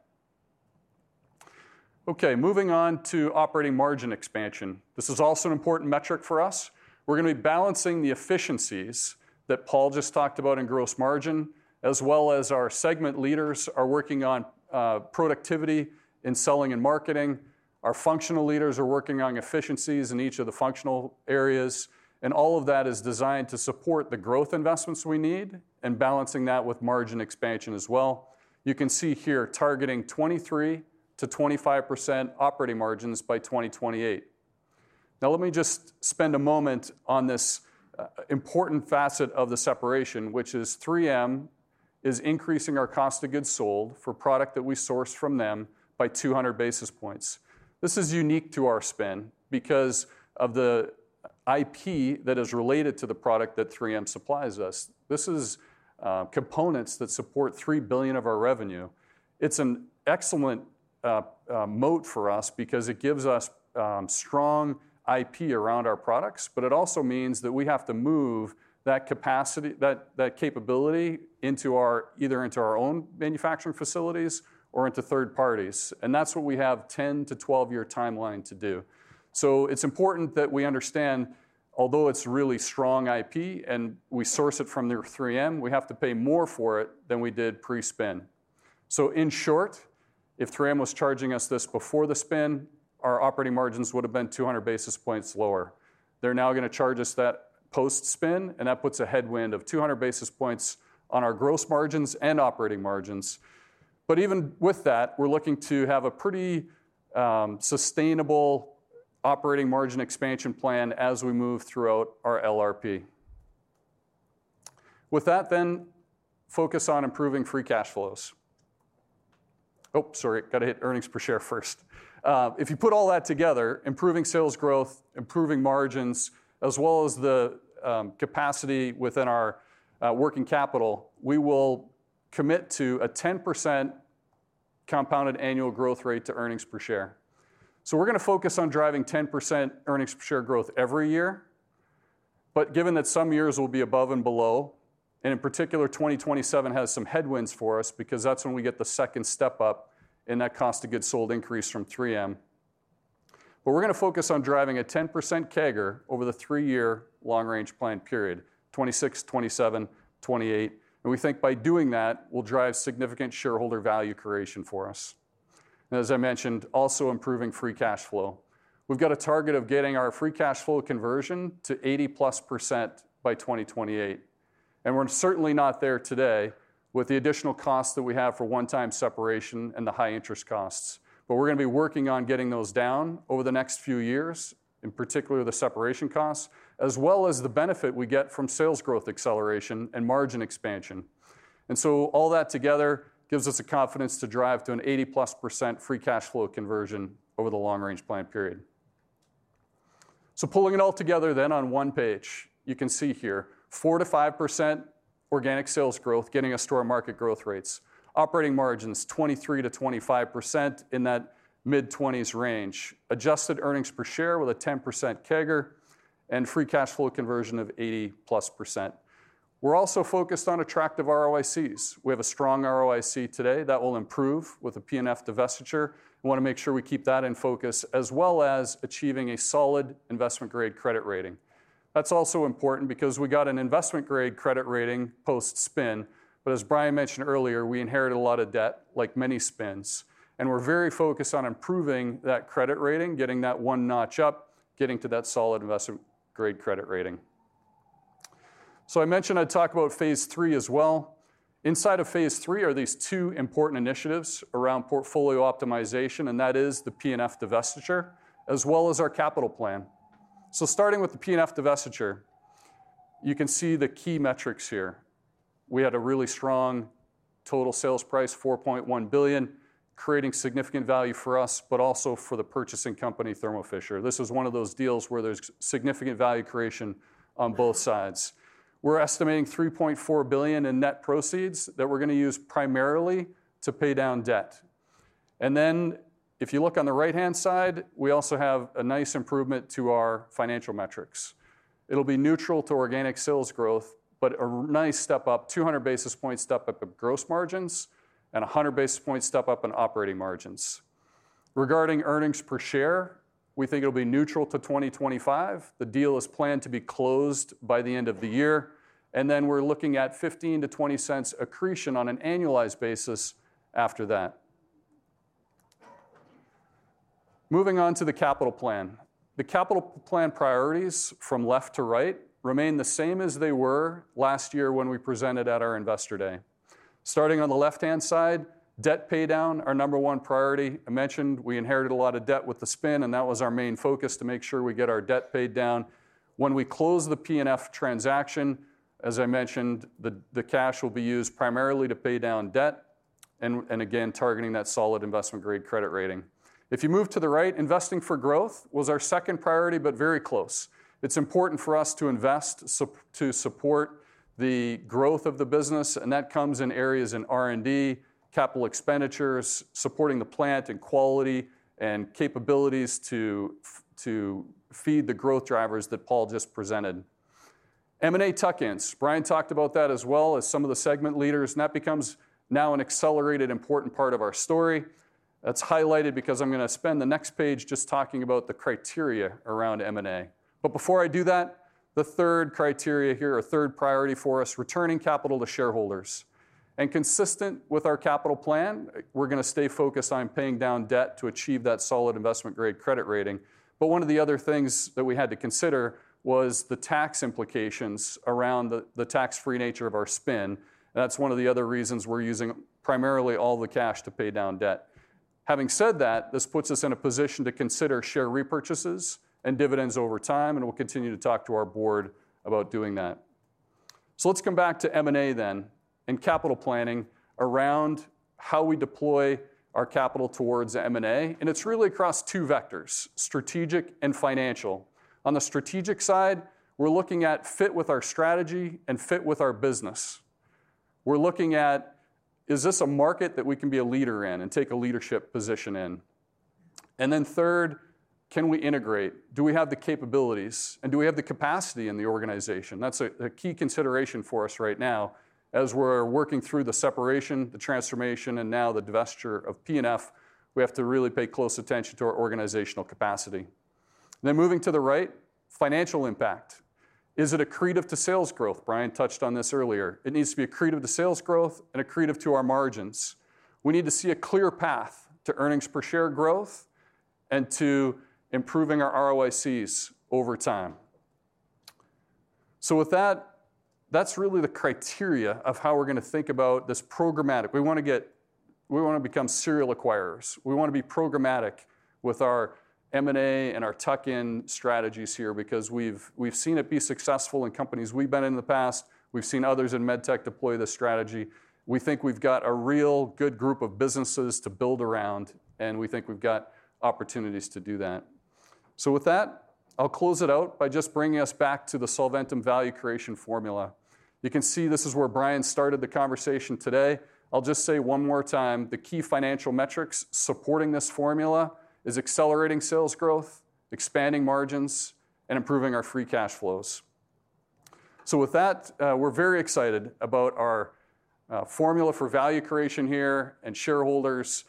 Okay. Moving on to operating margin expansion. This is also an important metric for us. We're going to be balancing the efficiencies that Paul just talked about in gross margin, as well as our segment leaders are working on productivity in selling and marketing. Our functional leaders are working on efficiencies in each of the functional areas. All of that is designed to support the growth investments we need and balancing that with margin expansion as well. You can see here targeting 23%-25% operating margins by 2028. Now, let me just spend a moment on this important facet of the separation, which is 3M is increasing our cost of goods sold for product that we source from them by 200 basis points. This is unique to our spend because of the IP that is related to the product that 3M supplies us. This is components that support $3 billion of our revenue. It's an excellent moat for us because it gives us strong IP around our products, but it also means that we have to move that capacity, that capability either into our own manufacturing facilities or into third parties. That is what we have a 10-12 year timeline to do. It is important that we understand, although it's really strong IP and we source it from 3M, we have to pay more for it than we did pre-spend. In short, if 3M was charging us this before the spend, our operating margins would have been 200 basis points lower. They are now going to charge us that post-spend, and that puts a headwind of 200 basis points on our gross margins and operating margins. Even with that, we are looking to have a pretty sustainable operating margin expansion plan as we move throughout our LRP. With that, then focus on improving free cash flows. Oh, sorry, got to hit earnings per share first. If you put all that together, improving sales growth, improving margins, as well as the capacity within our working capital, we will commit to a 10% compounded annual growth rate to earnings per share. We are going to focus on driving 10% earnings per share growth every year. Given that some years will be above and below, and in particular, 2027 has some headwinds for us because that is when we get the second step up in that cost of goods sold increase from 3M. We are going to focus on driving a 10% CAGR over the three-year long-range plan period, 2026, 2027, 2028. We think by doing that, we will drive significant shareholder value creation for us. As I mentioned, also improving free cash flow. We have got a target of getting our free cash flow conversion to 80%+ by 2028. We are certainly not there today with the additional costs that we have for one-time separation and the high interest costs. We're going to be working on getting those down over the next few years, in particular the separation costs, as well as the benefit we get from sales growth acceleration and margin expansion. All that together gives us the confidence to drive to an 80%+ free cash flow conversion over the long-range plan period. Pulling it all together then on one page, you can see here 4%-5% organic sales growth getting us to our market growth rates. Operating margins 23%-25% in that mid-20s range. Adjusted earnings per share with a 10% CAGR and free cash flow conversion of 80%+. We're also focused on attractive ROICs. We have a strong ROIC today that will improve with the P&F divestiture. We want to make sure we keep that in focus as well as achieving a solid investment-grade credit rating. That's also important because we got an investment-grade credit rating post-spin. As Bryan mentioned earlier, we inherited a lot of debt like many spins. We're very focused on improving that credit rating, getting that one notch up, getting to that solid investment-grade credit rating. I mentioned I'd talk about phase III as well. Inside of phase III are these two important initiatives around portfolio optimization, and that is the P&F divestiture as well as our capital plan. Starting with the P&F divestiture, you can see the key metrics here. We had a really strong total sales price, $4.1 billion, creating significant value for us, but also for the purchasing company, Thermo Fisher. This is one of those deals where there's significant value creation on both sides. We're estimating $3.4 billion in net proceeds that we're going to use primarily to pay down debt. If you look on the right-hand side, we also have a nice improvement to our financial metrics. It'll be neutral to organic sales growth, but a nice step up, 200 basis points step up in gross margins and 100 basis points step up in operating margins. Regarding earnings per share, we think it'll be neutral to 2025. The deal is planned to be closed by the end of the year. We're looking at $0.15-$0.20 cents accretion on an annualized basis after that. Moving on to the capital plan. The capital plan priorities from left to right remain the same as they were last year when we presented at our Investor Day. Starting on the left-hand side, debt pay down our number one priority. I mentioned we inherited a lot of debt with the spin, and that was our main focus to make sure we get our debt paid down. When we close the P&F transaction, as I mentioned, the cash will be used primarily to pay down debt and again, targeting that solid investment-grade credit rating. If you move to the right, investing for growth was our second priority, but very close. It's important for us to invest to support the growth of the business. That comes in areas in R&D, capital expenditures, supporting the plant and quality and capabilities to feed the growth drivers that Paul just presented. M&A tuck-ins, Bryan talked about that as well as some of the segment leaders. That becomes now an accelerated important part of our story. That's highlighted because I'm going to spend the next page just talking about the criteria around M&A. Before I do that, the third criteria here or third priority for us, returning capital to shareholders. Consistent with our capital plan, we're going to stay focused on paying down debt to achieve that solid investment-grade credit rating. One of the other things that we had to consider was the tax implications around the tax-free nature of our spin. That is one of the other reasons we're using primarily all the cash to pay down debt. Having said that, this puts us in a position to consider share repurchases and dividends over time, and we'll continue to talk to our board about doing that. Let's come back to M&A then and capital planning around how we deploy our capital towards M&A. It's really across two vectors, strategic and financial. On the strategic side, we're looking at fit with our strategy and fit with our business. We're looking at, is this a market that we can be a leader in and take a leadership position in? Third, can we integrate? Do we have the capabilities? Do we have the capacity in the organization? That's a key consideration for us right now as we're working through the separation, the transformation, and now the divestiture of P&F. We have to really pay close attention to our organizational capacity. Moving to the right, financial impact. Is it accretive to sales growth? Bryan touched on this earlier. It needs to be accretive to sales growth and accretive to our margins. We need to see a clear path to earnings per share growth and to improving our ROICs over time. With that, that's really the criteria of how we're going to think about this programmatic. We want to get, we want to become serial acquirers. We want to be programmatic with our M&A and our tuck-in strategies here because we've seen it be successful in companies we've been in the past. We've seen others in med tech deploy this strategy. We think we've got a real good group of businesses to build around, and we think we've got opportunities to do that. With that, I'll close it out by just bringing us back to the Solventum value creation formula. You can see this is where Bryan started the conversation today. I'll just say one more time, the key financial metrics supporting this formula is accelerating sales growth, expanding margins, and improving our free cash flows. With that, we're very excited about our formula for value creation here and shareholders.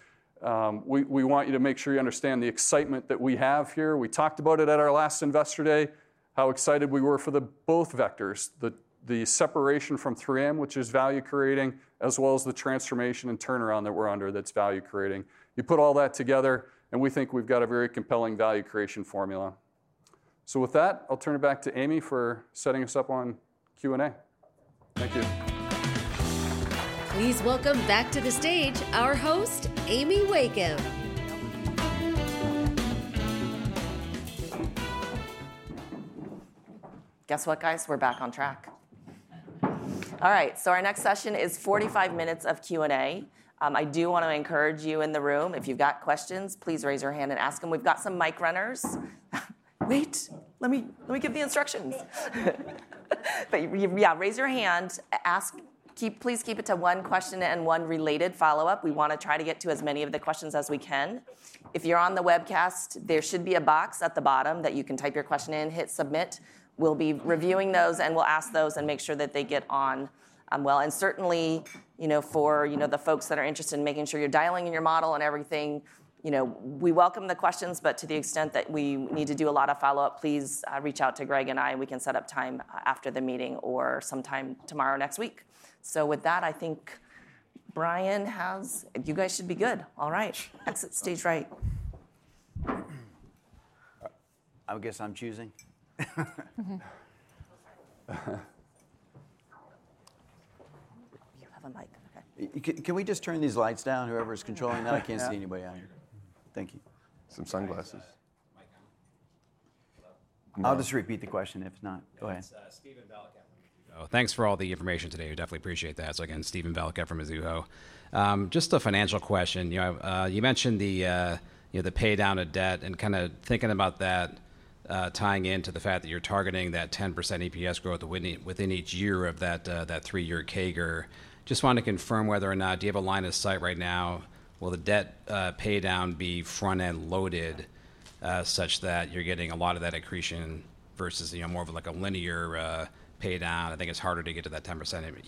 We want you to make sure you understand the excitement that we have here. We talked about it at our last Investor Day, how excited we were for both vectors, the separation from 3M, which is value creating, as well as the transformation and turnaround that we're under that's value creating. You put all that together, and we think we've got a very compelling value creation formula. With that, I'll turn it back to Amy for setting us up on Q&A. Thank you. Please welcome back to the stage our host, Amy Wakeham. Guess what, guys? We're back on track. All right, our next session is 45 minutes of Q&A. I do want to encourage you in the room. If you've got questions, please raise your hand and ask them. We've got some mic runners. Wait, let me give the instructions. Yeah, raise your hand. Please keep it to one question and one related follow-up. We want to try to get to as many of the questions as we can. If you're on the webcast, there should be a box at the bottom that you can type your question in, hit submit. We'll be reviewing those and we'll ask those and make sure that they get on well. Certainly, for the folks that are interested in making sure you're dialing in your model and everything, we welcome the questions, but to the extent that we need to do a lot of follow-up, please reach out to Greg and I, and we can set up time after the meeting or sometime tomorrow or next week. With that, I think Bryan has, you guys should be good. All right, exit stage right. I guess I'm choosing. You have a mic. Okay. Can we just turn these lights down? Whoever's controlling that, I can't see anybody on here. Thank you. Some sunglasses. I'll just repeat the question if not. Go ahead. Thanks for all the information today. We definitely appreciate that. Again, Steven Valiquette from Mizuho. Just a financial question. You mentioned the pay down of debt and kind of thinking about that, tying into the fact that you're targeting that 10% EPS growth within each year of that three-year CAGR. Just want to confirm whether or not do you have a line of sight right now, will the debt pay down be front-end loaded such that you're getting a lot of that accretion versus more of like a linear pay down? I think it's harder to get to that 10%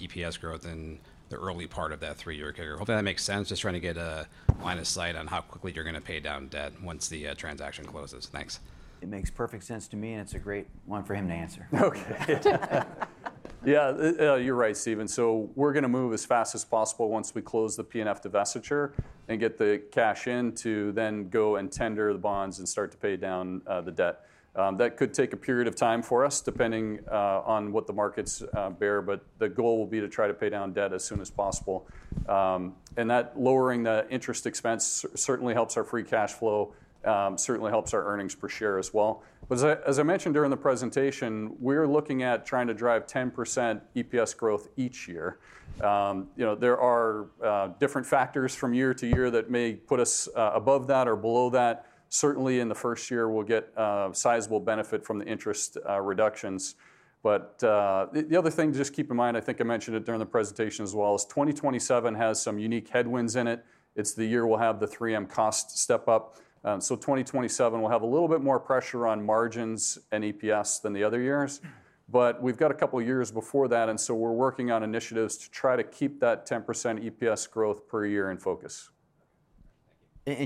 EPS growth in the early part of that three-year CAGR. Hopefully, that makes sense. Just trying to get a line of sight on how quickly you're going to pay down debt once the transaction closes. Thanks. It makes perfect sense to me, and it's a great one for him to answer. Okay. Yeah, you're right, Steven. We're going to move as fast as possible once we close the P&F divestiture and get the cash in to then go and tender the bonds and start to pay down the debt. That could take a period of time for us depending on what the markets bear, but the goal will be to try to pay down debt as soon as possible. That lowering the interest expense certainly helps our free cash flow, certainly helps our earnings per share as well. As I mentioned during the presentation, we're looking at trying to drive 10% EPS growth each year. There are different factors from year to year that may put us above that or below that. Certainly, in the first year, we'll get a sizable benefit from the interest reductions. The other thing to just keep in mind, I think I mentioned it during the presentation as well, is 2027 has some unique headwinds in it. It's the year we'll have the 3M cost step up. 2027 will have a little bit more pressure on margins and EPS than the other years. We've got a couple of years before that, and we are working on initiatives to try to keep that 10% EPS growth per year in focus.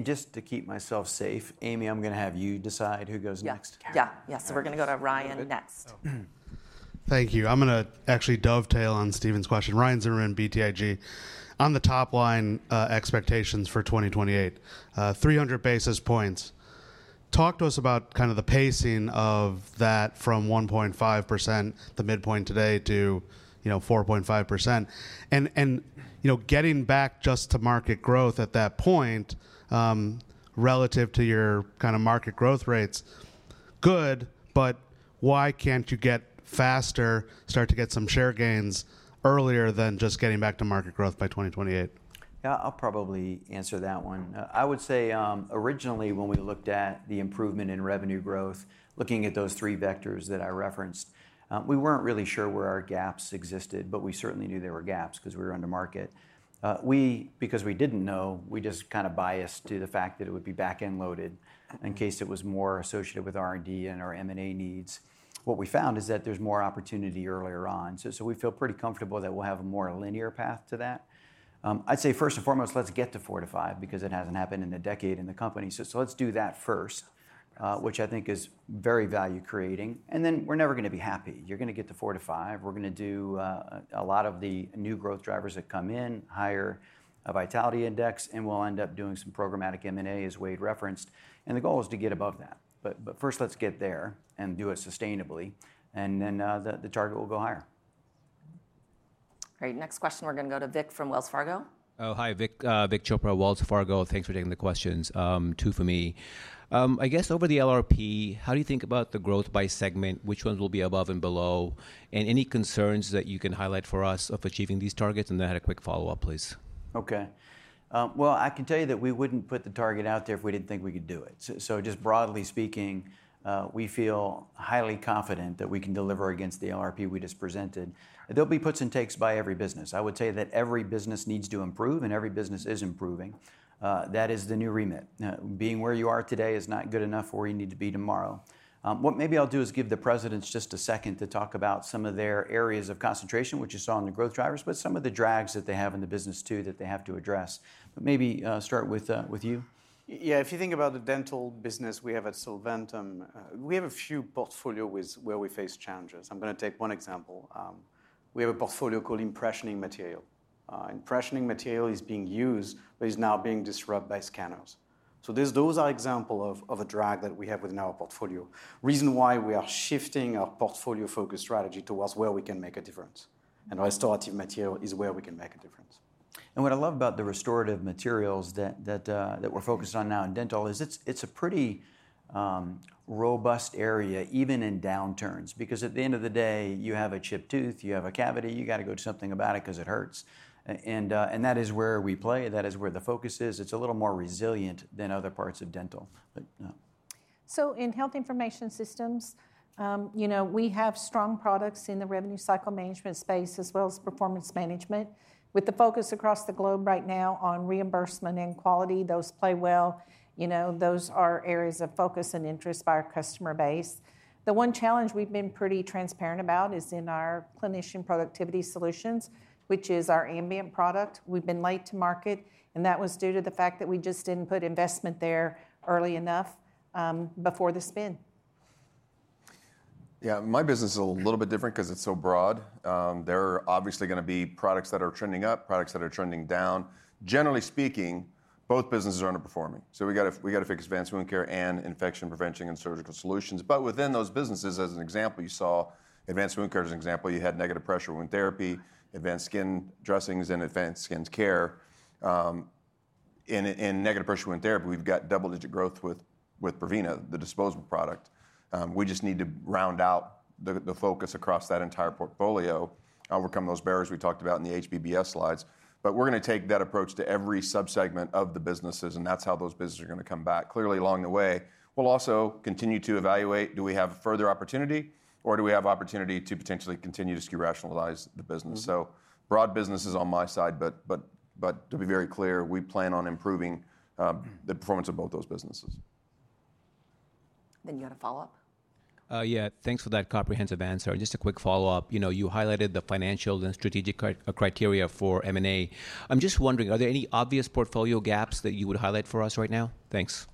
Just to keep myself safe, Amy, I'm going to have you decide who goes next. Yeah, yeah. We are going to go to Ryan next. Thank you. I'm going to actually dovetail on Steven's question. Ryan Zimmerman in BTIG. On the top line expectations for 2028, 300 basis points. Talk to us about kind of the pacing of that from 1.5%, the midpoint today to 4.5%. Getting back just to market growth at that point relative to your kind of market growth rates, good, but why can't you get faster, start to get some share gains earlier than just getting back to market growth by 2028? Yeah, I'll probably answer that one. I would say originally when we looked at the improvement in revenue growth, looking at those three vectors that I referenced, we were not really sure where our gaps existed, but we certainly knew there were gaps because we were under market. Because we did not know, we just kind of biased to the fact that it would be back-end loaded in case it was more associated with R&D and our M&A needs. What we found is that there's more opportunity earlier on. We feel pretty comfortable that we'll have a more linear path to that. I'd say first and foremost, let's get to four to five because it hasn't happened in a decade in the company. Let's do that first, which I think is very value creating. We're never going to be happy. You're going to get to four to five. We're going to do a lot of the new growth drivers that come in, higher vitality index, and we'll end up doing some programmatic M&A as Wayde referenced. The goal is to get above that. First, let's get there and do it sustainably. The target will go higher. Great. Next question, we're going to go to Vic from Wells Fargo. Oh, hi, Vik. Vik Chopra, Wells Fargo. Thanks for taking the questions. Two for me. I guess over the LRP, how do you think about the growth by segment? Which ones will be above and below? Any concerns that you can highlight for us of achieving these targets? I had a quick follow-up, please. Okay. I can tell you that we would not put the target out there if we did not think we could do it. Just broadly speaking, we feel highly confident that we can deliver against the LRP we just presented. There will be puts and takes by every business. I would say that every business needs to improve, and every business is improving. That is the new remit. Being where you are today is not good enough where you need to be tomorrow. What maybe I'll do is give the presidents just a second to talk about some of their areas of concentration, which you saw in the growth drivers, but some of the drags that they have in the business too that they have to address. Maybe start with you. Yeah, if you think about the dental business we have at Solventum, we have a few portfolios where we face challenges. I'm going to take one example. We have a portfolio called impressioning material. Impressioning material is being used, but it's now being disrupted by scanners. Those are examples of a drag that we have within our portfolio. The reason why we are shifting our portfolio-focused strategy towards where we can make a difference. Restorative material is where we can make a difference. What I love about the restorative materials that we're focused on now in dental is it's a pretty robust area even in downturns. Because at the end of the day, you have a chipped tooth, you have a cavity, you got to go do something about it because it hurts. That is where we play. That is where the focus is. It's a little more resilient than other parts of dental. In Health Information Systems, we have strong products in the revenue cycle management space as well as performance management. With the focus across the globe right now on reimbursement and quality, those play well. Those are areas of focus and interest by our customer base. The one challenge we've been pretty transparent about is in our clinician productivity solutions, which is our ambient product. We've been late to market, and that was due to the fact that we just didn't put investment there early enough before the spin. Yeah, my business is a little bit different because it's so broad. There are obviously going to be products that are trending up, products that are trending down. Generally speaking, both businesses are underperforming. We got to fix Advanced Wound Care and Infection Prevention and Surgical Solutions. Within those businesses, as an example, you saw Advanced Wound Care as an example. You had negative pressure wound therapy, advanced skin dressings, and advanced skin care. In negative pressure wound therapy, we've got double-digit growth with Prevena, the disposable product. We just need to round out the focus across that entire portfolio. I'll overcome those barriers we talked about in the HBBS slides. We're going to take that approach to every subsegment of the businesses, and that's how those businesses are going to come back. Clearly, along the way, we'll also continue to evaluate, do we have further opportunity, or do we have opportunity to potentially continue to SKU rationalize the business? Broad businesses on my side, but to be very clear, we plan on improving the performance of both those businesses. You got a follow-up? Yeah, thanks for that comprehensive answer. Just a quick follow-up. You highlighted the financial and strategic criteria for M&A. I'm just wondering, are there any obvious portfolio gaps that you would highlight for us right now? Thanks.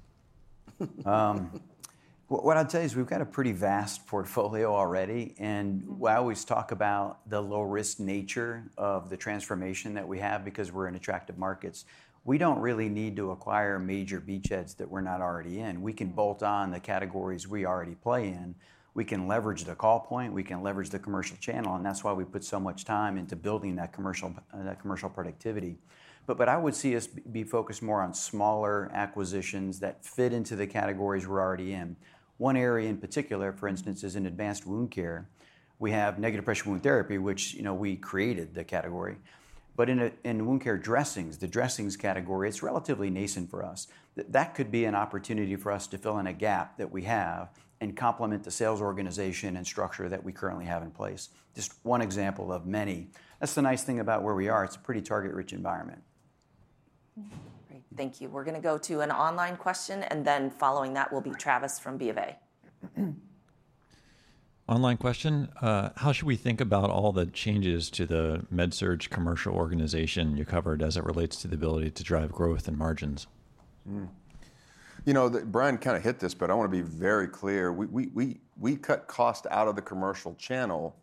What I'd say is we've got a pretty vast portfolio already. While we always talk about the low-risk nature of the transformation that we have because we're in attractive markets, we don't really need to acquire major beachheads that we're not already in. We can bolt on the categories we already play in. We can leverage the call point. We can leverage the commercial channel. That is why we put so much time into building that commercial productivity. I would see us be focused more on smaller acquisitions that fit into the categories we're already in. One area in particular, for instance, is in Advanced Wound Care. We have negative pressure wound therapy, which we created the category. In wound care dressings, the dressings category, it's relatively nascent for us. That could be an opportunity for us to fill in a gap that we have and complement the sales organization and structure that we currently have in place. Just one example of many. That's the nice thing about where we are. It's a pretty target-rich environment. Great. Thank you. We're going to go to an online question, and then following that, we'll be Travis from BofA. Online question. How should we think about all the changes to the MedSurg commercial organization you covered as it relates to the ability to drive growth and margins? You know, Bryan kind of hit this, but I want to be very clear. We cut cost out of the commercial channel,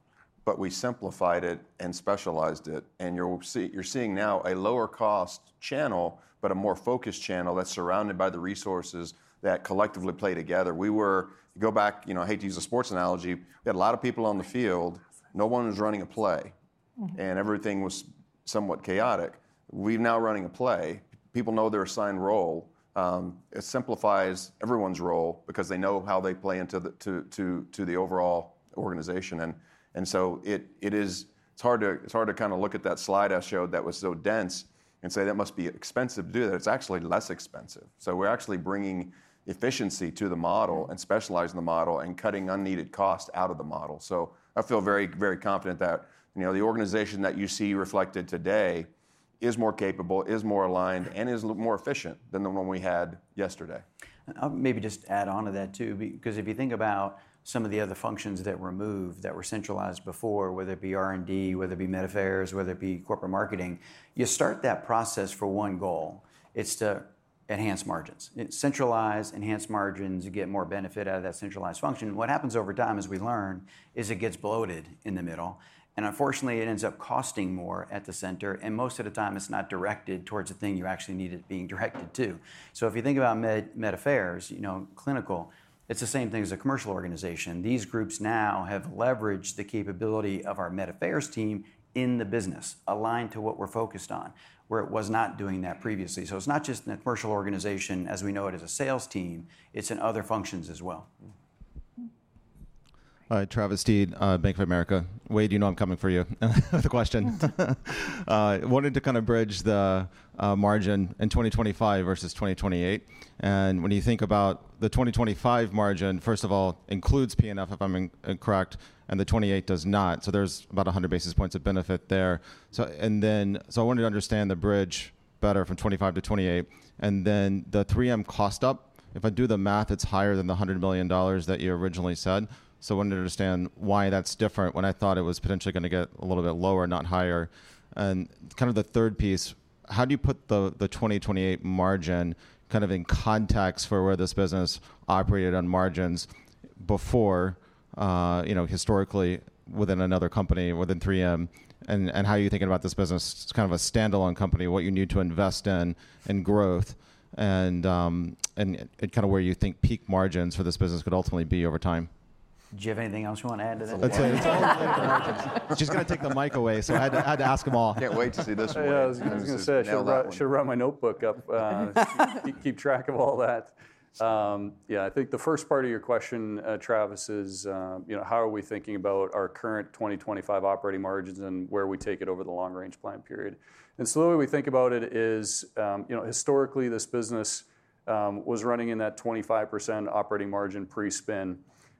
but we simplified it and specialized it. You're seeing now a lower-cost channel, but a more focused channel that's surrounded by the resources that collectively play together. We were, go back, I hate to use a sports analogy, we had a lot of people on the field. No one was running a play, and everything was somewhat chaotic. We're now running a play. People know their assigned role. It simplifies everyone's role because they know how they play into the overall organization. It's hard to kind of look at that slide I showed that was so dense and say, "That must be expensive to do that." It's actually less expensive. We're actually bringing efficiency to the model and specializing the model and cutting unneeded cost out of the model. I feel very, very confident that the organization that you see reflected today is more capable, is more aligned, and is more efficient than the one we had yesterday. Maybe just add on to that too. Because if you think about some of the other functions that were moved, that were centralized before, whether it be R&D, whether it be Med Affairs, whether it be corporate marketing, you start that process for one goal. It's to enhance margins. Centralize, enhance margins, get more benefit out of that centralized function. What happens over time as we learn is it gets bloated in the middle. Unfortunately, it ends up costing more at the center. Most of the time, it's not directed towards the thing you actually need it being directed to. If you think about Med Affairs, clinical, it's the same thing as a commercial organization. These groups now have leveraged the capability of our Med Affairs team in the business aligned to what we're focused on, where it was not doing that previously. It's not just in the commercial organization as we know it as a sales team. It's in other functions as well. All right, Travis Steed, Bank of America. Wayde, you know I'm coming for you with a question. Wanted to kind of bridge the margin in 2025 versus 2028. When you think about the 2025 margin, first of all, includes P&F, if I'm correct, and the 2028 does not. There is about 100 basis points of benefit there. I wanted to understand the bridge better from 2025-2028. The 3M cost up, if I do the math, is higher than the $100 million that you originally said. I wanted to understand why that's different when I thought it was potentially going to get a little bit lower, not higher. The third piece, how do you put the 2028 margin in context for where this business operated on margins before, historically, within another company, within 3M? How are you thinking about this business? It's kind of a standalone company, what you need to invest in and growth, and kind of where you think peak margins for this business could ultimately be over time. Do you have anything else you want to add to that? She's going to take the mic away, so I had to ask them all. Can't wait to see this one. I was going to say, I should write my notebook up, keep track of all that. Yeah, I think the first part of your question, Travis, is how are we thinking about our current 2025 operating margins and where we take it over the long-range plan period? The way we think about it is historically, this business was running in that 25% operating margin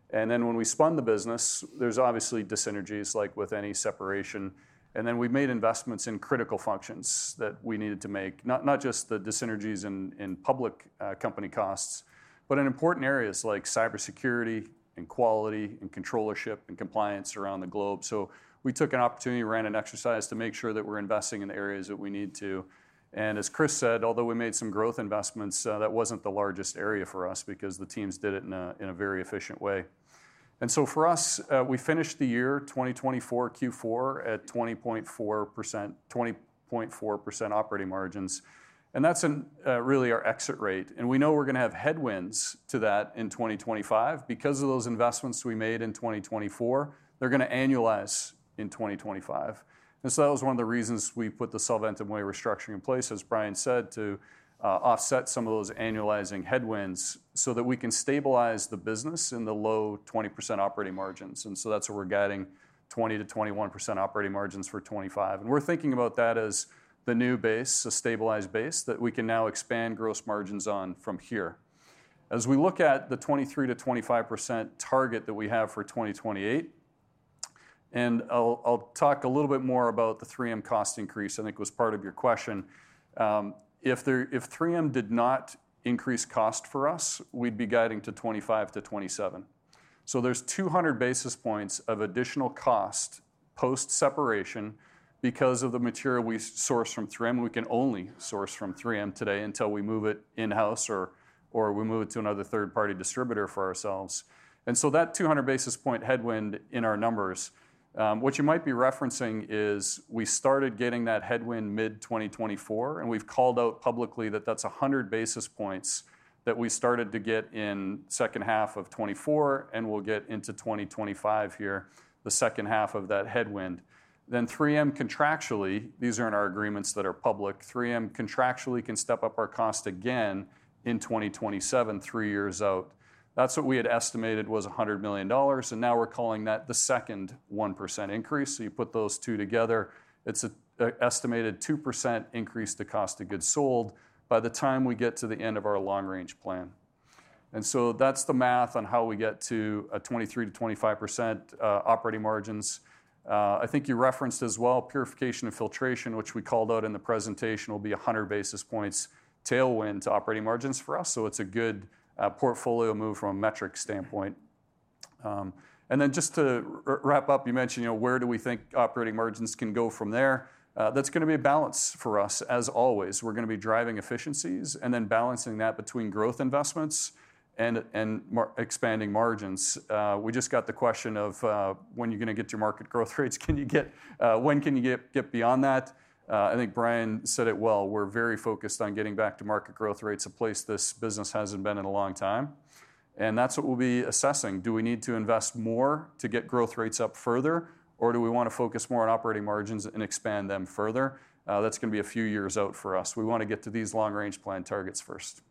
pre-spin. When we spun the business, there's obviously disynergies, like with any separation. We made investments in critical functions that we needed to make, not just the disynergies in public company costs, but in important areas like cybersecurity and quality and controllership and compliance around the globe. We took an opportunity, ran an exercise to make sure that we're investing in the areas that we need to. As Chris said, although we made some growth investments, that wasn't the largest area for us because the teams did it in a very efficient way. For us, we finished the year 2024 Q4 at 20.4% operating margins. That's really our exit rate. We know we're going to have headwinds to that in 2025 because of those investments we made in 2024. They're going to annualize in 2025. That was one of the reasons we put the Solventum way restructuring in place, as Bryan said, to offset some of those annualizing headwinds so that we can stabilize the business in the low 20% operating margins. That is where we're getting 20%-21% operating margins for 2025. We're thinking about that as the new base, a stabilized base that we can now expand gross margins on from here. As we look at the 23%-25% target that we have for 2028, and I'll talk a little bit more about the 3M cost increase. I think it was part of your question. If 3M did not increase cost for us, we'd be guiding to 25%-27%. There is 200 basis points of additional cost post-separation because of the material we source from 3M. We can only source from 3M today until we move it in-house or we move it to another third-party distributor for ourselves. That 200 basis point headwind in our numbers, what you might be referencing is we started getting that headwind mid-2024, and we've called out publicly that that's 100 basis points that we started to get in the second half of 2024, and we'll get into 2025 here, the second half of that headwind. 3M contractually, these are in our agreements that are public. 3M contractually can step up our cost again in 2027, three years out. That's what we had estimated was $100 million. Now we're calling that the second 1% increase. You put those two together, it's an estimated 2% increase to cost of goods sold by the time we get to the end of our long-range plan. That's the math on how we get to a 23%-25% operating margins. I think you referenced as well, purification and filtration, which we called out in the presentation, will be 100 basis points tailwind to operating margins for us. It is a good portfolio move from a metric standpoint. Just to wrap up, you mentioned where do we think operating margins can go from there. That is going to be a balance for us, as always. We are going to be driving efficiencies and then balancing that between growth investments and expanding margins. We just got the question of when you are going to get to market growth rates. When can you get beyond that? I think Bryan said it well. We are very focused on getting back to market growth rates, a place this business has not been in a long time. That is what we will be assessing. Do we need to invest more to get growth rates up further, or do we want to focus more on operating margins and expand them further? That is going to be a few years out for us. We want to get to these long-range plan targets first.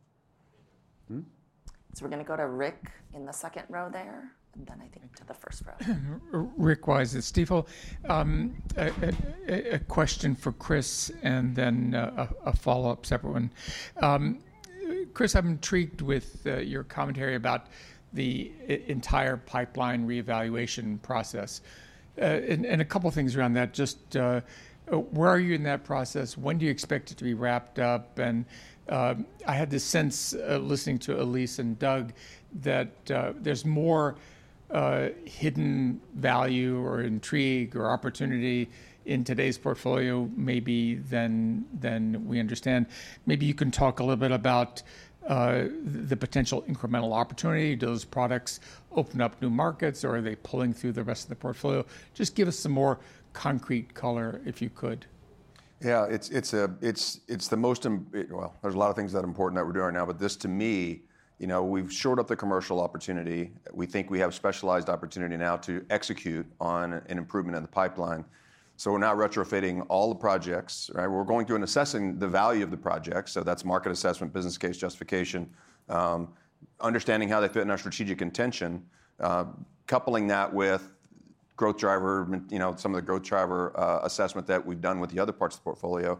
We are going to go to Rick in the second row there, and then I think to the first row. Rick Wise at Stifel. A question for Chris and then a follow-up separate one. Chris, I am intrigued with your commentary about the entire pipeline reevaluation process and a couple of things around that. Just where are you in that process? When do you expect it to be wrapped up? I had the sense listening to Elise and Doug that there is more hidden value or intrigue or opportunity in today's portfolio maybe than we understand. Maybe you can talk a little bit about the potential incremental opportunity. Do those products open up new markets, or are they pulling through the rest of the portfolio? Just give us some more concrete color if you could. Yeah, it's the most, well, there's a lot of things that are important that we're doing right now. This, to me, we've shored up the commercial opportunity. We think we have specialized opportunity now to execute on an improvement in the pipeline. We're not retrofitting all the projects. We're going through and assessing the value of the projects. That's market assessment, business case justification, understanding how they fit in our strategic intention, coupling that with growth driver, some of the growth driver assessment that we've done with the other parts of the portfolio.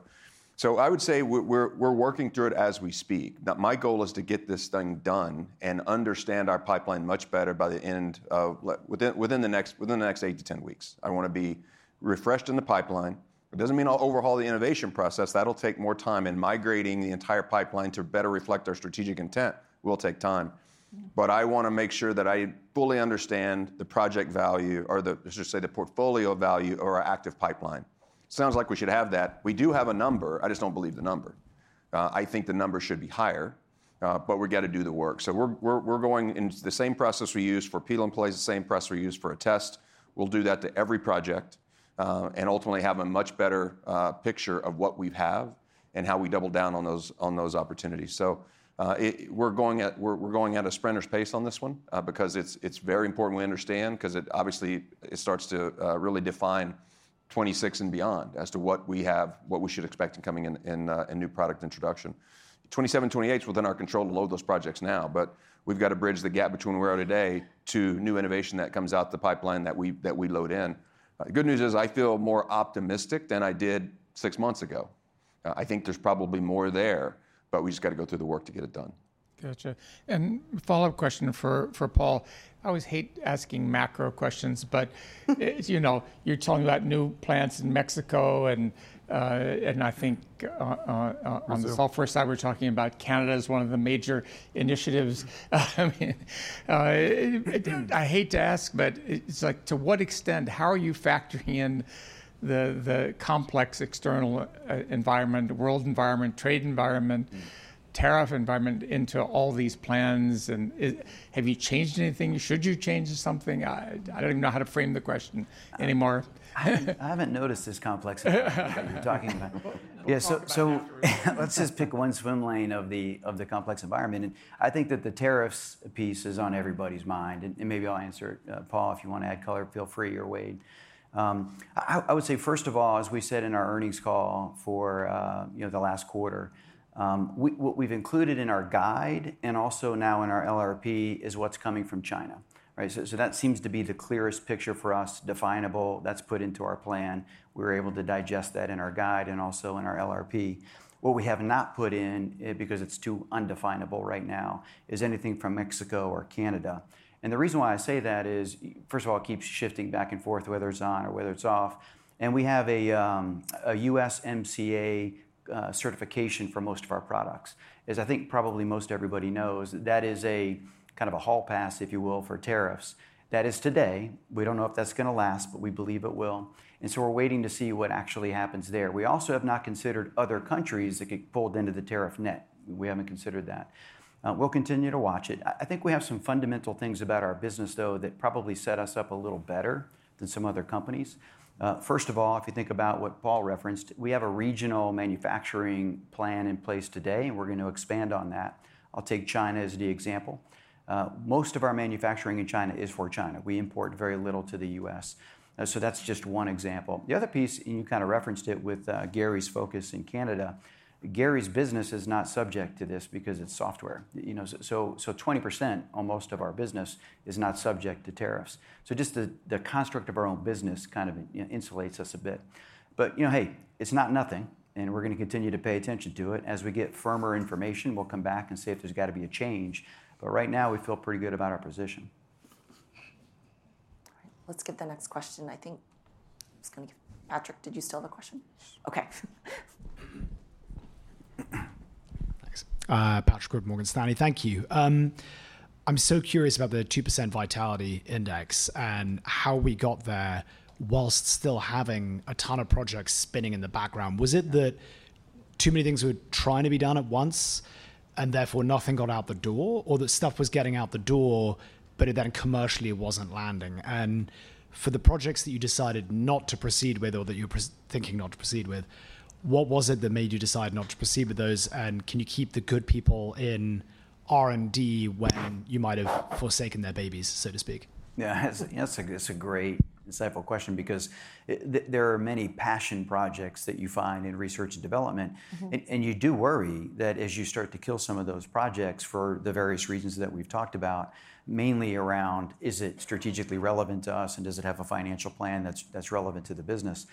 I would say we're working through it as we speak. My goal is to get this thing done and understand our pipeline much better by the end of within the next 8-10 weeks. I want to be refreshed in the pipeline. It does not mean I'll overhaul the innovation process. That will take more time in migrating the entire pipeline to better reflect our strategic intent. It will take time. I want to make sure that I fully understand the project value or, let's just say, the portfolio value or our active pipeline. Sounds like we should have that. We do have a number. I just do not believe the number. I think the number should be higher, but we have got to do the work. We are going into the same process we used for people employees, the same process we used for a test. We'll do that to every project and ultimately have a much better picture of what we have and how we double down on those opportunities. We're going at a sprinter's pace on this one because it's very important we understand because obviously it starts to really define 2026 and beyond as to what we have, what we should expect in coming in a new product introduction. 2027, 2028, we're then in our control to load those projects now, but we've got to bridge the gap between where we are today to new innovation that comes out the pipeline that we load in. The good news is I feel more optimistic than I did six months ago. I think there's probably more there, but we just got to go through the work to get it done. Gotcha. And follow-up question for Paul. I always hate asking macro questions, but you're telling me about new plants in Mexico. I think on the software side, we're talking about Canada as one of the major initiatives. I hate to ask, but it's like to what extent, how are you factoring in the complex external environment, world environment, trade environment, tariff environment into all these plans? Have you changed anything? Should you change something? I don't even know how to frame the question anymore. I haven't noticed as complex as you're talking about. Yeah, let's just pick one swim lane of the complex environment. I think that the tariffs piece is on everybody's mind. Maybe I'll answer it. Paul, if you want to add color, feel free, or Wayde. I would say, first of all, as we said in our earnings call for the last quarter, what we've included in our guide and also now in our LRP is what's coming from China. That seems to be the clearest picture for us, definable, that's put into our plan. We were able to digest that in our guide and also in our LRP. What we have not put in, because it's too undefinable right now, is anything from Mexico or Canada. The reason why I say that is, first of all, it keeps shifting back and forth, whether it's on or whether it's off. We have a USMCA certification for most of our products. As I think probably most everybody knows, that is a kind of a hall pass, if you will, for tariffs. That is today. We don't know if that's going to last, but we believe it will. We are waiting to see what actually happens there. We also have not considered other countries that get pulled into the tariff net. We haven't considered that. We'll continue to watch it. I think we have some fundamental things about our business, though, that probably set us up a little better than some other companies. First of all, if you think about what Paul referenced, we have a regional manufacturing plan in place today, and we're going to expand on that. I'll take China as the example. Most of our manufacturing in China is for China. We import very little to the U.S. That's just one example. The other piece, and you kind of referenced it with Garri's focus in Canada, Garri's business is not subject to this because it's software. 20%, almost, of our business is not subject to tariffs. Just the construct of our own business kind of insulates us a bit. Hey, it's not nothing, and we're going to continue to pay attention to it. As we get firmer information, we'll come back and see if there's got to be a change. Right now, we feel pretty good about our position. All right, let's get the next question. I think I was going to give Patrick, did you still have a question? Okay. Thanks. Patrick Wood, Morgan Stanley. Thank you. I'm so curious about the 2% vitality index and how we got there whilst still having a ton of projects spinning in the background. Was it that too many things were trying to be done at once and therefore nothing got out the door, or that stuff was getting out the door, but it then commercially wasn't landing? For the projects that you decided not to proceed with or that you were thinking not to proceed with, what was it that made you decide not to proceed with those? Can you keep the good people in R&D when you might have forsaken their babies, so to speak? Yeah, that's a great and simple question because there are many passion projects that you find in research and development. You do worry that as you start to kill some of those projects for the various reasons that we've talked about, mainly around, is it strategically relevant to us, and does it have a financial plan that's relevant to the business?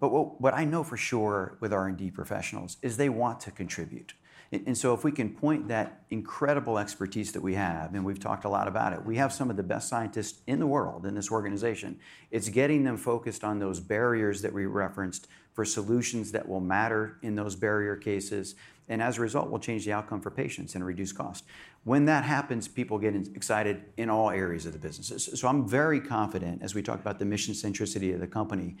What I know for sure with R&D professionals is they want to contribute. If we can point that incredible expertise that we have, and we've talked a lot about it, we have some of the best scientists in the world in this organization. It's getting them focused on those barriers that we referenced for solutions that will matter in those barrier cases. As a result, we'll change the outcome for patients and reduce cost. When that happens, people get excited in all areas of the business. I am very confident as we talk about the mission centricity of the company,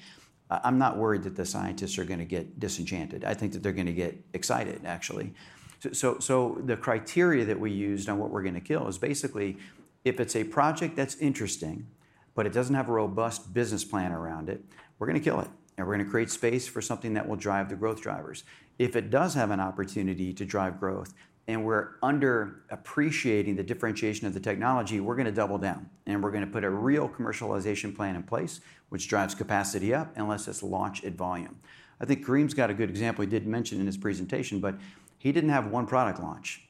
I'm not worried that the scientists are going to get disenchanted. I think that they're going to get excited, actually. The criteria that we used on what we're going to kill is basically if it's a project that's interesting, but it doesn't have a robust business plan around it, we're going to kill it. We're going to create space for something that will drive the growth drivers. If it does have an opportunity to drive growth and we're underappreciating the differentiation of the technology, we're going to double down. We're going to put a real commercialization plan in place, which drives capacity up and lets us launch at volume. I think Karim's got a good example he didn't mention in his presentation, but he didn't have one product launch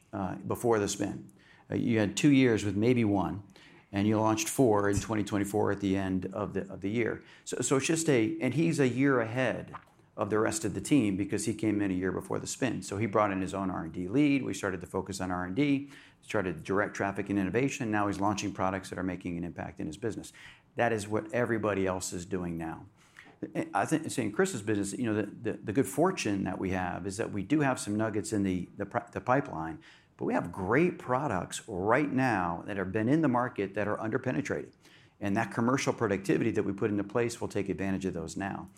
before the spin. You had two years with maybe one, and you launched four in 2024 at the end of the year. He's a year ahead of the rest of the team because he came in a year before the spin. He brought in his own R&D lead. We started to focus on R&D, started direct traffic and innovation. Now he's launching products that are making an impact in his business. That is what everybody else is doing now. I think in Chris's business, the good fortune that we have is that we do have some nuggets in the pipeline, but we have great products right now that have been in the market that are underpenetrated. That commercial productivity that we put into place will take advantage of those now.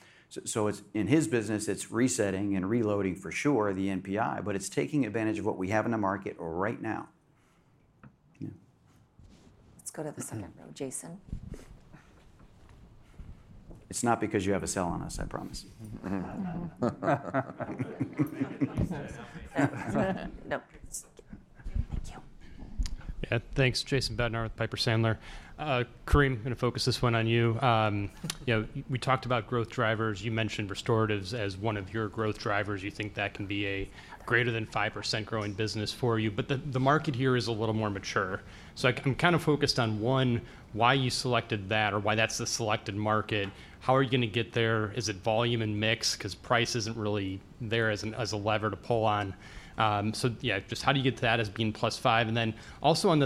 In his business, it's resetting and reloading for sure the NPI, but it's taking advantage of what we have in the market right now. Let's go to the second row, Jason. It's not because you have a cell on us, I promise. Nope. Thank you. Yeah, thanks, Jason Bednar with Piper Sandler. Karim, I'm going to focus this one on you. We talked about growth drivers. You mentioned restoratives as one of your growth drivers. You think that can be a greater than 5% growing business for you. The market here is a little more mature. I am kind of focused on one, why you selected that or why that's the selected market. How are you going to get there? Is it volume and mix? Price is not really there as a lever to pull on. Just how do you get to that as being plus five? Also, on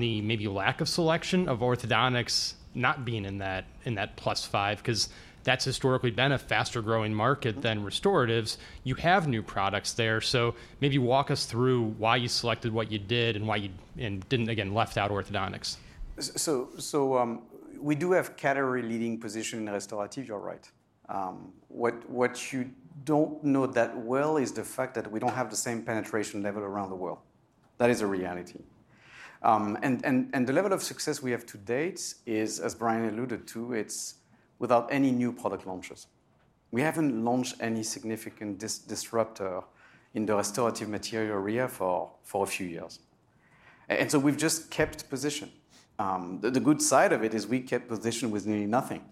the maybe lack of selection of orthodontics not being in that plus five because that's historically been a faster growing market than restoratives. You have new products there. Maybe walk us through why you selected what you did and why you did not, again, left out orthodontics. We do have category leading position in restorative, you are right. What you do not know that well is the fact that we do not have the same penetration level around the world. That is a reality. The level of success we have to date is, as Bryan alluded to, it is without any new product launches. We have not launched any significant disruptor in the restorative material area for a few years. We have just kept position. The good side of it is we kept position with nearly nothing.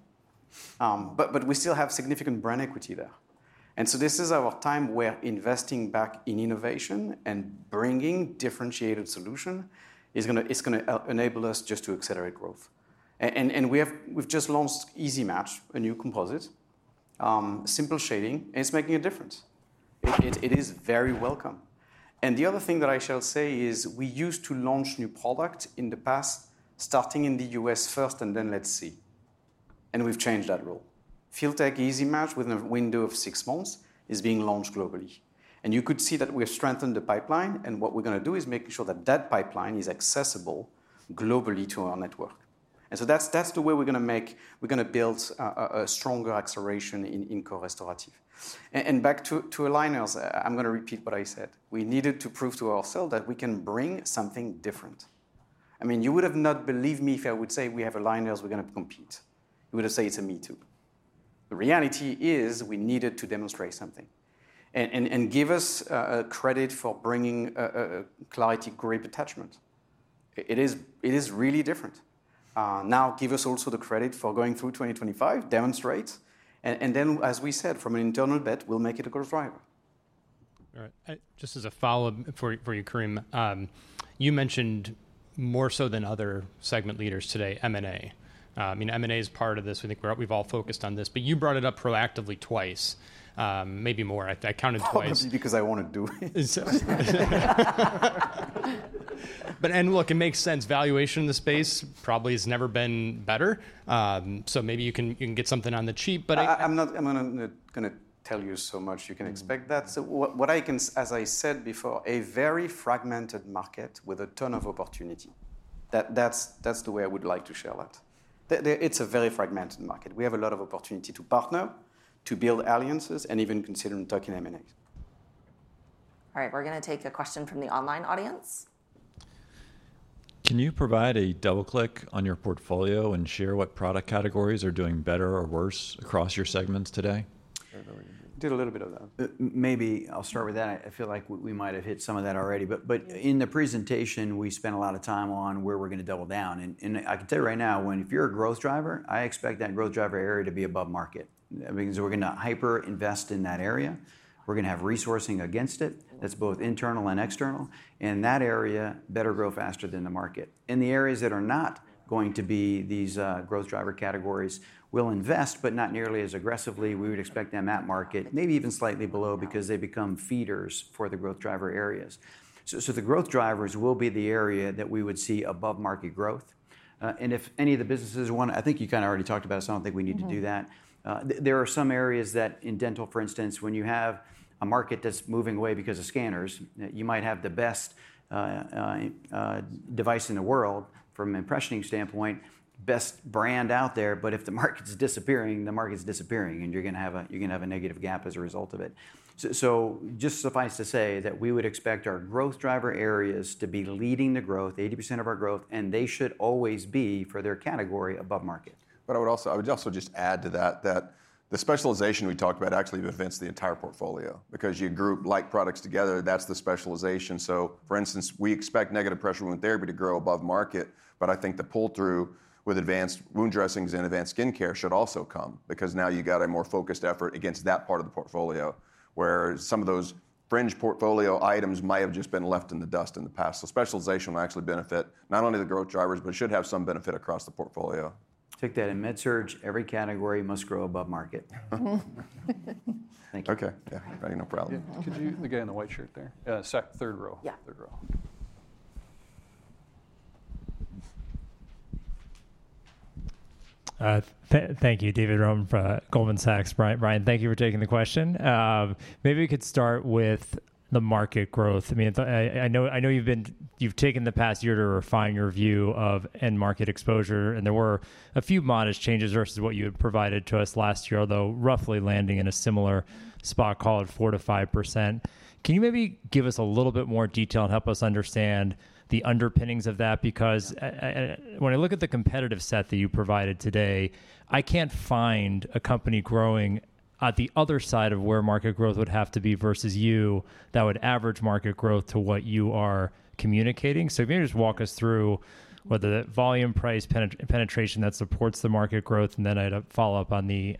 We still have significant brand equity there. This is our time where investing back in innovation and bringing differentiated solution is going to enable us just to accelerate growth. We've just launched Easy Match, a new composite, simple shading, and it's making a difference. It is very welcome. The other thing that I shall say is we used to launch new products in the past, starting in the U.S. first and then let's see. We've changed that role. Filtek Easy Match with a window of six months is being launched globally. You could see that we have strengthened the pipeline. What we're going to do is make sure that that pipeline is accessible globally to our network. That's the way we're going to build a stronger acceleration in co-restorative. Back to aligners, I'm going to repeat what I said. We needed to prove to ourselves that we can bring something different. I mean, you would have not believed me if I would say we have aligners we're going to compete. You would have said it's a me too. The reality is we needed to demonstrate something and give us credit for bringing Clarity Grip Attachment. It is really different. Now give us also the credit for going through 2025, demonstrate. As we said, from an internal bet, we'll make it a growth driver. All right. Just as a follow-up for you, Karim, you mentioned more so than other segment leaders today, M&A. I mean, M&A is part of this. We think we've all focused on this. You brought it up proactively twice, maybe more. I counted twice. Probably because I want to do it. Look, it makes sense. Valuation in the space probably has never been better. Maybe you can get something on the cheap. I'm not going to tell you so much you can expect that. What I can, as I said before, a very fragmented market with a ton of opportunity. That's the way I would like to share that. It's a very fragmented market. We have a lot of opportunity to partner, to build alliances, and even considering talking M&A. All right, we're going to take a question from the online audience. Can you provide a double click on your portfolio and share what product categories are doing better or worse across your segments today? Did a little bit of that. Maybe I'll start with that. I feel like we might have hit some of that already. In the presentation, we spent a lot of time on where we're going to double down. I can tell you right now, if you're a growth driver, I expect that growth driver area to be above market because we're going to hyper-invest in that area. We're going to have resourcing against it. That's both internal and external. That area better grow faster than the market. The areas that are not going to be these growth driver categories will invest, but not nearly as aggressively. We would expect them at market, maybe even slightly below because they become feeders for the growth driver areas. The growth drivers will be the area that we would see above market growth. If any of the businesses want to, I think you kind of already talked about it, so I don't think we need to do that. There are some areas that in dental, for instance, when you have a market that's moving away because of scanners, you might have the best device in the world from an impressioning standpoint, best brand out there. If the market's disappearing, the market's disappearing, and you're going to have a negative gap as a result of it. Just suffice to say that we would expect our growth driver areas to be leading the growth, 80% of our growth, and they should always be for their category above market. I would also just add to that that the specialization we talked about actually prevents the entire portfolio because you group like products together, that's the specialization. For instance, we expect negative pressure wound therapy to grow above market. I think the pull through with advanced wound dressings and advanced skin care should also come because now you got a more focused effort against that part of the portfolio where some of those fringe portfolio items might have just been left in the dust in the past. Specialization will actually benefit not only the growth drivers, but should have some benefit across the portfolio. Take that in MedSurg, every category must grow above market. Thank you. Okay. Yeah, no problem. Could you look at it in the white shirt there? Third row. Yeah, third row. Thank you, David Roman from Goldman Sachs. Bryan, thank you for taking the question. Maybe we could start with the market growth. I mean, I know you've taken the past year to refine your view of end market exposure. There were a few modest changes versus what you had provided to us last year, although roughly landing in a similar spot called 4%-5%. Can you maybe give us a little bit more detail and help us understand the underpinnings of that? Because when I look at the competitive set that you provided today, I can't find a company growing at the other side of where market growth would have to be versus you that would average market growth to what you are communicating. Maybe just walk us through whether that volume price penetration that supports the market growth, and then I'd follow up on the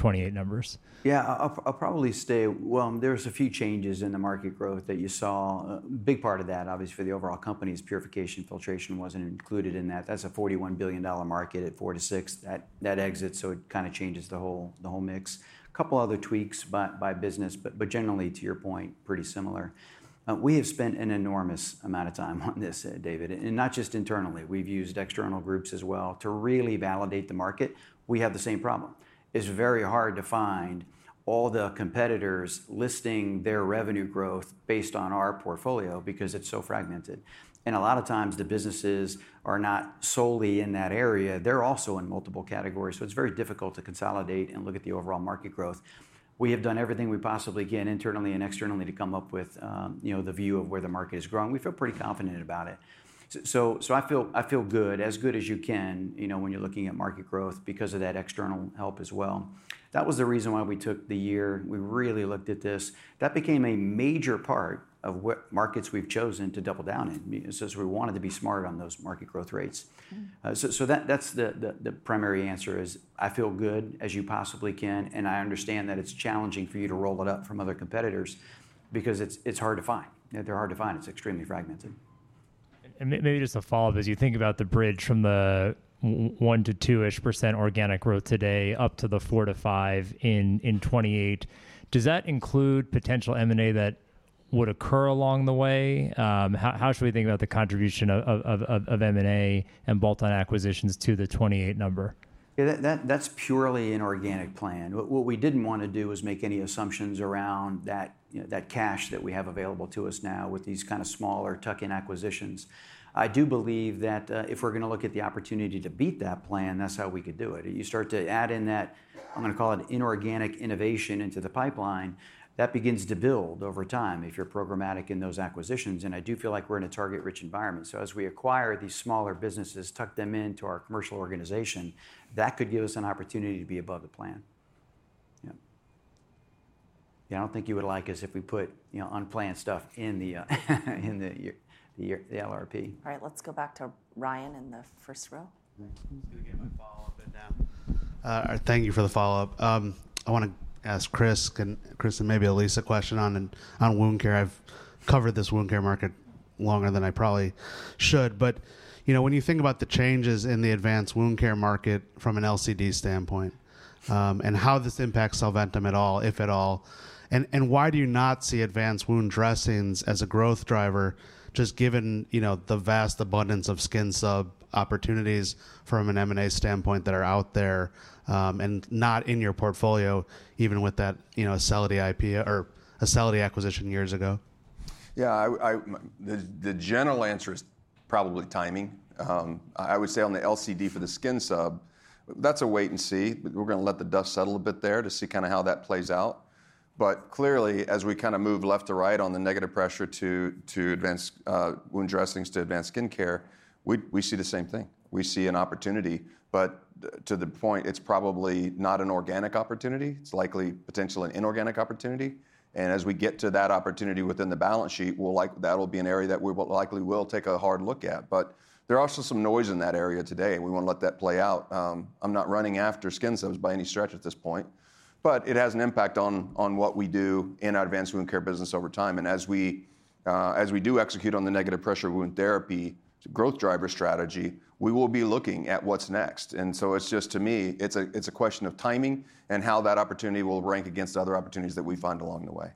28 numbers. I'll probably stay. There are a few changes in the market growth that you saw. A big part of that, obviously, for the overall company is Purification Filtration wasn't included in that. That's a $41 billion market at four to six that exits. It kind of changes the whole mix. A couple of other tweaks by business, but generally, to your point, pretty similar. We have spent an enormous amount of time on this, David, and not just internally. We've used external groups as well to really validate the market. We have the same problem. It's very hard to find all the competitors listing their revenue growth based on our portfolio because it's so fragmented. A lot of times the businesses are not solely in that area. They're also in multiple categories. It is very difficult to consolidate and look at the overall market growth. We have done everything we possibly can internally and externally to come up with the view of where the market is growing. We feel pretty confident about it. I feel good, as good as you can when you're looking at market growth because of that external help as well. That was the reason why we took the year. We really looked at this. That became a major part of what markets we've chosen to double down in. We wanted to be smart on those market growth rates. That's the primary answer is I feel good as you possibly can. I understand that it's challenging for you to roll it up from other competitors because it's hard to find. They're hard to find. It's extremely fragmented. Maybe just a follow-up. As you think about the bridge from the 1%-2% organic growth today up to the 4%-5% in 2028, does that include potential M&A that would occur along the way? How should we think about the contribution of M&A and bolt-on acquisitions to the 28 number? Yeah, that's purely an organic plan. What we didn't want to do is make any assumptions around that cash that we have available to us now with these kind of smaller tuck-in acquisitions. I do believe that if we're going to look at the opportunity to beat that plan, that's how we could do it. You start to add in that, I'm going to call it inorganic innovation into the pipeline. That begins to build over time if you're programmatic in those acquisitions. I do feel like we're in a target-rich environment. As we acquire these smaller businesses, tuck them into our commercial organization, that could give us an opportunity to be above the plan. Yeah. Yeah, I don't think you would like us if we put unplanned stuff in the LRP. All right, let's go back to Ryan in the first row. Thank you for the follow-up. I want to ask Chris and maybe Elise a question on wound care. I've covered this wound care market longer than I probably should. When you think about the changes in the advanced wound care market from an LCD standpoint and how this impacts Solventum at all, if at all, and why do you not see advanced wound dressings as a growth driver just given the vast abundance of skin sub opportunities from an M&A standpoint that are out there and not in your portfolio, even with that Acelity IP or Acelity acquisition years ago. The general answer is probably timing. I would say on the LCD for the skin sub, that's a wait and see. We're going to let the dust settle a bit there to see kind of how that plays out. Clearly, as we kind of move left to right on the negative pressure to advanced wound dressings to advanced skin care, we see the same thing. We see an opportunity. To the point, it's probably not an organic opportunity. It's likely potentially an inorganic opportunity. As we get to that opportunity within the balance sheet, that'll be an area that we likely will take a hard look at. There are also some noise in that area today. We want to let that play out. I'm not running after skin subs by any stretch at this point. It has an impact on what we do in our Advanced Wound Care business over time. As we do execute on the negative pressure wound therapy growth driver strategy, we will be looking at what's next. To me, it's a question of timing and how that opportunity will rank against other opportunities that we find along the way.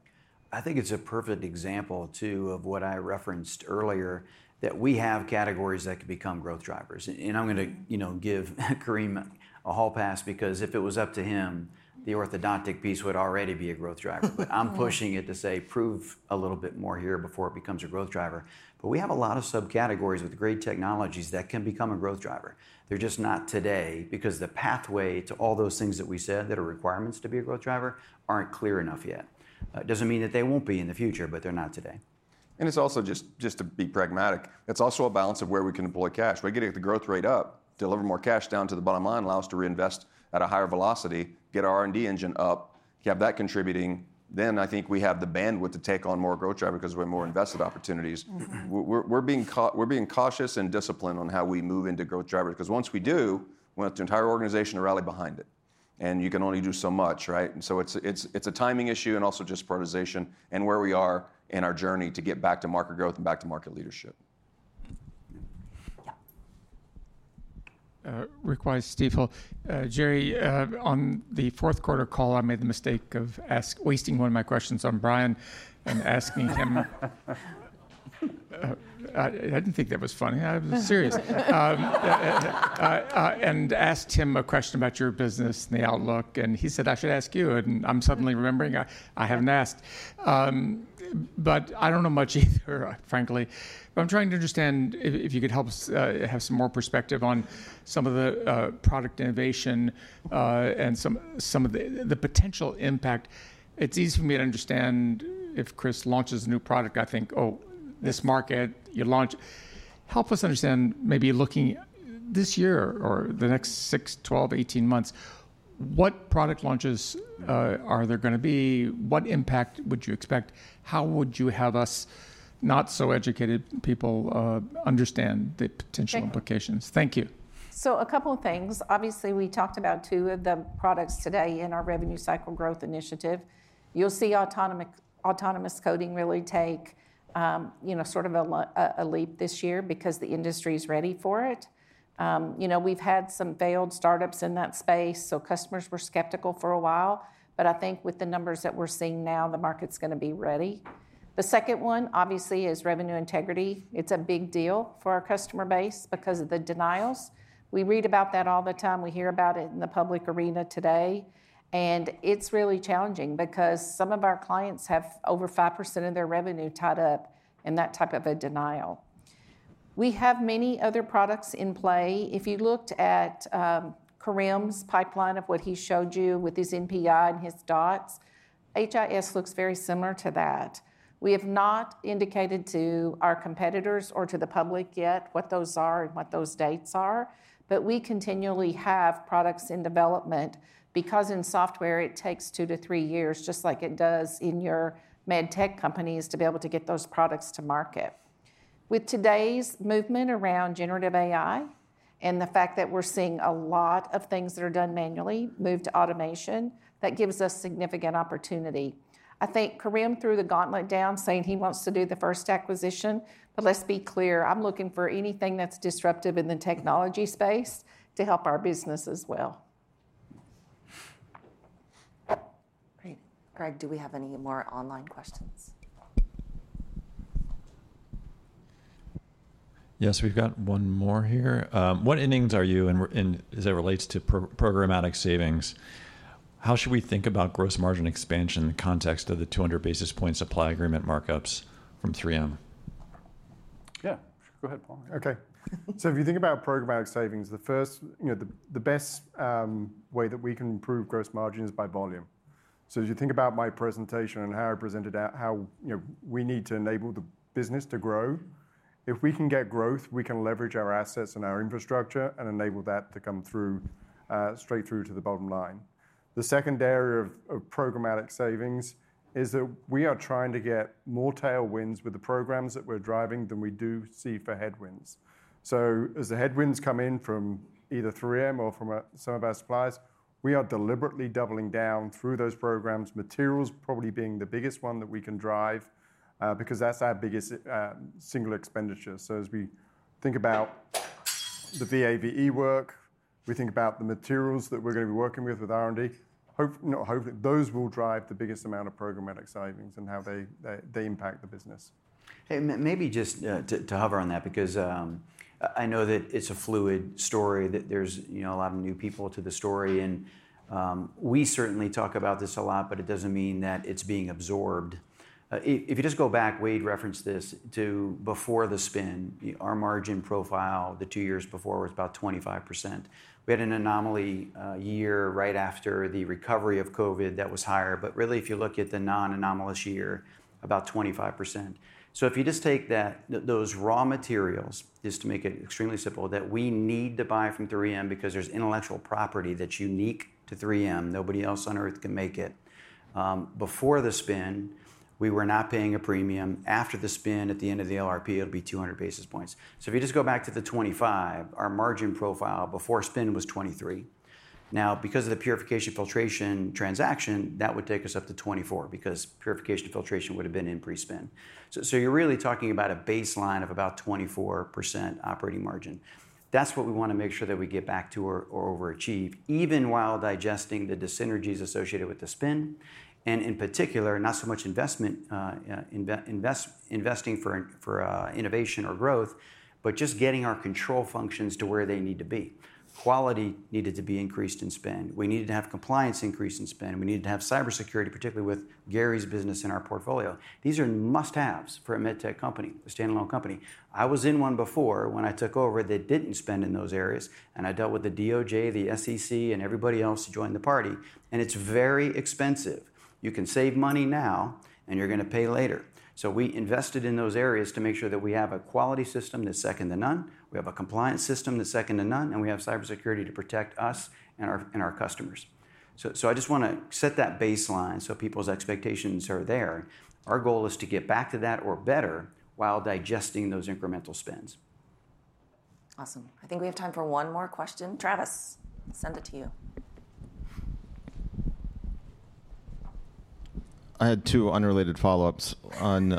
I think it's a perfect example too of what I referenced earlier that we have categories that could become growth drivers. I'm going to give Karim a hall pass because if it was up to him, the orthodontic piece would already be a growth driver. I'm pushing it to say prove a little bit more here before it becomes a growth driver. We have a lot of subcategories with great technologies that can become a growth driver. They're just not today because the pathway to all those things that we said that are requirements to be a growth driver aren't clear enough yet. It doesn't mean that they won't be in the future, but they're not today. It's also just to be pragmatic, it's also a balance of where we can deploy cash. We're getting the growth rate up, deliver more cash down to the bottom line, allow us to reinvest at a higher velocity, get our R&D engine up, have that contributing. I think we have the bandwidth to take on more growth drivers because we have more invested opportunities. We're being cautious and disciplined on how we move into growth drivers because once we do, we want the entire organization to rally behind it. You can only do so much, right? It is a timing issue and also just prioritization and where we are in our journey to get back to market growth and back to market leadership. Yeah. Rick Wise, Stifel. Garri, on the fourth quarter call, I made the mistake of wasting one of my questions on Bryan and asking him. I did not think that was funny. I was serious. And asked him a question about your business and the outlook. He said, "I should ask you." I am suddenly remembering I have not asked. I do not know much either, frankly. I am trying to understand if you could help us have some more perspective on some of the product innovation and some of the potential impact. It's easy for me to understand if Chris launches a new product, I think, "Oh, this market, you launch." Help us understand maybe looking this year or the next 6, 12, 18 months, what product launches are there going to be? What impact would you expect? How would you have us, not so educated people, understand the potential implications? Thank you. A couple of things. Obviously, we talked about two of the products today in our revenue cycle growth initiative. You'll see autonomous coding really take sort of a leap this year because the industry is ready for it. We've had some failed startups in that space, so customers were skeptical for a while. I think with the numbers that we're seeing now, the market's going to be ready. The second one, obviously, is revenue integrity. It's a big deal for our customer base because of the denials. We read about that all the time. We hear about it in the public arena today. It is really challenging because some of our clients have over 5% of their revenue tied up in that type of a denial. We have many other products in play. If you looked at Karim's pipeline of what he showed you with his NPI and his dots, HIS looks very similar to that. We have not indicated to our competitors or to the public yet what those are and what those dates are. We continually have products in development because in software, it takes two to three years, just like it does in your med tech companies, to be able to get those products to market. With today's movement around generative AI and the fact that we're seeing a lot of things that are done manually move to automation, that gives us significant opportunity. I think Karim threw the gauntlet down, saying he wants to do the first acquisition, but let's be clear, I'm looking for anything that's disruptive in the technology space to help our business as well. Great. Greg, do we have any more online questions? Yes, we've got one more here. What innings are you in as it relates to programmatic savings? How should we think about gross margin expansion in the context of the 200 basis point supply agreement markups from 3M? Yeah, go ahead, Paul. Okay. So if you think about programmatic savings, the best way that we can improve gross margin is by volume. As you think about my presentation and how I presented out how we need to enable the business to grow, if we can get growth, we can leverage our assets and our infrastructure and enable that to come straight through to the bottom line. The second area of programmatic savings is that we are trying to get more tailwinds with the programs that we're driving than we do see for headwinds. As the headwinds come in from either 3M or from some of our suppliers, we are deliberately doubling down through those programs, materials probably being the biggest one that we can drive because that's our biggest single expenditure. As we think about the VAVE work, we think about the materials that we're going to be working with with R&D. Hopefully, those will drive the biggest amount of programmatic savings and how they impact the business. Maybe just to hover on that because I know that it's a fluid story, that there's a lot of new people to the story. We certainly talk about this a lot, but it doesn't mean that it's being absorbed. If you just go back, Wayde referenced this to before the spin, our margin profile the two years before was about 25%. We had an anomaly year right after the recovery of COVID that was higher. Really, if you look at the non-anomalous year, about 25%. If you just take those raw materials, just to make it extremely simple, that we need to buy from 3M because there's intellectual property that's unique to 3M. Nobody else on earth can make it. Before the spin, we were not paying a premium. After the spin, at the end of the LRP, it'll be 200 basis points. If you just go back to the 25, our margin profile before spin was 23. Now, because of the Purification Filtration transaction, that would take us up to 24 because Purification Filtration would have been in pre-spin. You are really talking about a baseline of about 24% operating margin. That is what we want to make sure that we get back to or overachieve, even while digesting the synergies associated with the spin. In particular, not so much investing for innovation or growth, but just getting our control functions to where they need to be. Quality needed to be increased in spend. We needed to have compliance increased in spend. We needed to have cybersecurity, particularly with Garri's business in our portfolio. These are must-haves for a med tech company, a standalone company. I was in one before when I took over that did not spend in those areas. I dealt with the DOJ, the SEC, and everybody else who joined the party. It is very expensive. You can save money now, and you're going to pay later. We invested in those areas to make sure that we have a quality system that's second to none. We have a compliance system that's second to none. We have cybersecurity to protect us and our customers. I just want to set that baseline so people's expectations are there. Our goal is to get back to that or better while digesting those incremental spends. Awesome. I think we have time for one more question. Travis, send it to you. I had two unrelated follow-ups on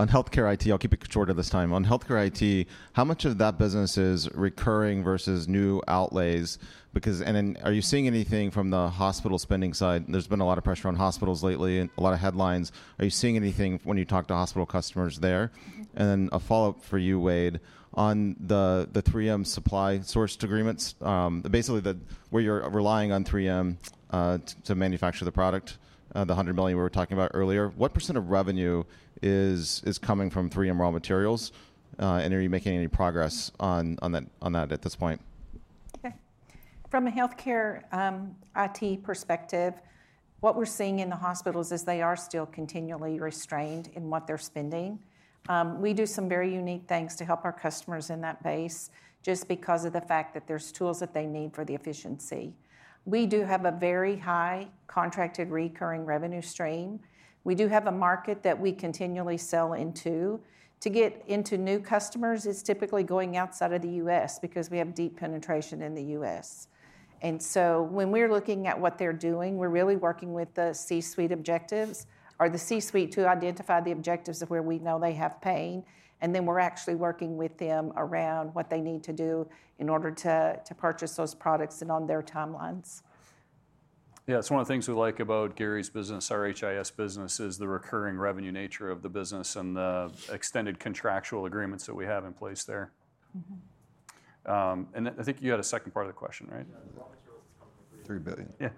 healthcare IT. I'll keep it shorter this time. On healthcare IT, how much of that business is recurring versus new outlays? Are you seeing anything from the hospital spending side? There's been a lot of pressure on hospitals lately, a lot of headlines. Are you seeing anything when you talk to hospital customers there? A follow-up for you, Wayde, on the 3M supply sourced agreements, basically where you're relying on 3M to manufacture the product, the $100 million we were talking about earlier. What percent of revenue is coming from 3M raw materials? Are you making any progress on that at this point? From a healthcare IT perspective, what we're seeing in the hospitals is they are still continually restrained in what they're spending. We do some very unique things to help our customers in that base just because of the fact that there's tools that they need for the efficiency. We do have a very high contracted recurring revenue stream. We do have a market that we continually sell into. To get into new customers is typically going outside of the US because we have deep penetration in the US. When we're looking at what they're doing, we're really working with the C-suite objectives. Are the C-suite to identify the objectives of where we know they have pain? We're actually working with them around what they need to do in order to purchase those products and on their timelines. Yeah, it's one of the things we like about Garri's business, our HIS business, is the recurring revenue nature of the business and the extended contractual agreements that we have in place there. I think you had a second part of the question, right? Yeah, the raw materials coming in $3 billion. $3 billion.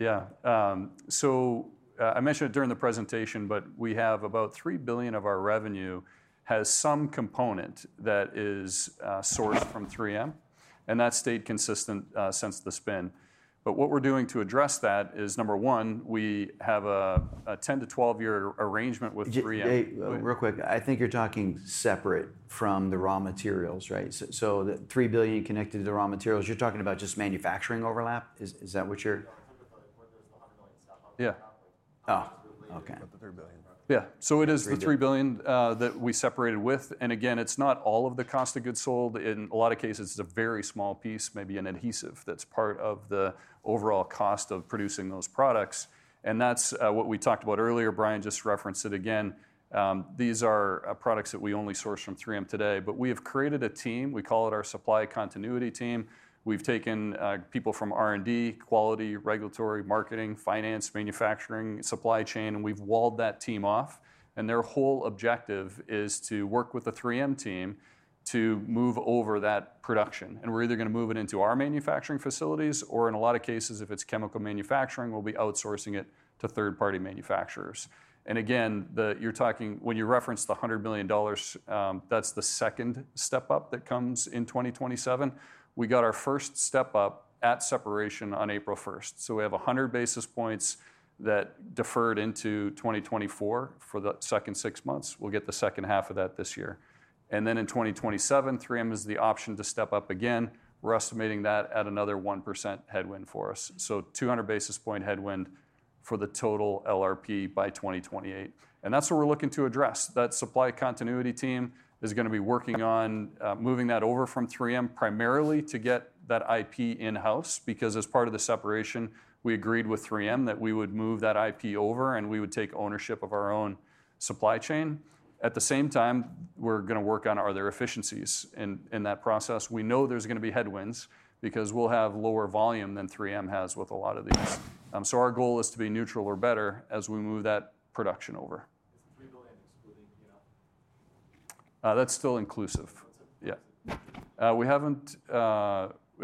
Yeah. Yeah. I mentioned it during the presentation, but we have about $3 billion of our revenue has some component that is sourced from 3M. That has stayed consistent since the spin. What we are doing to address that is, number one, we have a 10-12 year arrangement with 3M. Just real quick, I think you are talking separate from the raw materials, right? $3 billion connected to the raw materials. You are talking about just manufacturing overlap? Is that what you are— yeah, $100 million, where there is the $100 million stuff on the top. Yeah. Oh, okay. About the $3 billion. Yeah. It is the $3 billion that we separated with. Again, it is not all of the cost of goods sold. In a lot of cases, it is a very small piece, maybe an adhesive that is part of the overall cost of producing those products. That is what we talked about earlier. Bryan just referenced it again. These are products that we only source from 3M today. We have created a team. We call it our supply continuity team. We have taken people from R&D, quality, regulatory, marketing, finance, manufacturing, supply chain. We have walled that team off. Their whole objective is to work with the 3M team to move over that production. We are either going to move it into our manufacturing facilities or, in a lot of cases, if it is chemical manufacturing, we will be outsourcing it to third-party manufacturers. Again, when you referenced the $100 million, that is the second step up that comes in 2027. We got our first step up at separation on April 1st. We have 100 basis points that deferred into 2024 for the second six months. We will get the second half of that this year. In 2027, 3M has the option to step up again. We're estimating that at another 1% headwind for us. 200 basis point headwind for the total LRP by 2028. That is what we're looking to address. That supply continuity team is going to be working on moving that over from 3M primarily to get that IP in-house because, as part of the separation, we agreed with 3M that we would move that IP over and we would take ownership of our own supply chain. At the same time, we're going to work on are there efficiencies in that process. We know there's going to be headwinds because we'll have lower volume than 3M has with a lot of these. Our goal is to be neutral or better as we move that production over. Is the $3 billion excluding? That's still inclusive. Yeah. We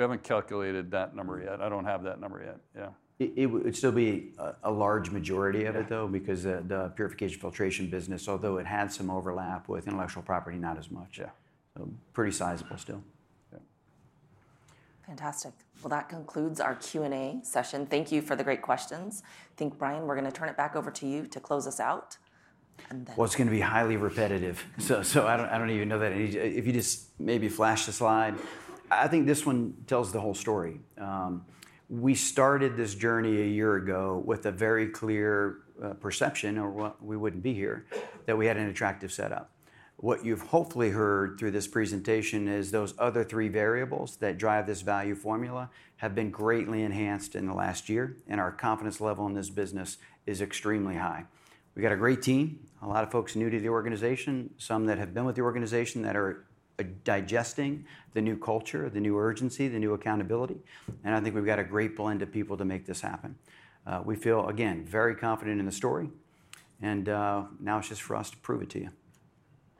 haven't calculated that number yet. I don't have that number yet. Yeah. It'd still be a large majority of it, though, because the Purification Filtration business, although it had some overlap with intellectual property, not as much. So pretty sizable still. Yeah. Fantastic. That concludes our Q&A session. Thank you for the great questions. I think, Bryan, we're going to turn it back over to you to close us out. It is going to be highly repetitive. I don't even know that. If you just maybe flash the slide. I think this one tells the whole story. We started this journey a year ago with a very clear perception or we wouldn't be here that we had an attractive setup. What you've hopefully heard through this presentation is those other three variables that drive this value formula have been greatly enhanced in the last year. Our confidence level in this business is extremely high. We've got a great team, a lot of folks new to the organization, some that have been with the organization that are digesting the new culture, the new urgency, the new accountability. I think we've got a great blend of people to make this happen. We feel, again, very confident in the story. Now it's just for us to prove it to you.